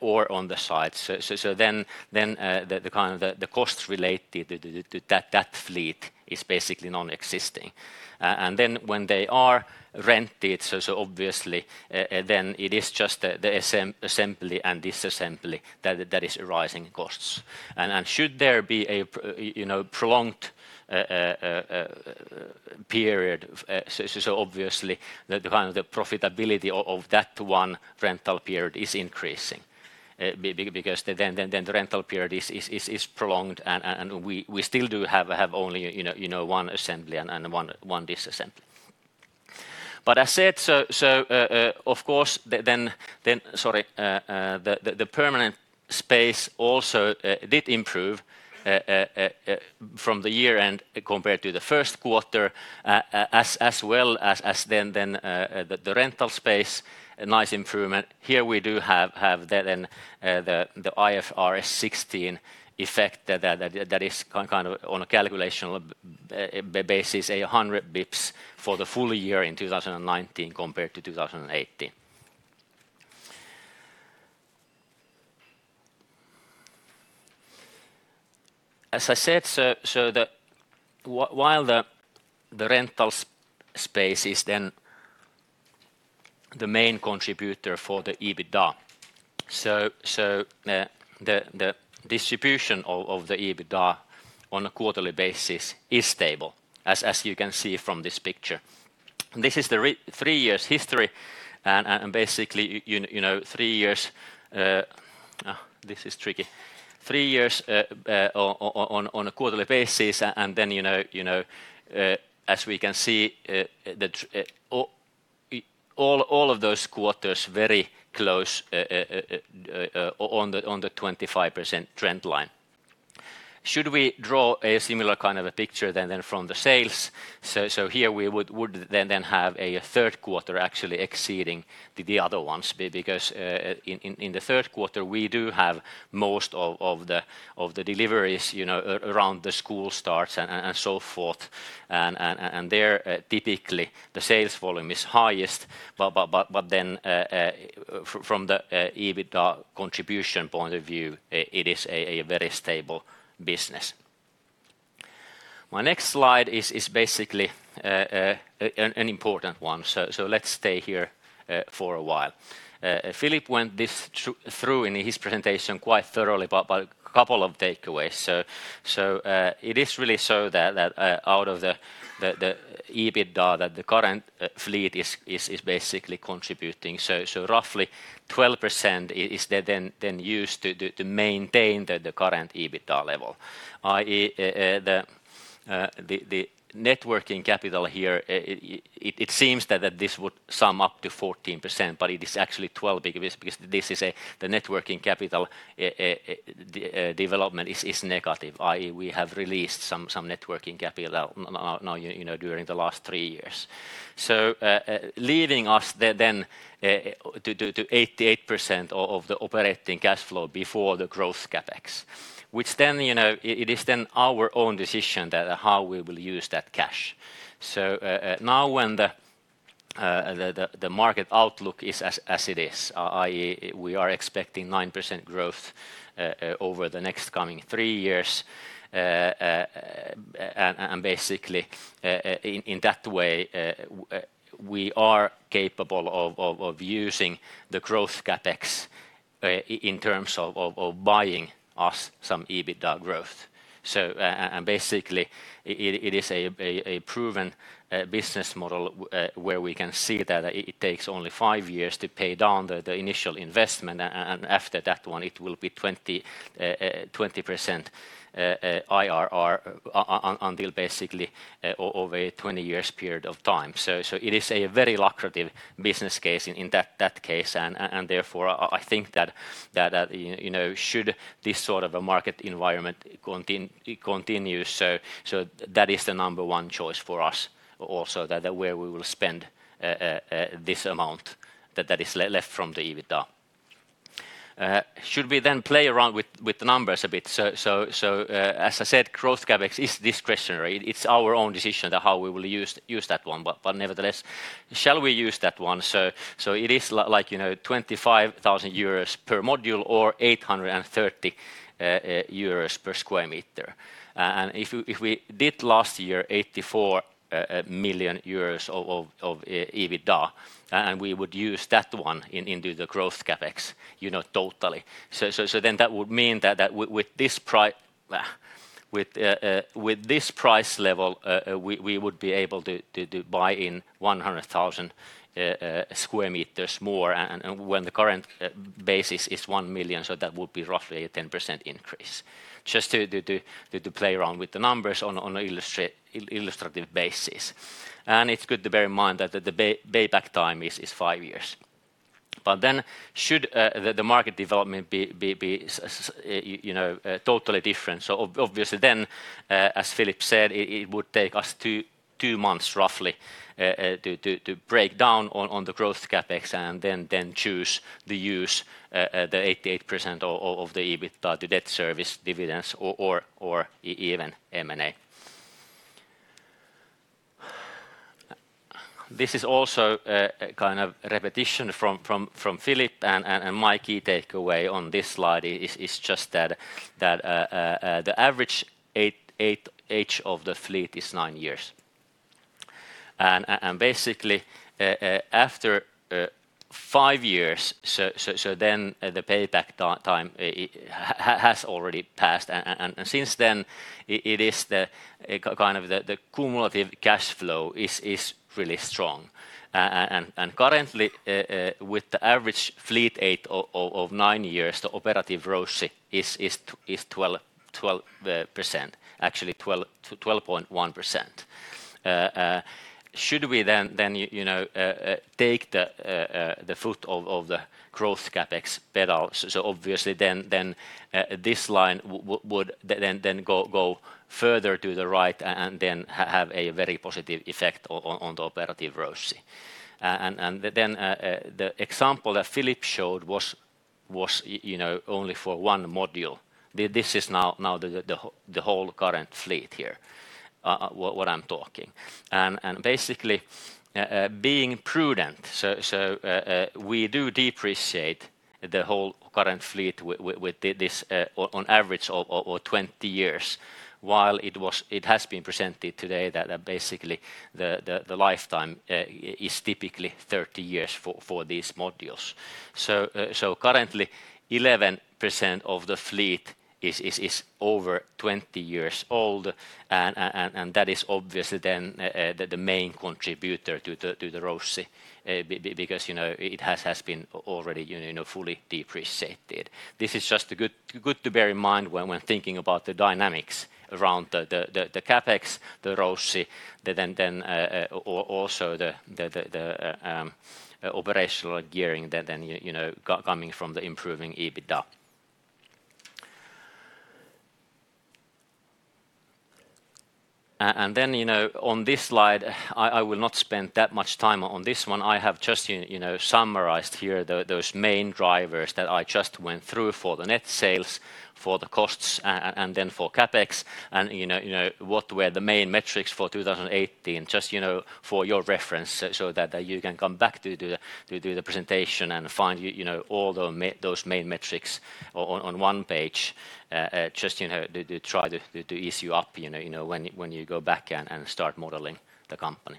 or on the site, then the costs related to that fleet is basically non-existing. Then when they are rented, obviously, then it is just the assembly and disassembly that is arising costs. Should there be a prolonged period, obviously the profitability of that one rental period is increasing, because then the rental period is prolonged, and we still do have only one assembly and one disassembly. As said, of course, then the permanent space also did improve from the year end compared to the first quarter, as well as then the rental space, a nice improvement. Here we do have then the IFRS 16 effect that is on a calculational basis, 100 basis points for the full year in 2019 compared to 2018. As I said, while the rental space is then the main contributor for the EBITDA, the distribution of the EBITDA on a quarterly basis is stable, as you can see from this picture. This is the three years history, and basically three years. This is tricky. Three years on a quarterly basis, and then as we can see, all of those quarters very close on the 25% trend line. Should we draw a similar kind of a picture than from the sales? Here we would then have a third quarter actually exceeding the other ones because in the third quarter, we do have most of the deliveries around the school starts and so forth. And there, typically, the sales volume is highest. But then from the EBITDA contribution point of view, it is a very stable business. My next slide is basically an important one. Let's stay here for a while. Philip went through this in his presentation quite thoroughly, but a couple of takeaways. It is really so that out of the EBITDA, that the current fleet is basically contributing. Roughly 12% is then used to maintain the current EBITDA level. The net working capital here, it seems that this would sum up to 14%, but it is actually 12 because the net working capital development is negative, i.e., we have released some net working capital now during the last three years. So leaving us then to 88% of the operating cash flow before the growth CapEx. It is then our own decision how we will use that cash. Now when the market outlook is as it is, i.e. We are expecting 9% growth over the next coming three years, in that way, we are capable of using the growth CapEx in terms of buying us some EBITDA growth. It is a proven business model, where we can see that it takes only five years to pay down the initial investment, and after that one, it will be 20% IRR until over a 20 years period of time. It is a very lucrative business case in that case. Therefore, I think that should this sort of a market environment continue, that is the number one choice for us also, where we will spend this amount that is left from the EBITDA. Should we play around with the numbers a bit? As I said, growth CapEx is discretionary. It's our own decision how we will use that one. Nevertheless, shall we use that one? It is like 25,000 euros per module or 830 euros per square meter. If we did last year, 84 million euros of EBITDA, and we would use that one into the growth CapEx totally. That would mean that with this price level, we would be able to buy in 100,000 sq m more, and when the current base is 1 million, that would be roughly a 10% increase. Just to play around with the numbers on an illustrative basis. It's good to bear in mind that the payback time is five years. Should the market development be totally different. As Philip said, it would take us two months, roughly, to break down on the growth CapEx and then choose the use, the 88% of the EBITDA to debt service dividends or even M&A. This is also a kind of repetition from Philip, my key takeaway on this slide is just that the average age of the fleet is nine years. After five years, the payback time has already passed. Since then, the cumulative cash flow is really strong. Currently, with the average fleet age of nine years, the operative ROACE is 12%, actually 12.1%. Should we take the foot of the growth CapEx pedal, this line would then go further to the right and then have a very positive effect on the operative ROACE. The example that Philip showed was only for one module. This is now the whole current fleet here, what I'm talking. Being prudent, we do depreciate the whole current fleet with this on average of 20 years, while it has been presented today that basically the lifetime is typically 30 years for these modules. Currently, 11% of the fleet is over 20 years old, that is obviously the main contributor to the ROACE because it has been already fully depreciated. This is just good to bear in mind when thinking about the dynamics around the CapEx, the ROCE, also the operational gearing coming from the improving EBITDA. On this slide, I will not spend that much time on this one. I have just summarized here those main drivers that I just went through for the net sales, for the costs, for CapEx. What were the main metrics for 2018, just for your reference, so that you can come back to do the presentation and find all those main metrics on one page, just to try to ease you up when you go back and start modeling the company.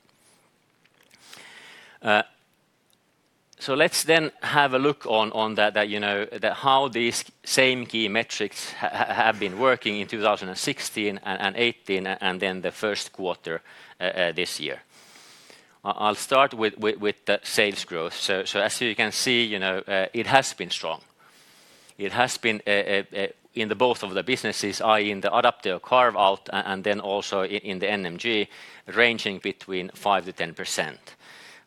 Let's then have a look on how these same key metrics have been working in 2016 and 2018 and then the first quarter this year. I'll start with the sales growth. As you can see it has been strong. It has been in the both of the businesses, i.e., in the Adapteo carve-out and then also in the NMG, ranging between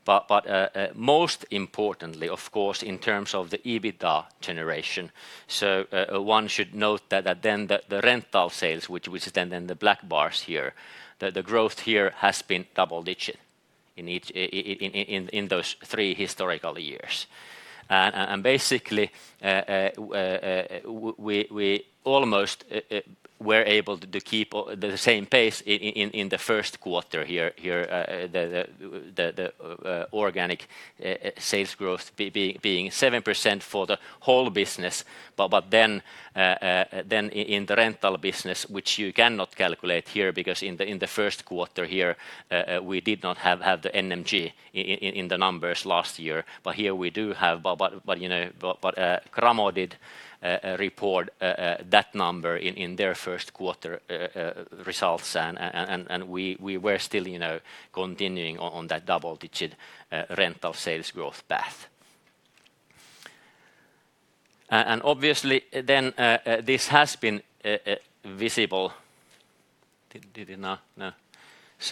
5%-10%. Most importantly, of course, in terms of the EBITDA generation. One should note that then the rental sales, which is then the black bars here, the growth here has been double digit in those three historical years. Basically we almost were able to keep the same pace in the first quarter here, the organic sales growth being 7% for the whole business. In the rental business, which you cannot calculate here because in the first quarter here, we did not have the NMG in the numbers last year. Here we do have Cramo did report that number in their first quarter results, and we were still continuing on that double-digit rental sales growth path. Obviously then this has been visible. Did it now? No.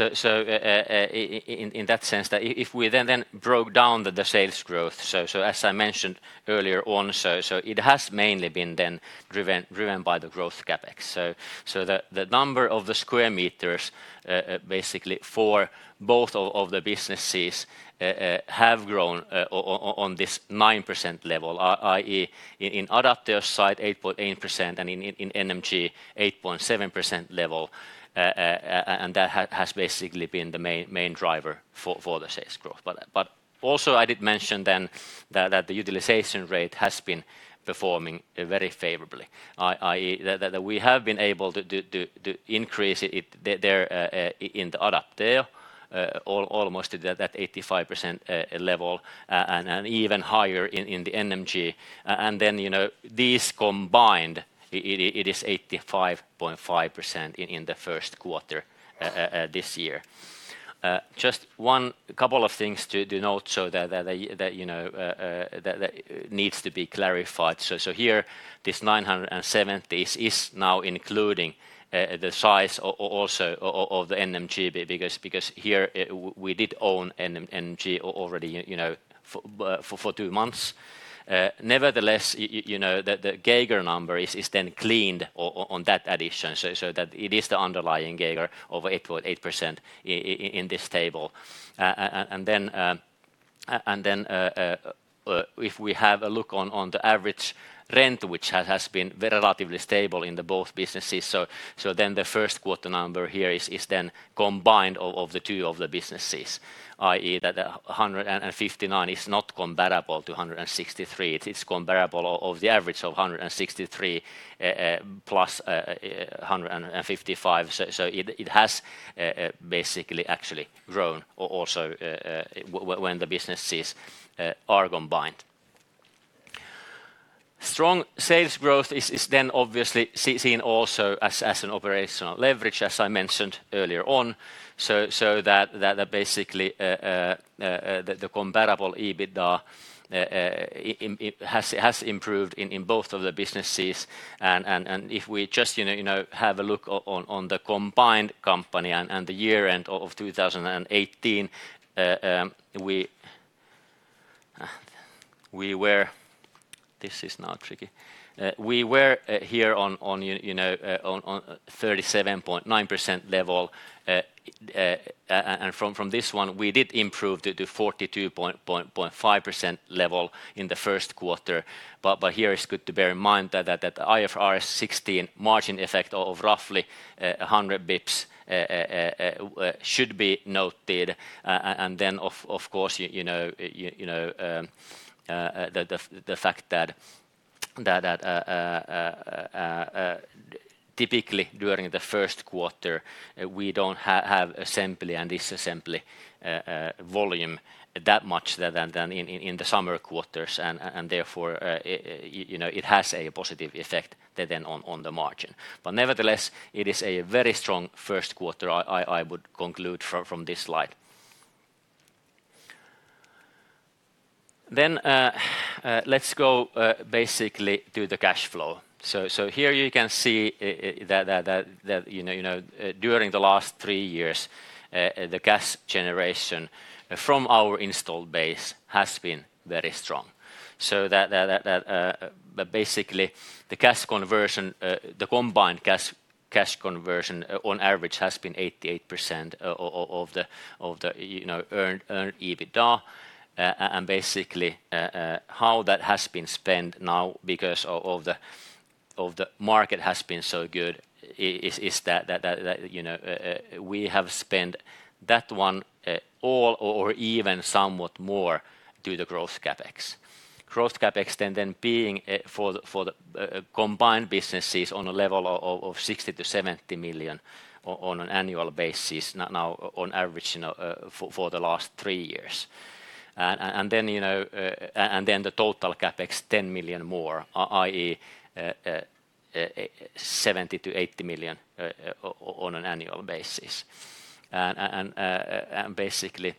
In that sense, if we then broke down the sales growth, so as I mentioned earlier on, so it has mainly been then driven by the growth CapEx. The number of the square meters basically for both of the businesses have grown on this 9% level, i.e., in Adapteo's side 8.8% and in NMG 8.7% level, and that has basically been the main driver for the sales growth. Also I did mention then that the utilization rate has been performing very favorably, i.e., that we have been able to increase it there in the Adapteo almost at that 85% level and even higher in the NMG. These combined, it is 85.5% in the first quarter this year. Just one couple of things to note so that needs to be clarified. Here, this 907 is now including the size also of the NMG because here we did own NMG already for two months. Nevertheless, the CAGR number is then cleaned on that addition, so that it is the underlying CAGR of 8.8% in this table. If we have a look on the average rent, which has been relatively stable in the both businesses, so then the first quarter number here is then combined of the two of the businesses, i.e., that 159 is not comparable to 163. It is comparable of the average of 163 plus 155. It has basically actually grown also when the businesses are combined. Strong sales growth is then obviously seen also as an operational leverage, as I mentioned earlier on. That basically the comparable EBITDA has improved in both of the businesses. If we just have a look on the combined company and the year end of 2018. This is now tricky. We were here on 37.9% level. From this one, we did improve to 42.5% level in the first quarter. Here it's good to bear in mind that the IFRS 16 margin effect of roughly 100 basis points should be noted. Of course, the fact that typically during the first quarter, we don't have assembly and disassembly volume that much than in the summer quarters and therefore it has a positive effect on the margin. Nevertheless, it is a very strong first quarter I would conclude from this slide. Let's go basically to the cash flow. Here you can see that during the last three years, the cash generation from our installed base has been very strong. Basically, the combined cash conversion on average has been 88% of the earned EBITDA. Basically, how that has been spent now because the market has been so good is that we have spent that one all or even somewhat more to the growth CapEx. Growth CapEx being for the combined businesses on a level of 60 million-70 million on an annual basis now on average for the last three years. The total CapEx 10 million more, i.e., 70 million-80 million on an annual basis. Basically,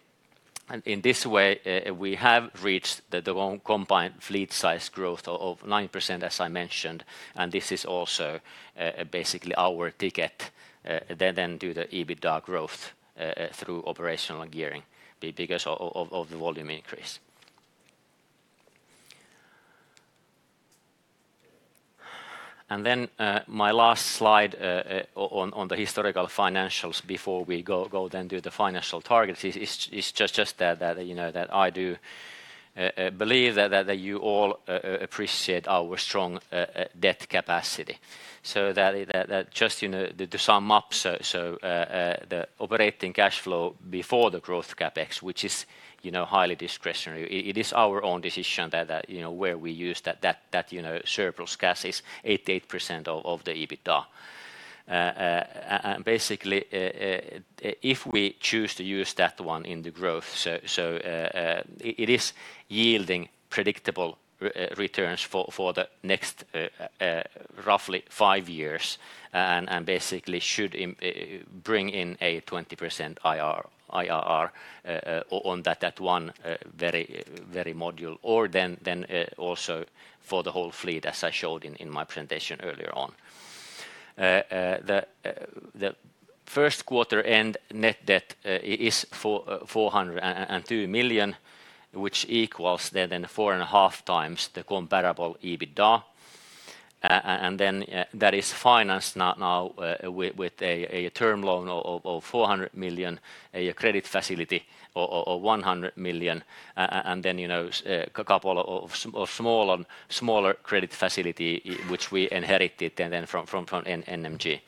in this way, we have reached the combined fleet size growth of 9%, as I mentioned, and this is also basically our ticket to the EBITDA growth through operational gearing because of the volume increase. My last slide on the historical financials before we go to the financial targets is just that I do believe that you all appreciate our strong debt capacity. Just to sum up, the operating cash flow before the growth CapEx, which is highly discretionary, it is our own decision where we use that surplus cash is 88% of the EBITDA. Basically, if we choose to use that one in the growth, it is yielding predictable returns for the next roughly five years and basically should bring in a 20% IRR on that one very module. Also for the whole fleet, as I showed in my presentation earlier on. The first quarter end net debt is 402 million, which equals 4.5 times the comparable EBITDA. That is financed now with a term loan of 400 million, a credit facility of 100 million, and a couple of smaller credit facility, which we inherited from NMG.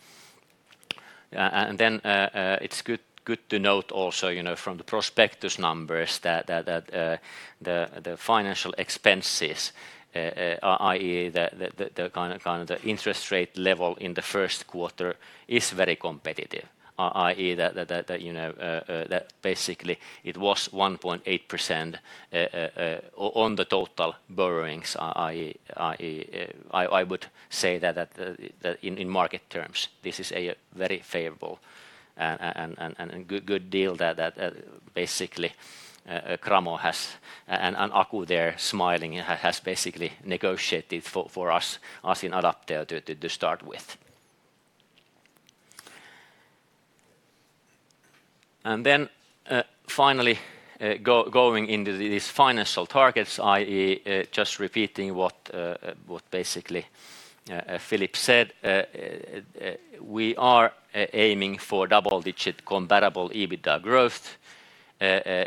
It's good to note also from the prospectus numbers that the financial expenses, i.e., the kind of the interest rate level in the first quarter is very competitive, i.e., that basically it was 1.8% on the total borrowings, i.e., I would say that in market terms, this is a very favorable and good deal that basically Cramo has, and Aku there smiling, has basically negotiated for us in Adapteo to start with. Finally, going into these financial targets, i.e., just repeating what basically Philip said, we are aiming for double-digit comparable EBITDA growth.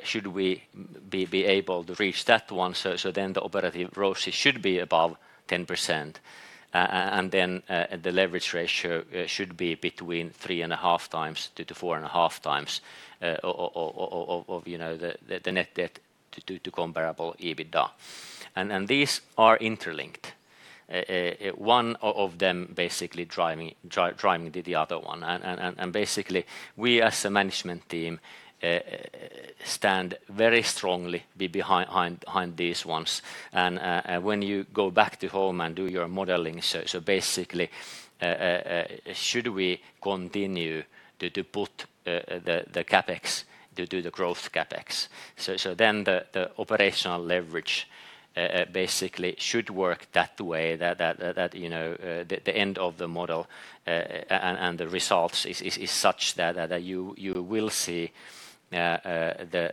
Should we be able to reach that one, then the operative ROCE should be above 10%. The leverage ratio should be between 3.5 times-4.5 times of the net debt to comparable EBITDA. These are interlinked. Basically, driving the other one. Basically, we as a management team stand very strongly behind these ones. When you go back to home and do your modeling, basically, should we continue to put the CapEx to do the growth CapEx. Then the operational leverage basically should work that way, that the end of the model and the results is such that you will see the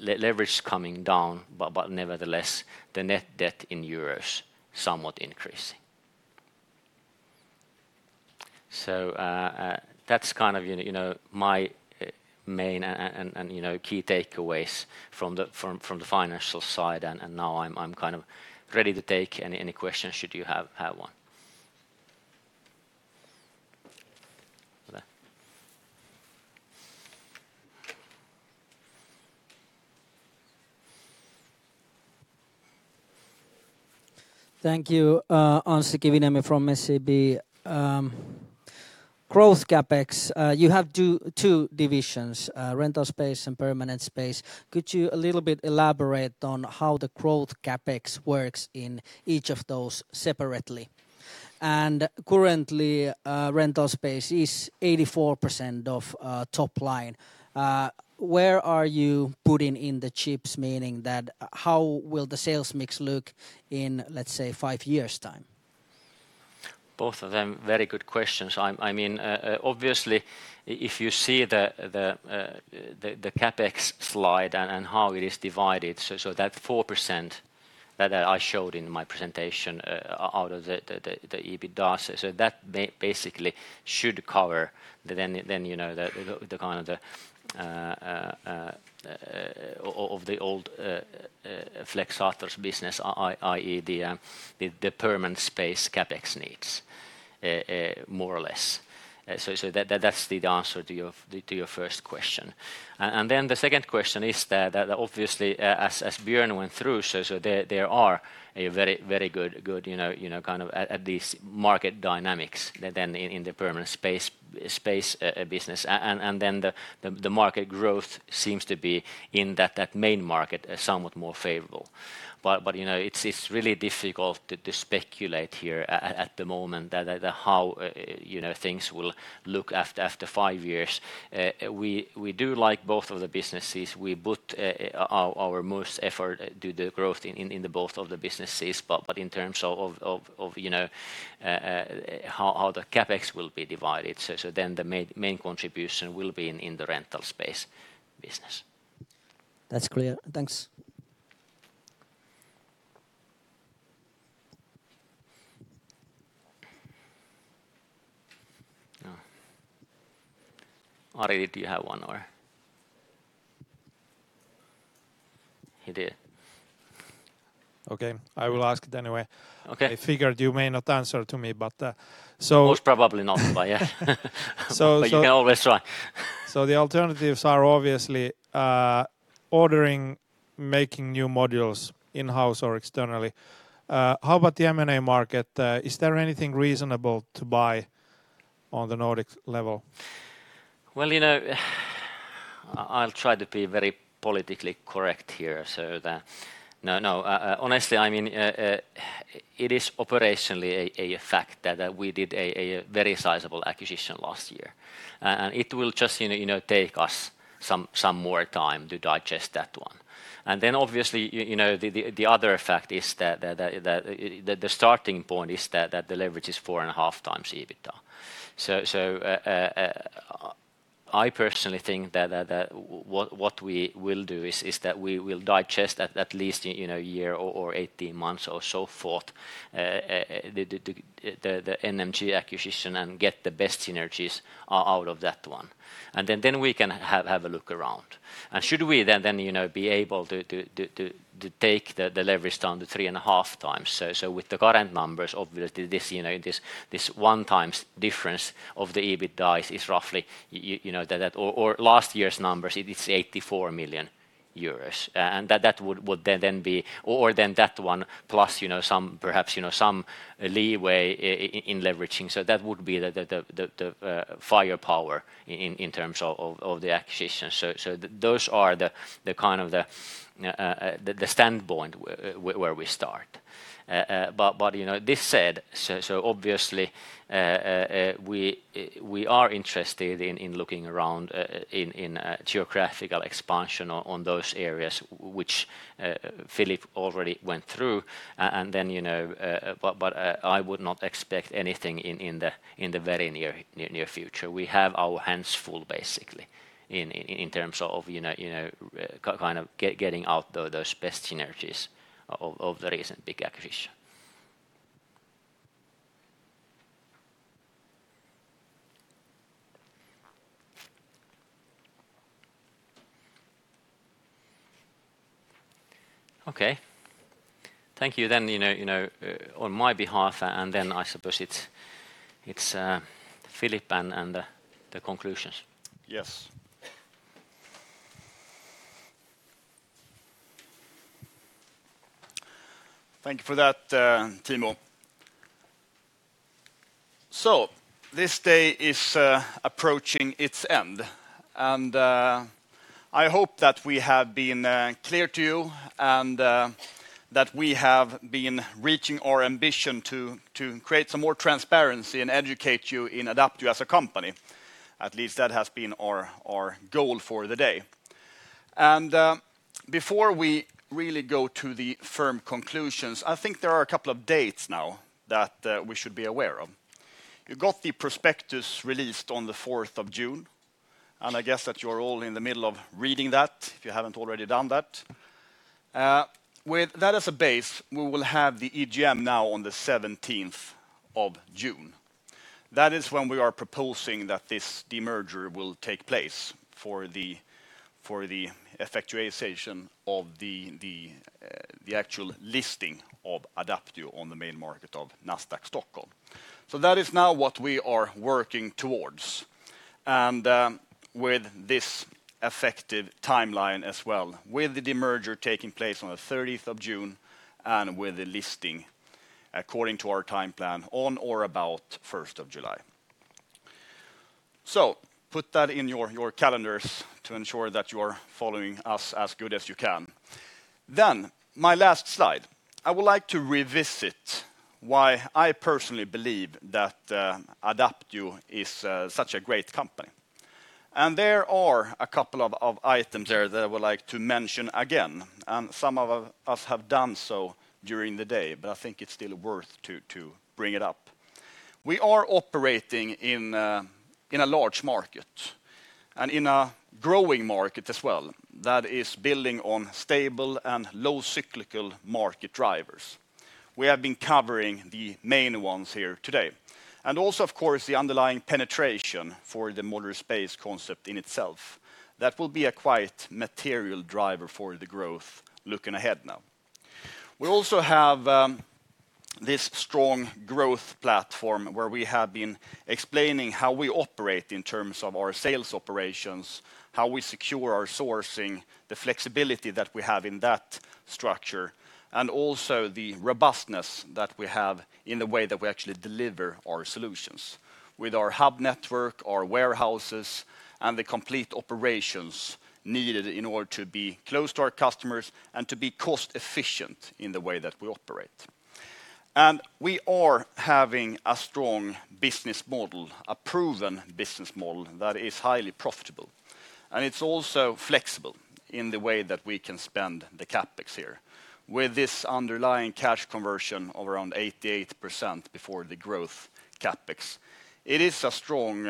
leverage coming down, but nevertheless, the net debt in EUR somewhat increasing. That's kind of my main and key takeaways from the financial side. Now I'm kind of ready to take any questions, should you have one.
Thank you, Anssi Kiviniemi from SEB. Growth CapEx, you have two divisions: rental space and permanent space. Could you elaborate a little bit on how the growth CapEx works in each of those separately? Currently, rental space is 84% of top line. Where are you putting in the chips, meaning how will the sales mix look in, let's say, five years' time?
Both of them very good questions. Obviously, if you see the CapEx slide and how it is divided, that 4% that I showed in my presentation out of the EBITDA should cover the old Flexator's business, i.e., the permanent space CapEx needs, more or less. That's the answer to your first question. Then the second question is that, obviously, as Björn went through, there are very good market dynamics in the permanent space business. Then the market growth seems to be in that main market somewhat more favorable. It's really difficult to speculate here at the moment how things will look after five years. We do like both of the businesses. We put our most effort to the growth in both of the businesses, but in terms of how the CapEx will be divided, the main contribution will be in the rental space business.
That's clear. Thanks.
Ari, do you have one or He did.
Okay. I will ask it anyway.
Okay.
I figured you may not answer me.
Most probably not, but yeah.
So-
You can always try.
The alternatives are obviously ordering, making new modules in-house or externally. How about the M&A market? Is there anything reasonable to buy on the Nordic level?
I'll try to be very politically correct here. No. Honestly, it is operationally a fact that we did a very sizable acquisition last year. It will just take us some more time to digest that one. Then obviously, the other effect is that the starting point is that the leverage is 4.5x EBITDA. I personally think that what we will do is that we will digest at least a year or 18 months or so forth the NMG acquisition and get the best synergies out of that one. Then we can have a look around. Should we then be able to take the leverage down to 3.5x. With the current numbers, obviously this 1x difference of the EBITDAs is roughly. Or last year's numbers, it is 84 million euros. That would then be. Or then that one plus perhaps some leeway in leveraging. That would be the firepower in terms of the acquisition. Those are the standpoint where we start. This said, obviously we are interested in looking around in geographical expansion on those areas which Philip already went through. I would not expect anything in the very near future. We have our hands full, basically, in terms of getting out those best synergies of the recent big acquisition. Okay. Thank you then on my behalf, I suppose it's Philip and the conclusions.
Yes.
Thank you for that, Timo. This day is approaching its end, and I hope that we have been clear to you and that we have been reaching our ambition to create some more transparency and educate you in Adapteo as a company. At least that has been our goal for the day. Before we really go to the firm conclusions, I think there are a couple of dates now that we should be aware of. You got the prospectus released on the 4th of June, and I guess that you're all in the middle of reading that, if you haven't already done that. With that as a base, we will have the EGM now on the 17th of June. That is when we are proposing that this demerger will take place for the effectuation of the actual listing of Adapteo on the main market of Nasdaq Stockholm. That is now what we are working towards. With this effective timeline as well, with the de-merger taking place on the 30th of June, and with the listing according to our time plan on or about 1st of July. Put that in your calendars to ensure that you are following us as good as you can. My last slide, I would like to revisit why I personally believe that Adapteo is such a great company, and there are a couple of items there that I would like to mention again. Some of us have done so during the day, but I think it's still worth to bring it up. We are operating in a large market and in a growing market as well that is building on stable and low cyclical market drivers. We have been covering the main ones here today. Also of course the underlying penetration for the modular space concept in itself. That will be a quite material driver for the growth looking ahead now. We also have this strong growth platform where we have been explaining how we operate in terms of our sales operations, how we secure our sourcing, the flexibility that we have in that structure, and also the robustness that we have in the way that we actually deliver our solutions with our hub network, our warehouses, and the complete operations needed in order to be close to our customers and to be cost-efficient in the way that we operate. We are having a strong business model, a proven business model that is highly profitable, and it's also flexible in the way that we can spend the CapEx here. With this underlying cash conversion of around 88% before the growth CapEx. It is a strong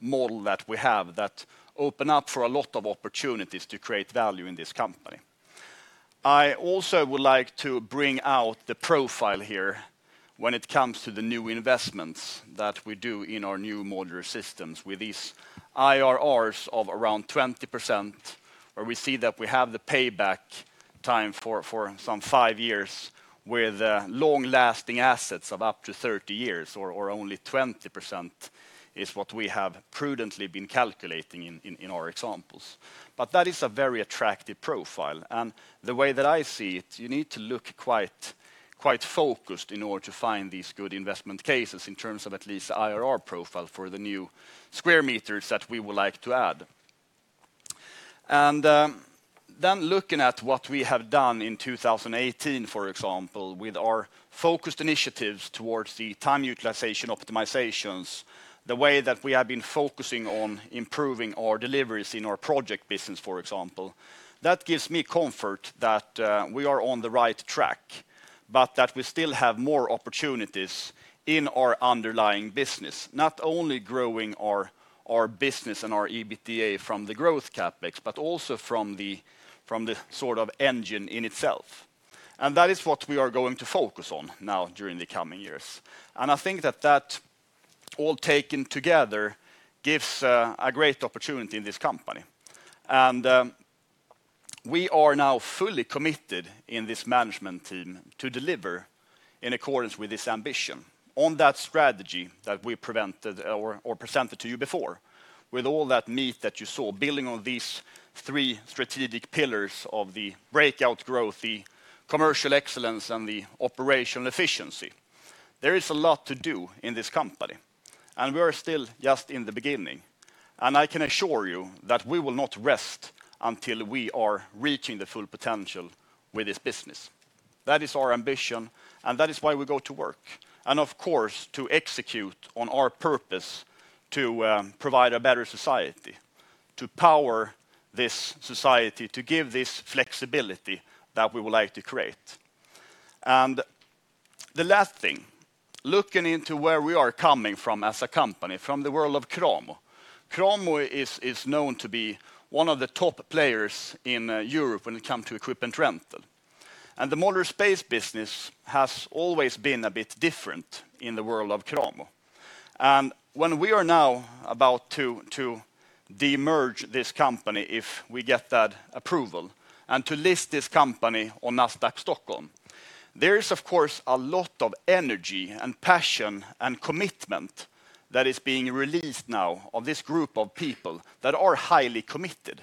model that we have that open up for a lot of opportunities to create value in this company. I also would like to bring out the profile here when it comes to the new investments that we do in our new modular systems with these IRRs of around 20%, where we see that we have the payback time for some five years with long-lasting assets of up to 30 years or only 20% is what we have prudently been calculating in our examples. That is a very attractive profile, the way that I see it, you need to look quite focused in order to find these good investment cases in terms of at least the IRR profile for the new square meters that we would like to add. Looking at what we have done in 2018, for example, with our focused initiatives towards the time utilization optimizations, the way that we have been focusing on improving our deliveries in our project business, for example. That gives me comfort that we are on the right track, but that we still have more opportunities in our underlying business. Not only growing our business and our EBITDA from the growth CapEx, but also from the sort of engine in itself. That is what we are going to focus on now during the coming years. I think that all taken together gives a great opportunity in this company. We are now fully committed in this management team to deliver in accordance with this ambition on that strategy that we presented to you before with all that meat that you saw building on these three strategic pillars of the breakout growth, the commercial excellence, and the operational efficiency. There is a lot to do in this company, and we are still just in the beginning. I can assure you that we will not rest until we are reaching the full potential with this business. That is our ambition, and that is why we go to work, and of course, to execute on our purpose to provide a better society, to power this society, to give this flexibility that we would like to create. The last thing, looking into where we are coming from as a company, from the world of Cramo. Cramo is known to be one of the top players in Europe when it comes to equipment rental. The modular space business has always been a bit different in the world of Cramo. When we are now about to de-merge this company, if we get that approval, and to list this company on Nasdaq Stockholm, there is of course a lot of energy and passion and commitment that is being released now of this group of people that are highly committed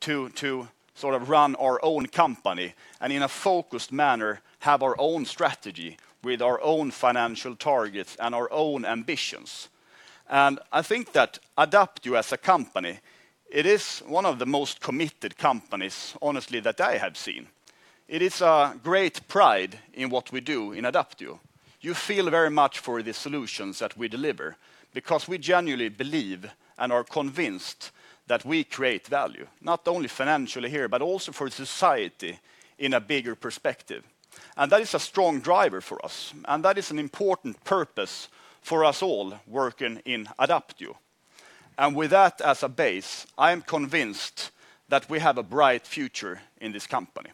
to sort of run our own company and in a focused manner have our own strategy with our own financial targets and our own ambitions. I think that Adapteo as a company, it is one of the most committed companies honestly that I have seen. It is a great pride in what we do in Adapteo. You feel very much for the solutions that we deliver because we genuinely believe and are convinced that we create value, not only financially here, but also for society in a bigger perspective. That is a strong driver for us, and that is an important purpose for us all working in Adapteo. With that as a base, I am convinced that we have a bright future in this company.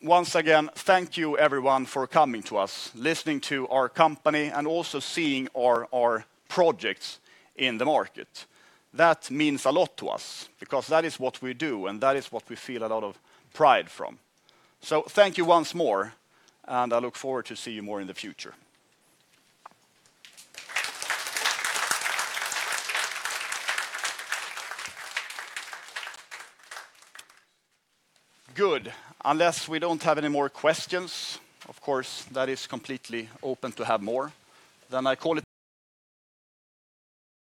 Once again, thank you everyone for coming to us, listening to our company, and also seeing our projects in the market. That means a lot to us because that is what we do, and that is what we feel a lot of pride from. Thank you once more, and I look forward to seeing you more in the future. Good. Unless we don't have any more questions, of course, that is completely open to have more, then I call it.